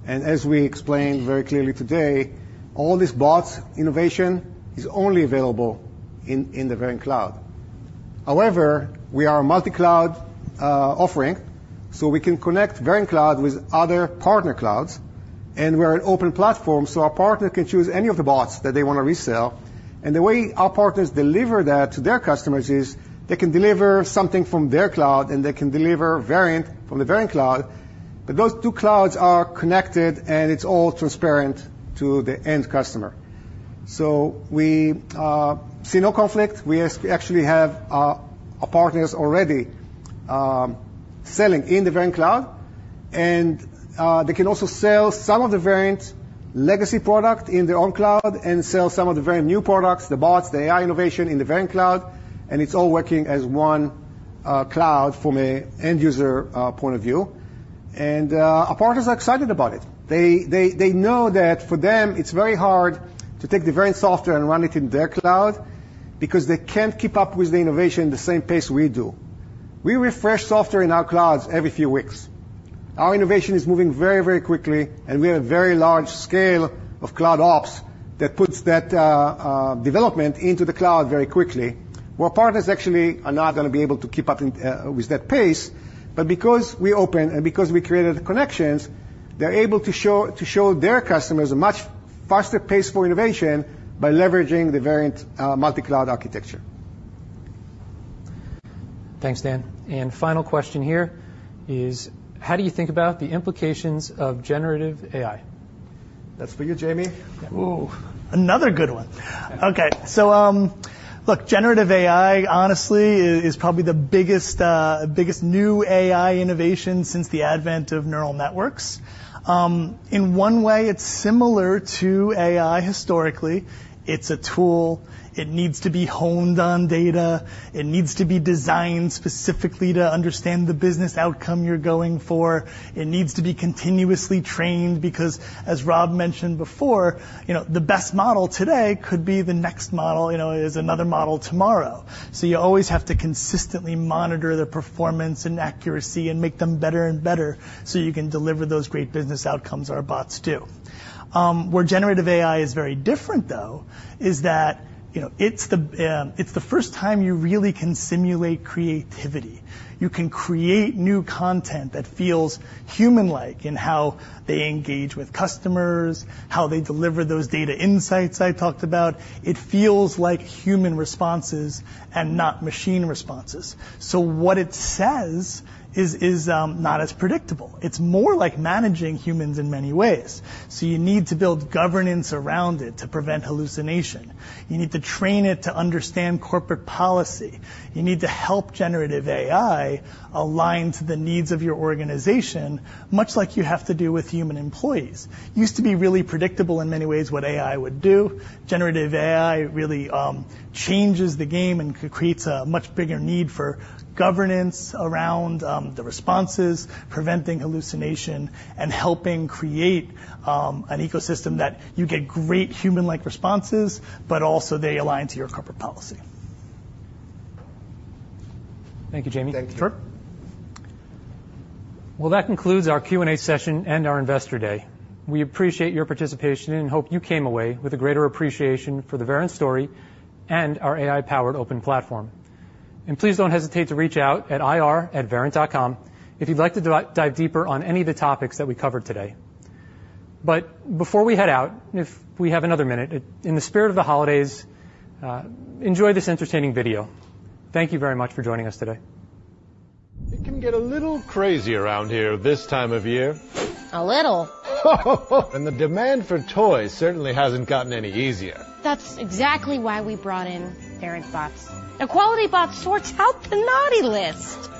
As we explained very clearly today, all these bots' innovation is only available in the Verint Cloud. However, we are a multi-cloud offering, so we can connect Verint Cloud with other partner clouds, and we're an open platform, so our partner can choose any of the bots that they wanna resell. The way our partners deliver that to their customers is they can deliver something from their cloud, and they can deliver Verint from the Verint Cloud, but those two clouds are connected, and it's all transparent to the end customer. So we see no conflict. We actually have partners already selling in the Verint Cloud, and they can also sell some of the Verint legacy product in their own cloud and sell some of the Verint new products, the bots, the AI innovation in the Verint Cloud, and it's all working as one cloud from an end user point of view. Our partners are excited about it. They know that for them, it's very hard to take the Verint software and run it in their cloud because they can't keep up with the innovation the same pace we do. We refresh software in our clouds every few weeks. Our innovation is moving very, very quickly, and we have a very large scale of cloud ops that puts that development into the cloud very quickly, where partners actually are not gonna be able to keep up in with that pace. But because we're open and because we created the connections, they're able to show their customers a much faster pace for innovation by leveraging the Verint multi-cloud architecture.
Thanks, Dan. Final question here is: How do you think about the implications of generative AI?
That's for you, Jaime.
Ooh, another good one! Okay. So, look, generative AI, honestly, is probably the biggest, biggest new AI innovation since the advent of neural networks. In one way, it's similar to AI historically. It's a tool. It needs to be honed on data. It needs to be designed specifically to understand the business outcome you're going for. It needs to be continuously trained because, as Rob mentioned before, you know, the best model today could be the next model, you know, is another model tomorrow. So you always have to consistently monitor the performance and accuracy and make them better and better, so you can deliver those great business outcomes our bots do. Where generative AI is very different, though, is that, you know, it's the, it's the first time you really can simulate creativity. You can create new content that feels human-like in how they engage with customers, how they deliver those data insights I talked about. It feels like human responses and not machine responses. So what it says is not as predictable. It's more like managing humans in many ways. So you need to build governance around it to prevent hallucination. You need to train it to understand corporate policy. You need to help generative AI align to the needs of your organization, much like you have to do with human employees. Used to be really predictable in many ways what AI would do. Generative AI really changes the game and creates a much bigger need for governance around the responses, preventing hallucination, and helping create an ecosystem that you get great human-like responses, but also they align to your corporate policy.
Thank you, Jaime.
Thank you.
Sure.
Well, that concludes our Q&A session and our Investor Day. We appreciate your participation and hope you came away with a greater appreciation for the Verint story and our AI-powered open platform. And please don't hesitate to reach out at ir@verint.com if you'd like to dive deeper on any of the topics that we covered today. But before we head out, if we have another minute, in the spirit of the holidays, enjoy this entertaining video. Thank you very much for joining us today.
It can get a little crazy around here this time of year.
A little?
The demand for toys certainly hasn't gotten any easier.
That's exactly why we brought in Verint bots.
And Quality Bot sorts out the naughty list.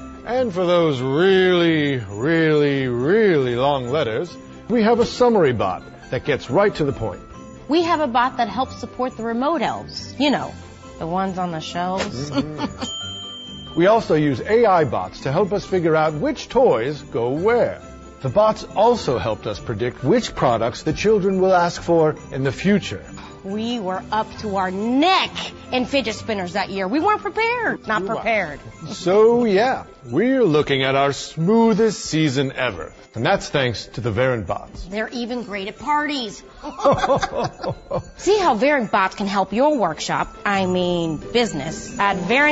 For those really, really, really long letters, we have a Summary Bot that gets right to the point.
We have a bot that helps support the remote elves. You know, the ones on the shelves.
Mm-hmm. We also use AI bots to help us figure out which toys go where. The bots also helped us predict which products the children will ask for in the future.
We were up to our neck in fidget spinners that year. We weren't prepared.
Not prepared.
So yeah, we're looking at our smoothest season ever, and that's thanks to the Verint Bots.
They're even great at parties. See how Verint Bots can help your workshop... I mean, business, at Verint-